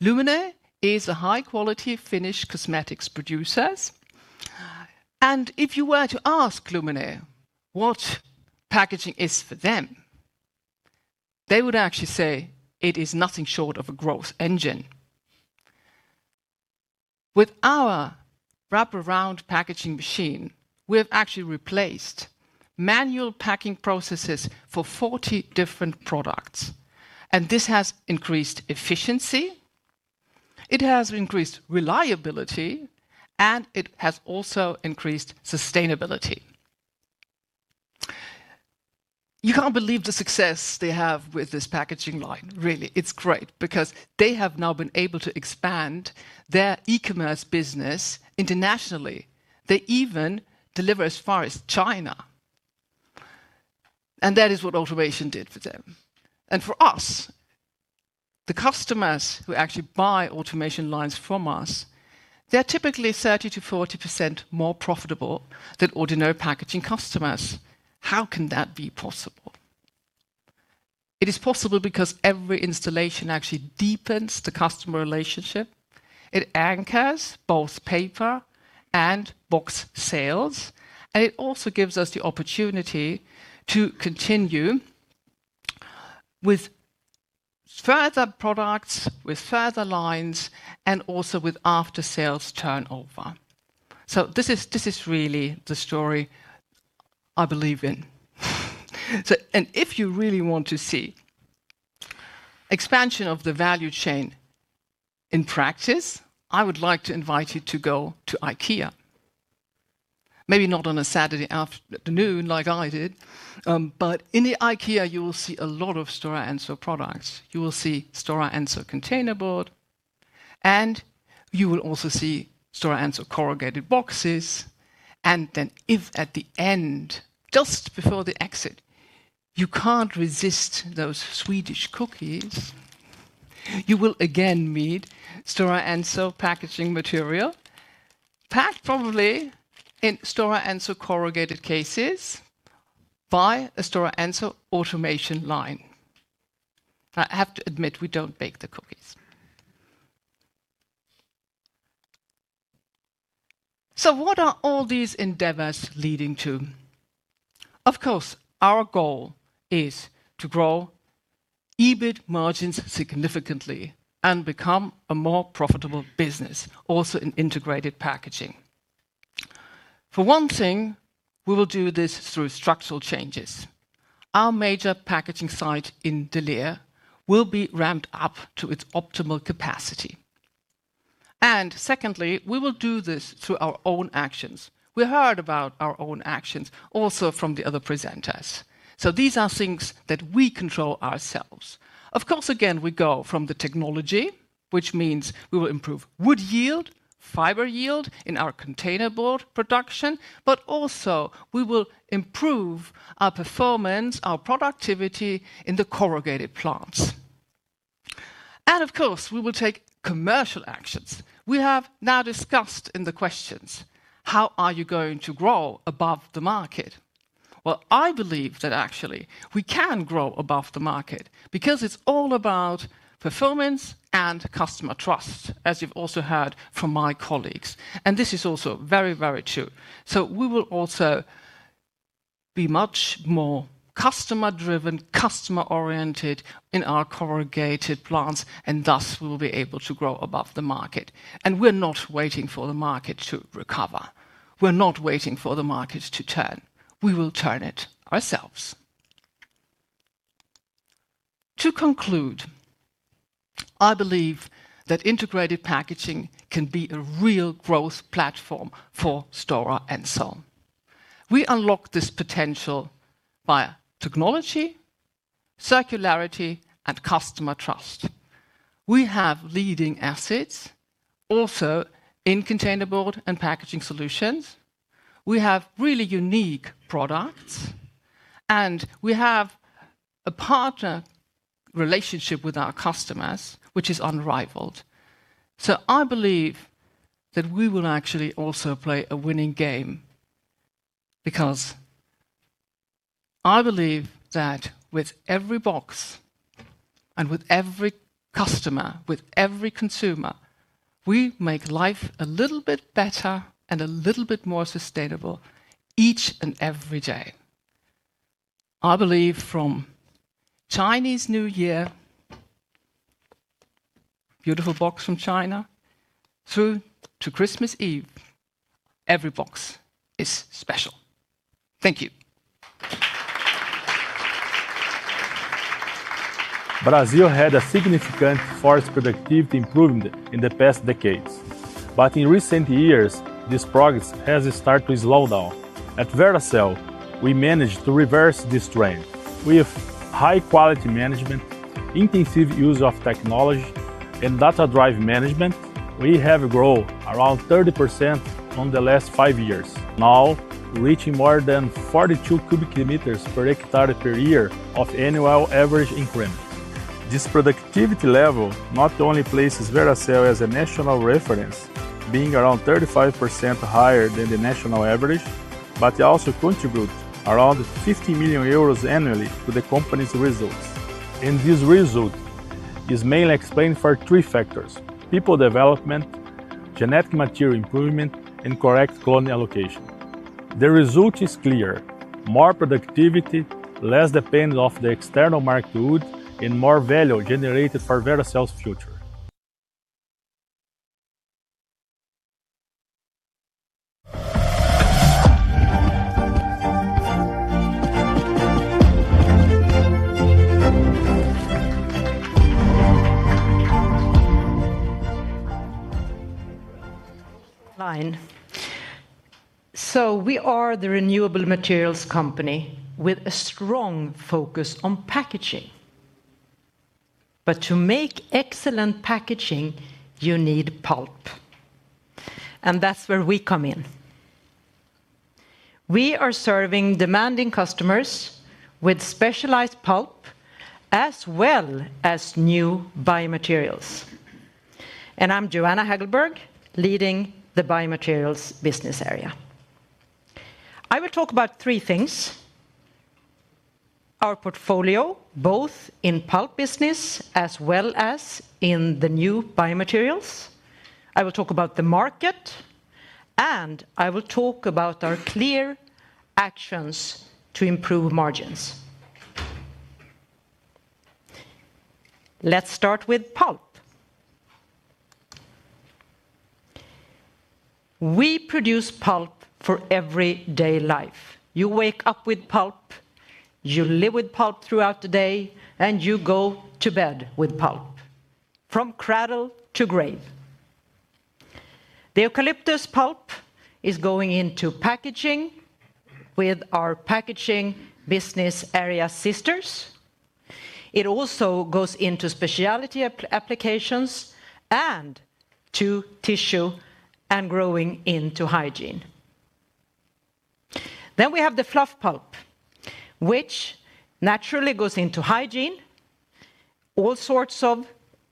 Lumene is a high-quality Finnish cosmetics producer. If you were to ask Lumene what packaging is for them, they would actually say it is nothing short of a growth engine. With our wrap-around packaging machine, we have actually replaced manual packing processes for 40 different products. This has increased efficiency. It has increased reliability, and it has also increased sustainability. You can't believe the success they have with this packaging line. Really, it's great because they have now been able to expand their e-commerce business internationally. They even deliver as far as China. That is what automation did for them. For us, the customers who actually buy automation lines from us, they're typically 30%-40% more profitable than ordinary packaging customers. How can that be possible? It is possible because every installation actually deepens the customer relationship. It anchors both paper and box sales. It also gives us the opportunity to continue with further products, with further lines, and also with after-sales turnover. This is really the story I believe in. If you really want to see expansion of the value chain in practice, I would like to invite you to go to IKEA. Maybe not on a Saturday afternoon like I did, but in the IKEA, you will see a lot of Stora Enso products. You will see Stora Enso container board, and you will also see Stora Enso corrugated boxes. If at the end, just before the exit, you can't resist those Swedish cookies, you will again meet Stora Enso packaging material packed probably in Stora Enso corrugated cases by a Stora Enso automation line. I have to admit, we don't bake the cookies. What are all these endeavors leading to? Of course, our goal is to grow EBIT margins significantly and become a more profitable business, also in integrated packaging. For one thing, we will do this through structural changes. Our major packaging site in De Jong will be ramped up to its optimal capacity. Secondly, we will do this through our own actions. We heard about our own actions also from the other presenters. These are things that we control ourselves. Of course, again, we go from the technology, which means we will improve wood yield, fiber yield in our container board production, but also we will improve our performance, our productivity in the corrugated plants. Of course, we will take commercial actions. We have now discussed in the questions, how are you going to grow above the market? I believe that actually we can grow above the market because it's all about performance and customer trust, as you've also heard from my colleagues. This is also very, very true. We will also be much more customer-driven, customer-oriented in our corrugated plants, and thus we will be able to grow above the market. We're not waiting for the market to recover. We're not waiting for the market to turn. We will turn it ourselves. To conclude, I believe that integrated packaging can be a real growth platform for Stora Enso. We unlock this potential via technology, circularity, and customer trust. We have leading assets also in containerboard and packaging solutions. We have really unique products, and we have a partner relationship with our customers, which is unrivaled. I believe that we will actually also play a winning game because I believe that with every box and with every customer, with every consumer, we make life a little bit better and a little bit more sustainable each and every day. I believe from Chinese New Year, beautiful box from China, through to Christmas Eve, every box is special. Thank you. Brazil had a significant force productivity improvement in the past decades. In recent years, this progress has started to slow down. At Veracel, we managed to reverse this trend. With high-quality management, intensive use of technology, and data-driven management, we have grown around 30% in the last five years, now reaching more than 42 cu km per hectare per year of annual average increment. This productivity level not only places Veracel as a national reference, being around 35% higher than the national average, but also contributes around 50 million euros annually to the company's results. This result is mainly explained for three factors: people development, genetic material improvement, and correct clone allocation. The result is clear: more productivity, less dependence on the external market, and more value generated for Veracel's future. We are the renewable materials company with a strong focus on packaging. To make excellent packaging, you need pulp. That is where we come in. We are serving demanding customers with specialized pulp as well as new biomaterials. I am Johanna Hagelberg, leading the biomaterials business area. I will talk about three things: our portfolio, both in pulp business as well as in the new biomaterials. I will talk about the market, and I will talk about our clear actions to improve margins. Let's start with pulp. We produce pulp for everyday life. You wake up with pulp, you live with pulp throughout the day, and you go to bed with pulp from cradle to grave. The eucalyptus pulp is going into packaging with our packaging business area sisters. It also goes into specialty applications and to tissue and growing into hygiene. We have the fluff pulp, which naturally goes into hygiene, all sorts of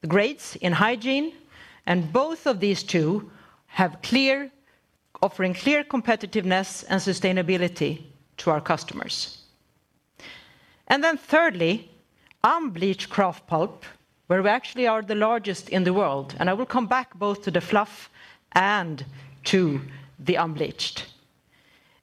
grades in hygiene. Both of these two have clear offering, clear competitiveness, and sustainability to our customers. Thirdly, unbleached kraft pulp, where we actually are the largest in the world. I will come back both to the fluff and to the unbleached.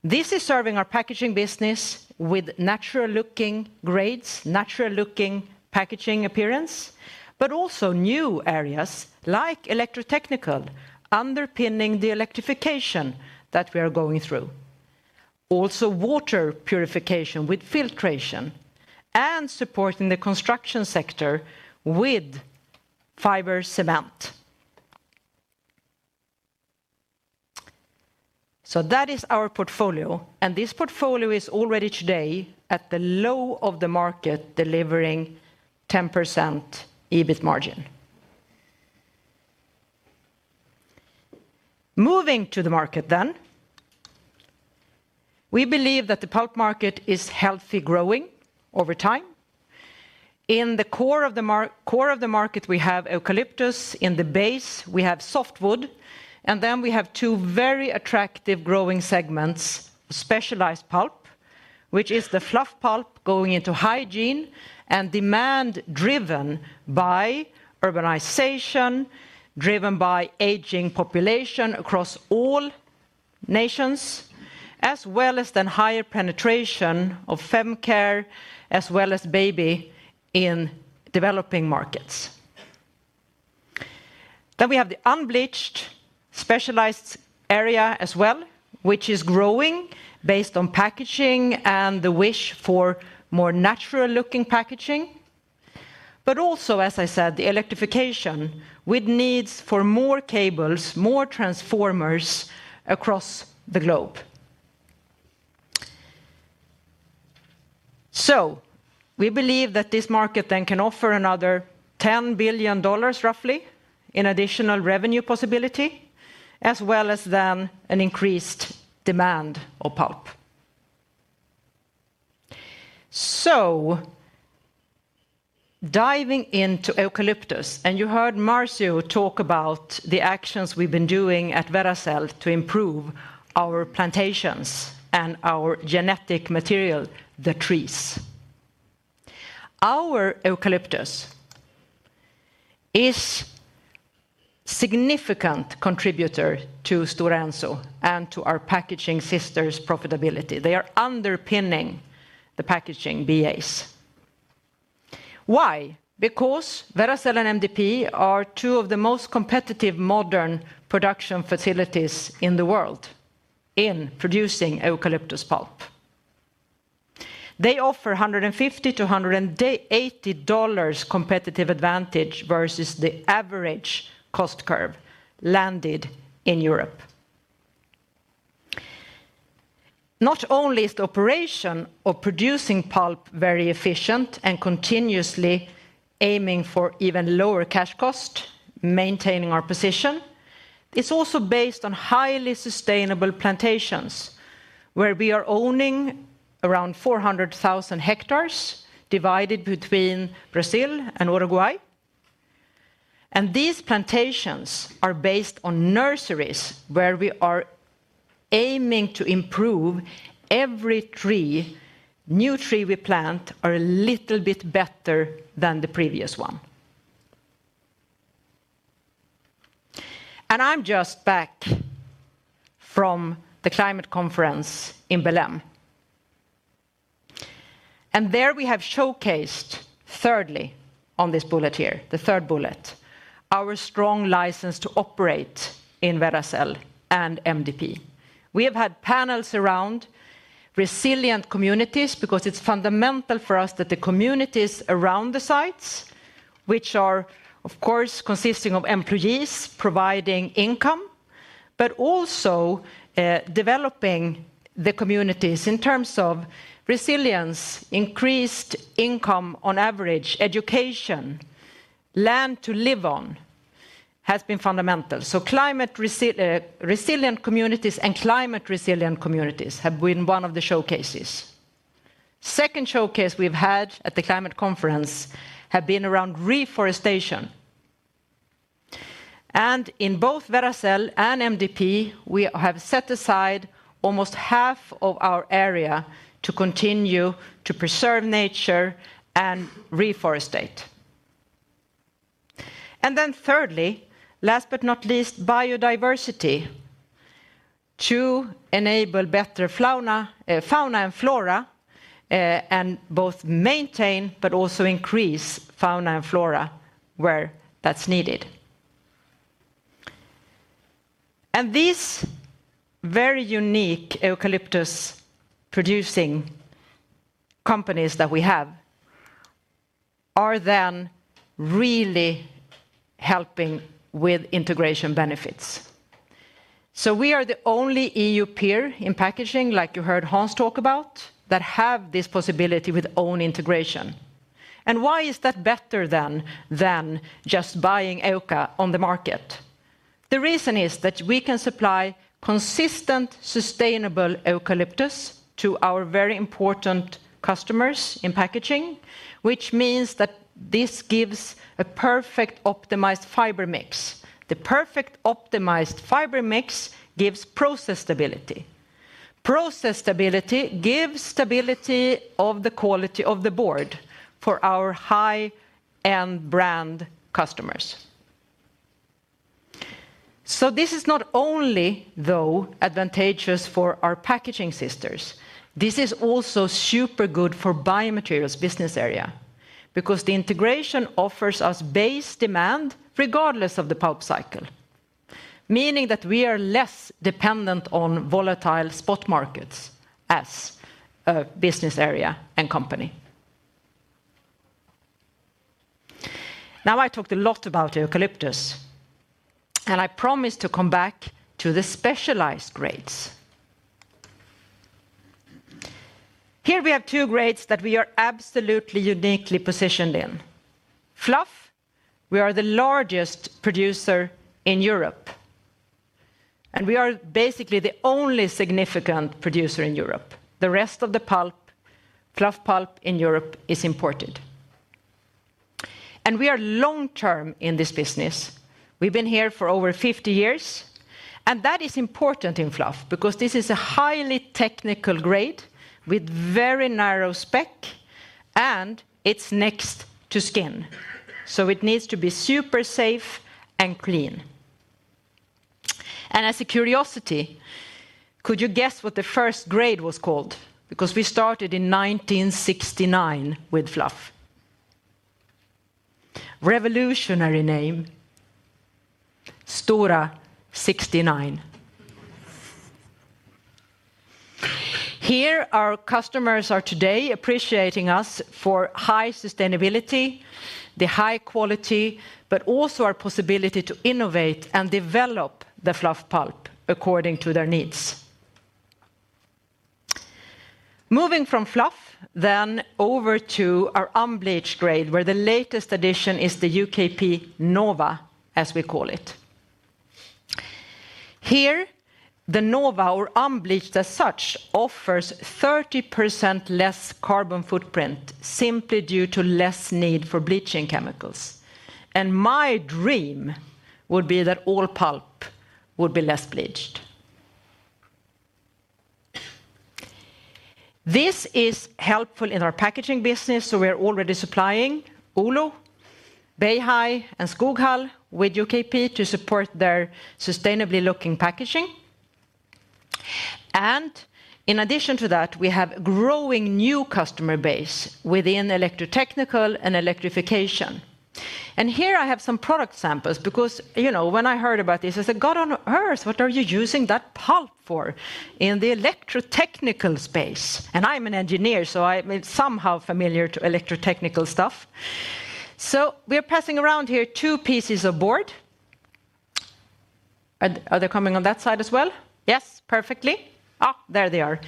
This is serving our packaging business with natural-looking grades, natural-looking packaging appearance, but also new areas like electrotechnical, underpinning the electrification that we are going through. Also water purification with filtration and supporting the construction sector with fiber cement. That is our portfolio. This portfolio is already today at the low of the market, delivering 10% EBIT margin. Moving to the market then, we believe that the pulp market is healthy growing over time. In the core of the market, we have eucalyptus. In the base, we have softwood. We have two very attractive growing segments, specialized pulp, which is the fluff pulp going into hygiene and demand-driven by urbanization, driven by aging population across all nations, as well as higher penetration of femcare as well as baby in developing markets. We have the unbleached specialized area as well, which is growing based on packaging and the wish for more natural-looking packaging. Also, as I said, the electrification with needs for more cables, more transformers across the globe. We believe that this market can offer another $10 billion roughly in additional revenue possibility, as well as an increased demand of pulp. Diving into eucalyptus, and you heard Marcio talk about the actions we have been doing at Veracel to improve our plantations and our genetic material, the trees. Our eucalyptus is a significant contributor to Stora Enso and to our packaging sisters' profitability. They are underpinning the packaging BAs. Why? Because Montes del Plata are two of the most competitive modern production facilities in the world in producing eucalyptus pulp. They offer $150-$180 competitive advantage versus the average cost curve landed in Europe. Not only is the operation of producing pulp very efficient and continuously aiming for even lower cash cost, maintaining our position, it is also based on highly sustainable plantations where we are owning around 400,000 hectares divided between Brazil and Uruguay. These plantations are based on nurseries where we are aiming to improve every tree, new tree we plant are a little bit better than the previous one. I am just back from the climate conference in Belem. There we have showcased, thirdly on this bullet here, the third bullet, our strong license to operate in Veracel and MDP. We have had panels around resilient communities because it is fundamental for us that the communities around the sites, which are of course consisting of employees providing income, but also developing the communities in terms of resilience, increased income on average, education, land to live on, has been fundamental. Resilient communities and climate resilient communities have been one of the showcases. The second showcase we have had at the climate conference has been around reforestation. In both Veracel and MDP, we have set aside almost half of our area to continue to preserve nature and reforest. Thirdly, last but not least, biodiversity to enable better fauna and flora and both maintain, but also increase fauna and flora where that is needed. These very unique eucalyptus-producing companies that we have are then really helping with integration benefits. We are the only EU peer in packaging, like you heard Hans talk about, that have this possibility with own integration. Why is that better than just buying eucalyptus on the market? The reason is that we can supply consistent, sustainable eucalyptus to our very important customers in packaging, which means that this gives a perfect optimized fiber mix. The perfect optimized fiber mix gives process stability. Process stability gives stability of the quality of the board for our high-end brand customers. This is not only, though, advantageous for our packaging sisters. This is also super good for biomaterials business area because the integration offers us base demand regardless of the pulp cycle, meaning that we are less dependent on volatile spot markets as a business area and company. Now I talked a lot about eucalyptus, and I promised to come back to the specialized grades. Here we have two grades that we are absolutely uniquely positioned in. Fluff, we are the largest producer in Europe, and we are basically the only significant producer in Europe. The rest of the fluff pulp in Europe is imported. We are long-term in this business. We've been here for over 50 years, and that is important in fluff because this is a highly technical grade with very narrow spec, and it's next to skin. It needs to be super safe and clean. As a curiosity, could you guess what the first grade was called? We started in 1969 with fluff. Revolutionary name, Stoera 69. Here our customers are today appreciating us for high sustainability, the high quality, but also our possibility to innovate and develop the fluff pulp according to their needs. Moving from fluff then over to our unbleached grade, where the latest addition is the UKP Nova, as we call it. Here the Nova, or unbleached as such, offers 30% less carbon footprint simply due to less need for bleaching chemicals. My dream would be that all pulp would be less bleached. This is helpful in our packaging business, so we are already supplying Oulu, Beihai, and Skoghall with UKP to support their sustainably looking packaging. In addition to that, we have a growing new customer base within electrotechnical and electrification. Here I have some product samples because when I heard about this, I said, "God on earth, what are you using that pulp for in the electrotechnical space?" I'm an engineer, so I'm somehow familiar to electrotechnical stuff. We are passing around here two pieces of board. Are they coming on that side as well? Yes, perfectly. There they are.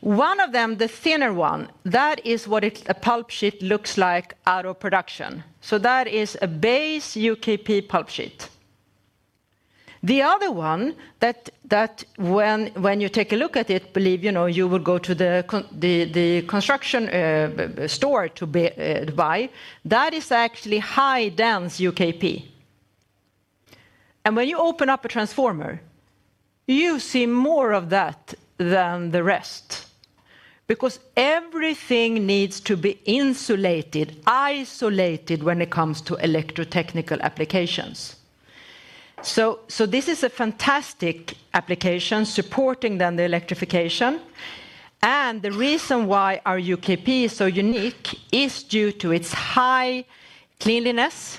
One of them, the thinner one, that is what a pulp sheet looks like out of production. That is a base UKP pulp sheet. The other one that when you take a look at it, believe you will go to the construction store to buy, that is actually high-dense UKP. When you open up a transformer, you see more of that than the rest because everything needs to be insulated, isolated when it comes to electrotechnical applications. This is a fantastic application supporting then the electrification. The reason why our UKP is so unique is due to its high cleanliness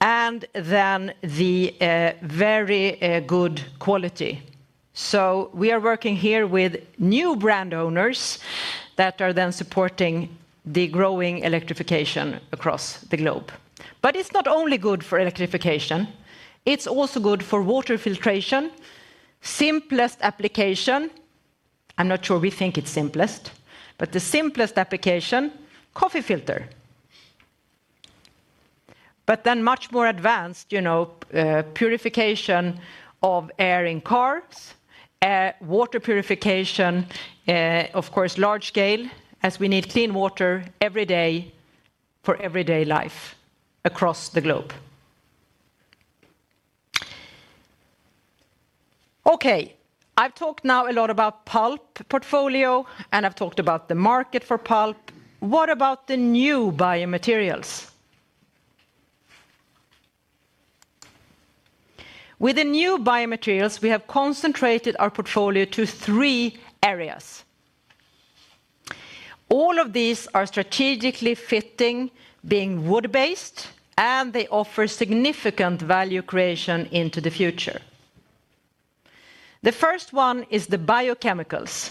and then the very good quality. We are working here with new brand owners that are then supporting the growing electrification across the globe. It is not only good for electrification. It is also good for water filtration. Simplest application, I am not sure we think it is simplest, but the simplest application, coffee filter. Then much more advanced purification of air in cars, water purification, of course, large scale as we need clean water every day for everyday life across the globe. Okay, I have talked now a lot about pulp portfolio, and I have talked about the market for pulp. What about the new biomaterials? With the new biomaterials, we have concentrated our portfolio to three areas. All of these are strategically fitting, being wood-based, and they offer significant value creation into the future. The first one is the biochemicals.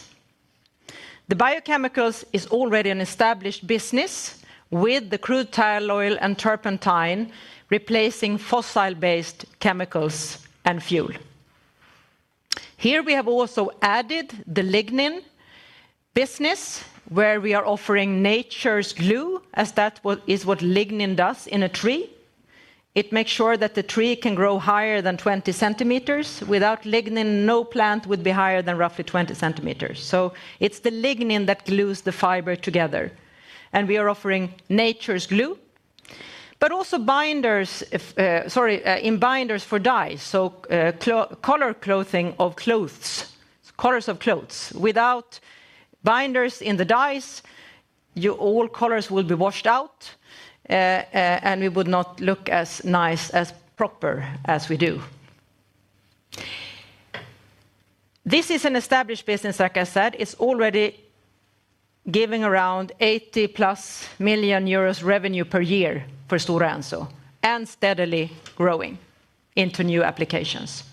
The biochemicals is already an established business with the crude tall oil and turpentine replacing fossil-based chemicals and fuel. Here we have also added the lignin business where we are offering nature's glue as that is what lignin does in a tree. It makes sure that the tree can grow higher than 20 cm. Without lignin, no plant would be higher than roughly 20 cm. It is the lignin that glues the fiber together. We are offering nature's glue, but also binders in binders for dyes, so color clothing of clothes, colors of clothes. Without binders in the dyes, all colors will be washed out, and we would not look as nice, as proper as we do. This is an established business, like I said. It's already giving around 80 million euros+ revenue per year for Stora Enso and steadily growing into new applications.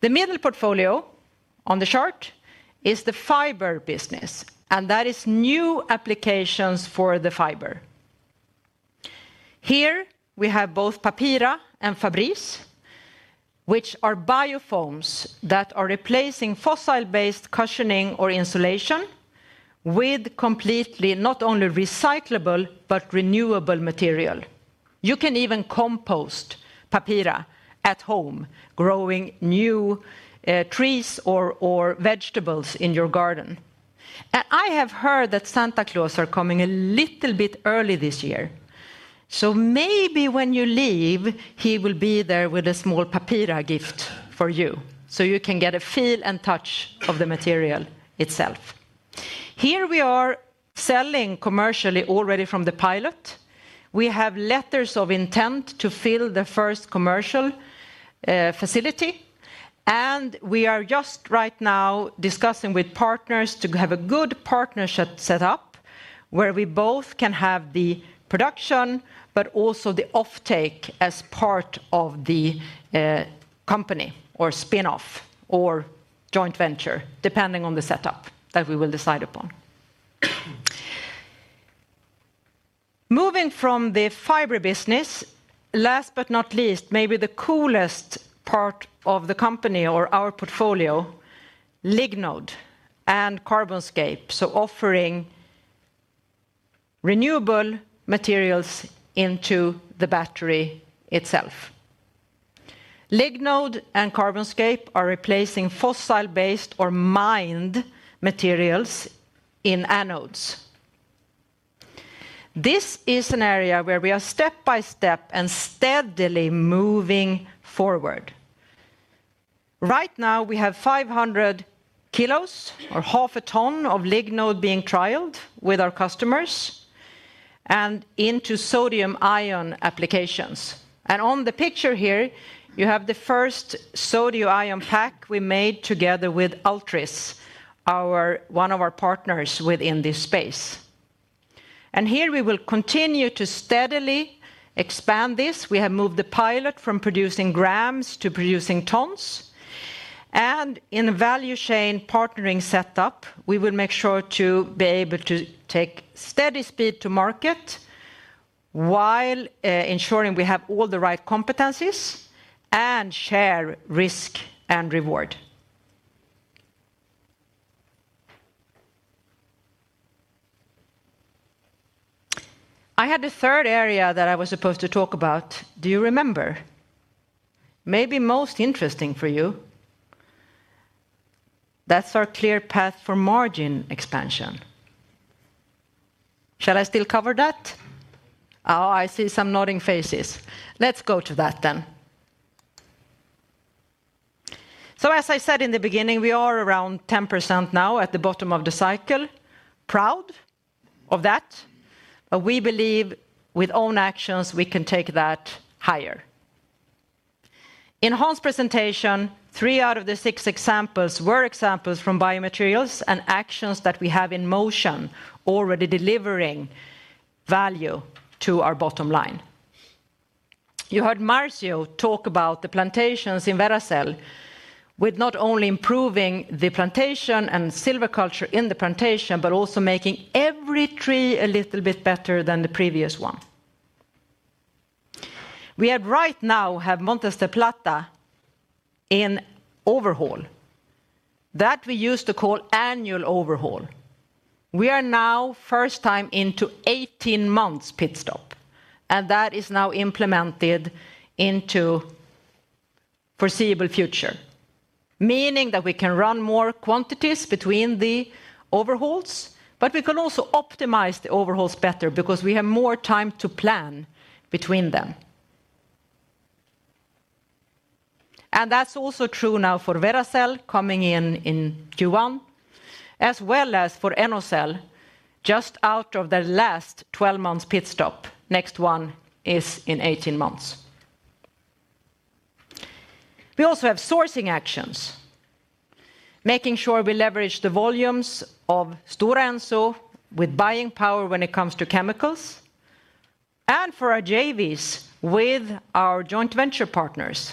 The middle portfolio on the chart is the fiber business, and that is new applications for the fiber. Here we have both Papira and Fibrease, which are biofoams that are replacing fossil-based cushioning or insulation with completely not only recyclable, but renewable material. You can even compost Papira at home, growing new trees or vegetables in your garden. I have heard that Santa Claus is coming a little bit early this year. Maybe when you leave, he will be there with a small Papira gift for you so you can get a feel and touch of the material itself. Here we are selling commercially already from the pilot. We have letters of intent to fill the first commercial facility, and we are just right now discussing with partners to have a good partnership set up where we both can have the production, but also the offtake as part of the company or spinoff or joint venture, depending on the setup that we will decide upon. Moving from the fiber business, last but not least, maybe the coolest part of the company or our portfolio, Lignode and CarbonScape, offering renewable materials into the battery itself. Lignode and CarbonScape are replacing fossil-based or mined materials in anodes. This is an area where we are step by step and steadily moving forward. Right now, we have 500 kg or 0.5 ton of Lignode being trialed with our customers and into sodium ion applications. On the picture here, you have the first sodium ion pack we made together with Altris, one of our partners within this space. Here we will continue to steadily expand this. We have moved the pilot from producing grams to producing tons. In a value chain partnering setup, we will make sure to be able to take steady speed to market while ensuring we have all the right competencies and share risk and reward. I had the third area that I was supposed to talk about. Do you remember? Maybe most interesting for you. That is our clear path for margin expansion. Shall I still cover that? I see some nodding faces. Let us go to that then. As I said in the beginning, we are around 10% now at the bottom of the cycle, proud of that. We believe with own actions, we can take that higher. In Hans' presentation, three out of the six examples were examples from biomaterials and actions that we have in motion already delivering value to our bottom line. You heard Marcio talk about the plantations in Veracel with not only improving the plantation and silviculture in the plantation, but also making every tree a little bit better than the previous one. We right now have Montes del Plata in overhaul that we used to call annual overhaul. We are now first time into 18 months pit stop, and that is now implemented into foreseeable future, meaning that we can run more quantities between the overhauls, but we can also optimize the overhauls better because we have more time to plan between them. That is also true now for Veracel coming in Q1, as well as for Enocel just out of their last 12 months pit stop. The next one is in 18 months. We also have sourcing actions, making sure we leverage the volumes of Stora Enso with buying power when it comes to chemicals and for our JVs with our joint venture partners.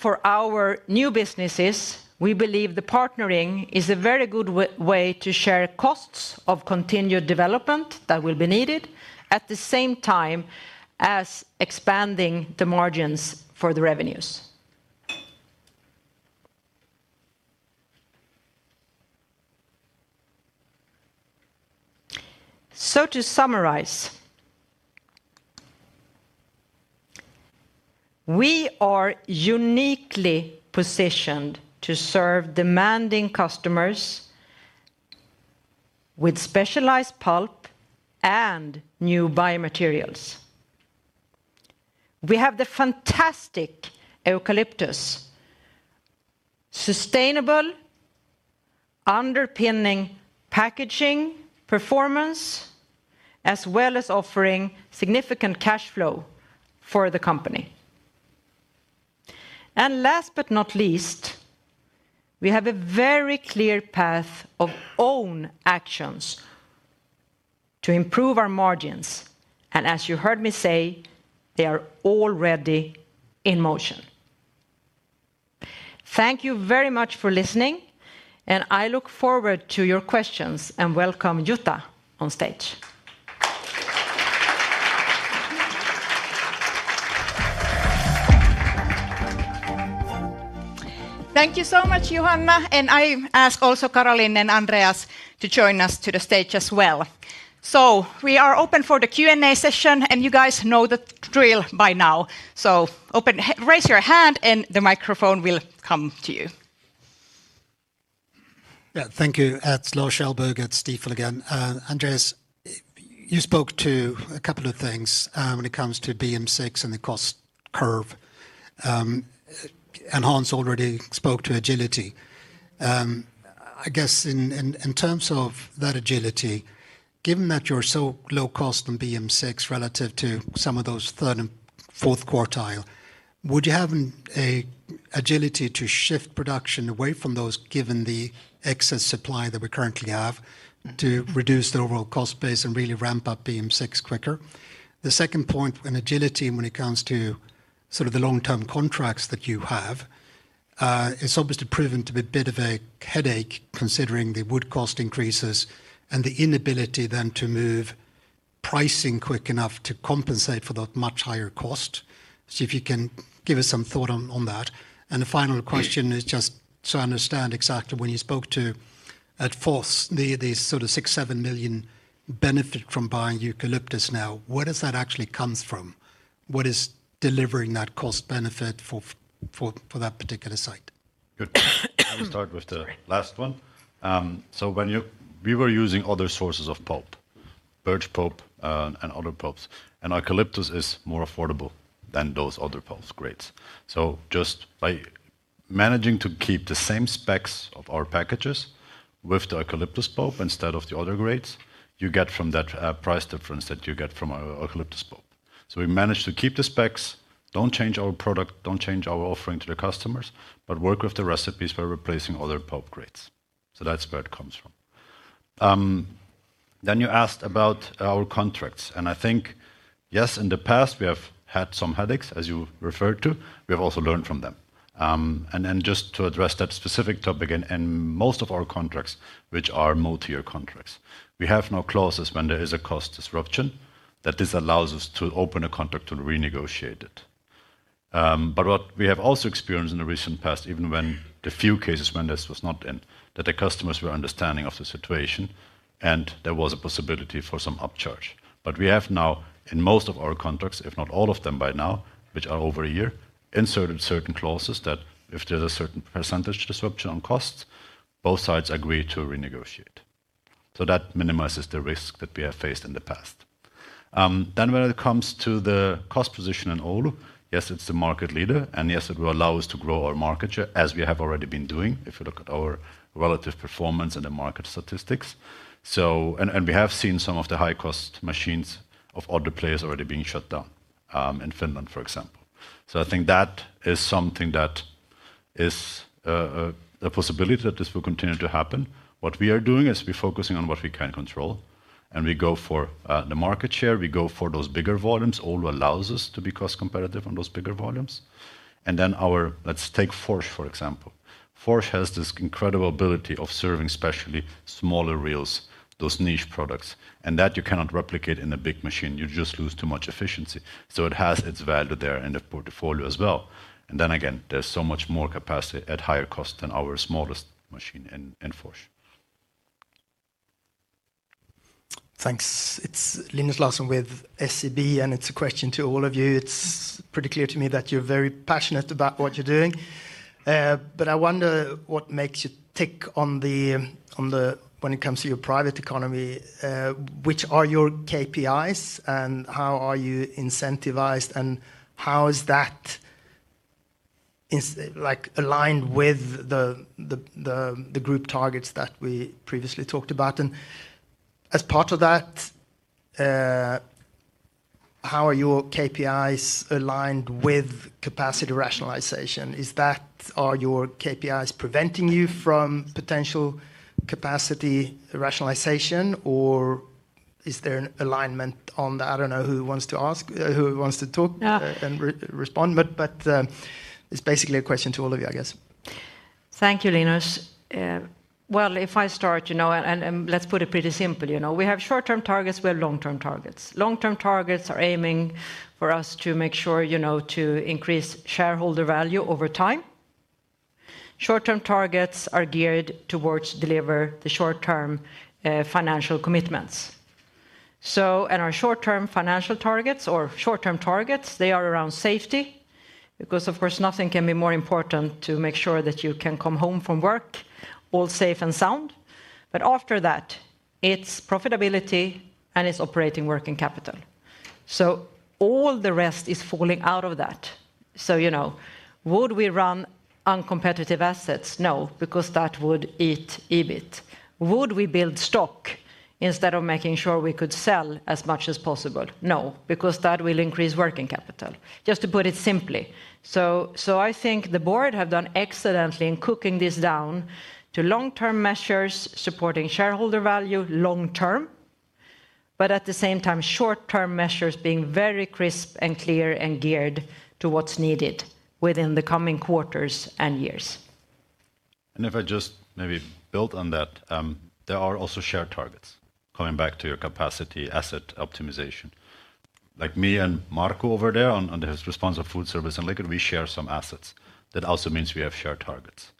For our new businesses, we believe the partnering is a very good way to share costs of continued development that will be needed at the same time as expanding the margins for the revenues. To summarize, we are uniquely positioned to serve demanding customers with specialized pulp and new biomaterials. We have the fantastic eucalyptus, sustainable, underpinning packaging performance, as well as offering significant cash flow for the company. Last but not least, we have a very clear path of own actions to improve our margins. As you heard me say, they are already in motion. Thank you very much for listening, and I look forward to your questions and welcome Jutta on stage. Thank you so much, Johanna. I ask also Carolyn and Andreas to join us to the stage as well. We are open for the Q&A session, and you guys know the drill by now. Raise your hand and the microphone will come to you. Thank you, it is Lars Kjellberg at Stifel again. Andreas, you spoke to a couple of things when it comes to BM6 and the cost curve. Hans already spoke to agility. I guess in terms of that agility, given that you're so low cost on BM6 relative to some of those third and fourth quartile, would you have an agility to shift production away from those given the excess supply that we currently have to reduce the overall cost base and really ramp up BM6 quicker? The second point, an agility when it comes to sort of the long-term contracts that you have, it's obviously proven to be a bit of a headache considering the wood cost increases and the inability then to move pricing quick enough to compensate for that much higher cost. If you can give us some thought on that. The final question is just to understand exactly when you spoke to at Force, these sort of six, seven million benefit from buying eucalyptus now, where does that actually come from? What is delivering that cost benefit for that particular site? Good. I'll start with the last one. When we were using other sources of pulp, birch pulp and other pulps, Eucalyptus is more affordable than those other pulp grades. Just by managing to keep the same specs of our packages with the Eucalyptus pulp instead of the other grades, you get from that price difference that you get from our Eucalyptus pulp. We managed to keep the specs, don't change our product, don't change our offering to the customers, but work with the recipes by replacing other pulp grades. That is where it comes from. You asked about our contracts. I think, yes, in the past, we have had some headaches, as you referred to. We have also learned from them. To address that specific topic, in most of our contracts, which are multi-year contracts, we have clauses when there is a cost disruption that allow us to open a contract to renegotiate it. What we have also experienced in the recent past, even in the few cases when this was not in, is that the customers were understanding of the situation and there was a possibility for some upcharge. We have now, in most of our contracts, if not all of them by now, which are over a year, inserted certain clauses that if there is a certain percentage disruption on costs, both sides agree to renegotiate. That minimizes the risk that we have faced in the past. When it comes to the cost position in Oulu, yes, it's the market leader, and yes, it will allow us to grow our market share as we have already been doing if you look at our relative performance and the market statistics. We have seen some of the high-cost machines of other players already being shut down in Finland, for example. I think that is something that is a possibility that this will continue to happen. What we are doing is we're focusing on what we can control, and we go for the market share. We go for those bigger volumes. Oulu allows us to be cost competitive on those bigger volumes. Let's take Force, for example. Force has this incredible ability of serving especially smaller reels, those niche products, and that you cannot replicate in a big machine. You just lose too much efficiency. It has its value there in the portfolio as well. There is so much more capacity at higher cost than our smallest machine in Force. Thanks. It's Linus Larsson with SEB, and it's a question to all of you. It's pretty clear to me that you're very passionate about what you're doing. I wonder what makes you tick when it comes to your private economy, which are your KPIs and how are you incentivized and how is that aligned with the group targets that we previously talked about? As part of that, how are your KPIs aligned with capacity rationalization? Are your KPIs preventing you from potential capacity rationalization, or is there an alignment on that? I don't know who wants to talk and respond, but it's basically a question to all of you, I guess. Thank you, Linus. If I start, and let's put it pretty simple, we have short-term targets with long-term targets. Long-term targets are aiming for us to make sure to increase shareholder value over time. Short-term targets are geared towards delivering the short-term financial commitments. Our short-term financial targets or short-term targets, they are around safety because, of course, nothing can be more important to make sure that you can come home from work all safe and sound. After that, it's profitability and it's operating working capital. All the rest is falling out of that. Would we run uncompetitive assets? No, because that would eat EBIT. Would we build stock instead of making sure we could sell as much as possible? No, because that will increase working capital, just to put it simply. I think the board has done excellently in cooking this down to long-term measures supporting shareholder value long-term, but at the same time, short-term measures being very crisp and clear and geared to what's needed within the coming quarters and years. If I just maybe build on that, there are also shared targets coming back to your capacity asset optimization. Like me and Markku over there on the response of food service and liquor, we share some assets. That also means we have shared targets.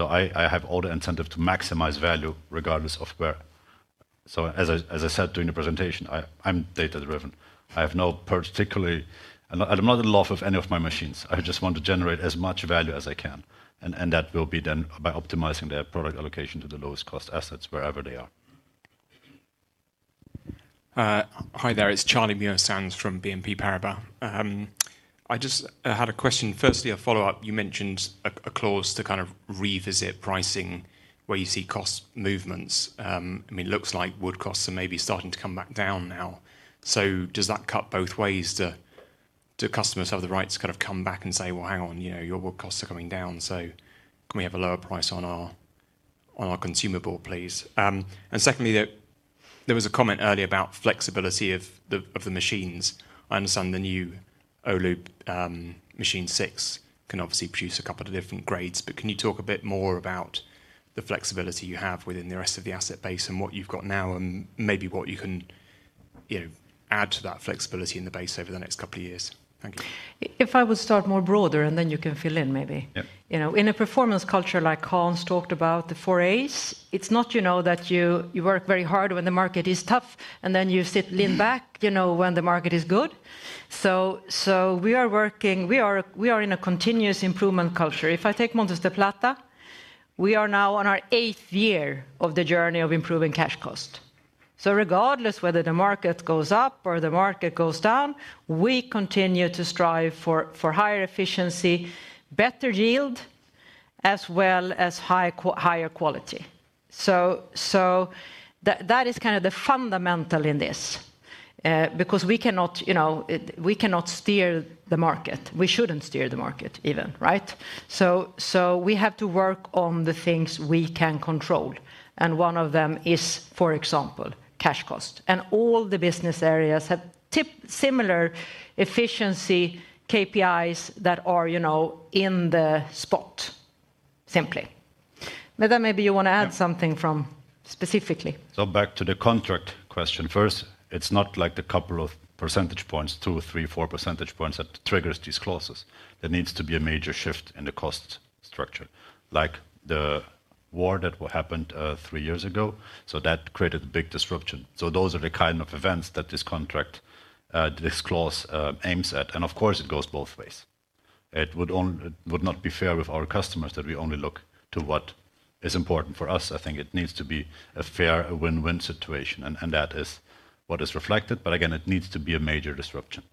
I have all the incentive to maximize value regardless of where. As I said during the presentation, I'm data-driven. I have no particularly, I'm not in love with any of my machines. I just want to generate as much value as I can. That will be done by optimizing their product allocation to the lowest cost assets wherever they are. Hi there, it's Charlie Muir-Sands from BNP Paribas Exane. I just had a question. Firstly, a follow-up. You mentioned a clause to kind of revisit pricing where you see cost movements. I mean, it looks like wood costs are maybe starting to come back down now. Does that cut both ways? Do customers have the right to kind of come back and say, "Well, hang on, your wood costs are coming down, so can we have a lower price on our consumable, please?" Secondly, there was a comment earlier about flexibility of the machines. I understand the new Oulu machine six can obviously produce a couple of different grades, but can you talk a bit more about the flexibility you have within the rest of the asset base and what you've got now and maybe what you can add to that flexibility in the base over the next couple of years? Thank you. If I would start more broader, and then you can fill in maybe. In a performance culture like Hans talked about, the four A's, it's not that you work very hard when the market is tough, and then you sit lean back when the market is good. We are working, we are in a continuous improvement culture. If I take Montes del Plata, we are now on our eighth year of the journey of improving cash cost. Regardless whether the market goes up or the market goes down, we continue to strive for higher efficiency, better yield, as well as higher quality. That is kind of the fundamental in this because we cannot steer the market. We should not steer the market even, right? We have to work on the things we can control. One of them is, for example, cash cost. All the business areas have similar efficiency KPIs that are in the spot, simply. Maybe you want to add something from specifically. Back to the contract question first, it is not like the couple of percentage points, two, three, four percentage points that triggers these clauses. There needs to be a major shift in the cost structure, like the war that happened three years ago. That created a big disruption. Those are the kind of events that this contract, this clause aims at. Of course, it goes both ways. It would not be fair with our customers that we only look to what is important for us. I think it needs to be a fair win-win situation, and that is what is reflected. Again, it needs to be a major disruption.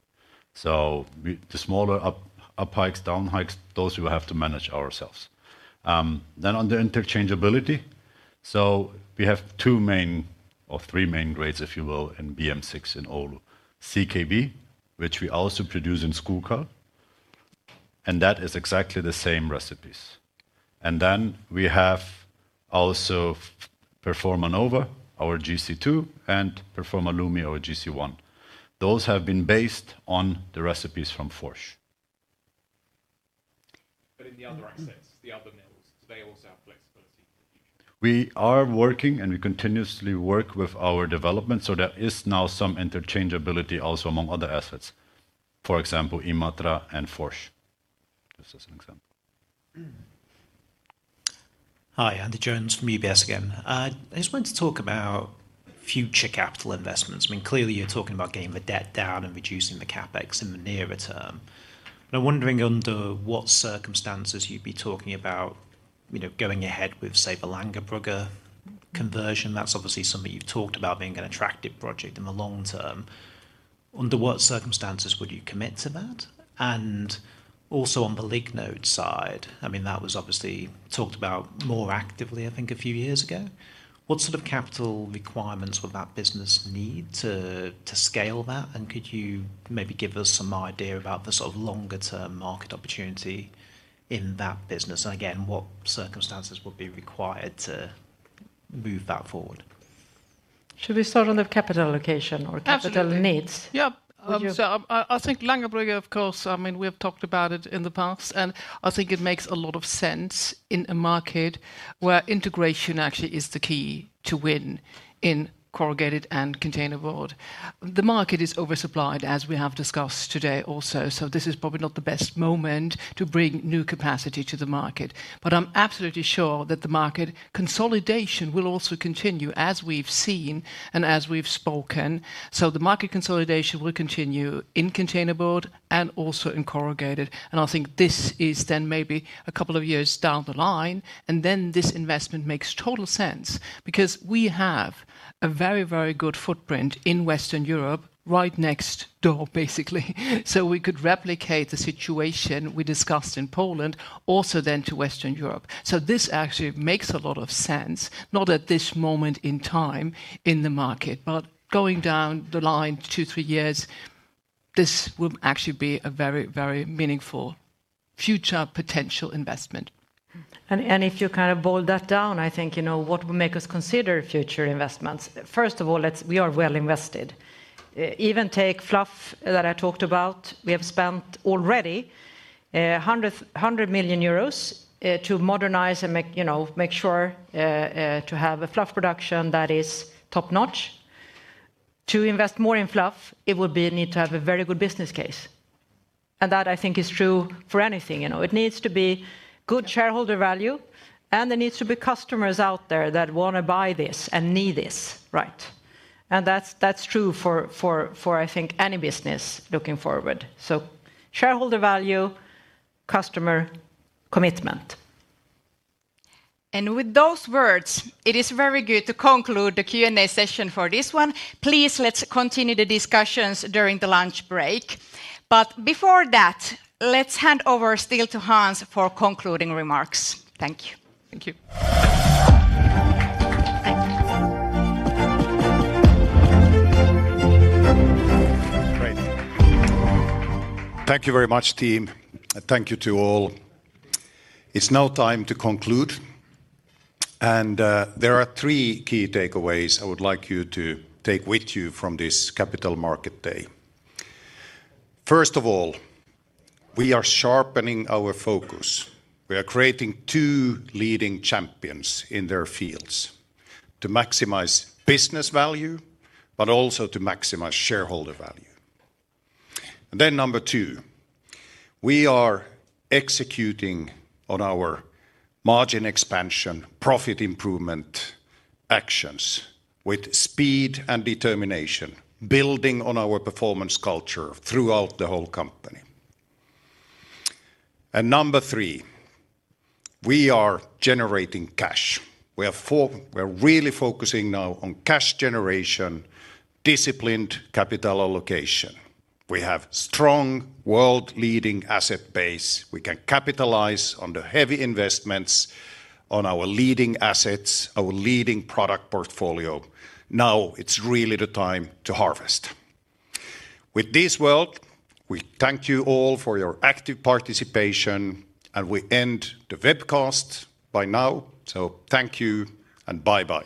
The smaller uphikes, downhikes, those we will have to manage ourselves. On the interchangeability, we have two main or three main grades, if you will, in BM6 in Oulu, CKB, which we also produce in Skoghall. That is exactly the same recipes. We have also Performa Nova, our GC2, and Performa Lumi, our GC1. Those have been based on the recipes from Force. In the other assets, the other mills, do they also have flexibility for the future? We are working and we continuously work with our development. There is now some interchangeability also among other assets, for example, Imatra and Force, just as an example. Hi, Andy Jones from UBS again. I just wanted to talk about future capital investments. I mean, clearly you're talking about getting the debt down and reducing the CapEx in the nearer term. I'm wondering under what circumstances you'd be talking about going ahead with, say, the Langebrugge conversion. That's obviously something you've talked about being an attractive project in the long term. Under what circumstances would you commit to that? Also, on the Lignode side, I mean, that was obviously talked about more actively, I think, a few years ago. What sort of capital requirements would that business need to scale that? Could you maybe give us some idea about the sort of longer-term market opportunity in that business? Again, what circumstances would be required to move that forward? Should we start on the capital allocation or capital needs? Yeah. I think Langerbrugge, of course, I mean, we have talked about it in the past, and I think it makes a lot of sense in a market where integration actually is the key to win in corrugated and container board. The market is oversupplied, as we have discussed today also. This is probably not the best moment to bring new capacity to the market. I am absolutely sure that the market consolidation will also continue as we have seen and as we have spoken. The market consolidation will continue in container board and also in corrugated. I think this is then maybe a couple of years down the line, and then this investment makes total sense because we have a very, very good footprint in Western Europe right next door, basically. We could replicate the situation we discussed in Poland also then to Western Europe. This actually makes a lot of sense, not at this moment in time in the market, but going down the line two, three years, this will actually be a very, very meaningful future potential investment. If you kind of boil that down, I think what will make us consider future investments? First of all, we are well invested. Even take fluff that I talked about. We have spent already 100 million euros to modernize and make sure to have a fluff production that is top-notch. To invest more in fluff, it would be a need to have a very good business case. That, I think, is true for anything. It needs to be good shareholder value, and there needs to be customers out there that want to buy this and need this, right? That is true for, I think, any business looking forward. Shareholder value, customer commitment. With those words, it is very good to conclude the Q&A session for this one. Please, let's continue the discussions during the lunch break. Before that, let's hand over still to Hans for concluding remarks. Thank you. Thank you. Great. Thank you very much, team. Thank you to all. It is now time to conclude. There are three key takeaways I would like you to take with you from this Capital Markets Day. First of all, we are sharpening our focus. We are creating two leading champions in their fields to maximize business value, but also to maximize shareholder value. Number two, we are executing on our margin expansion, profit improvement actions with speed and determination, building on our performance culture throughout the whole company. Number three, we are generating cash. We are really focusing now on cash generation, disciplined capital allocation. We have a strong world-leading asset base. We can capitalize on the heavy investments on our leading assets, our leading product portfolio. Now it is really the time to harvest. With this word, we thank you all for your active participation, and we end the webcast by now. Thank you and bye-bye.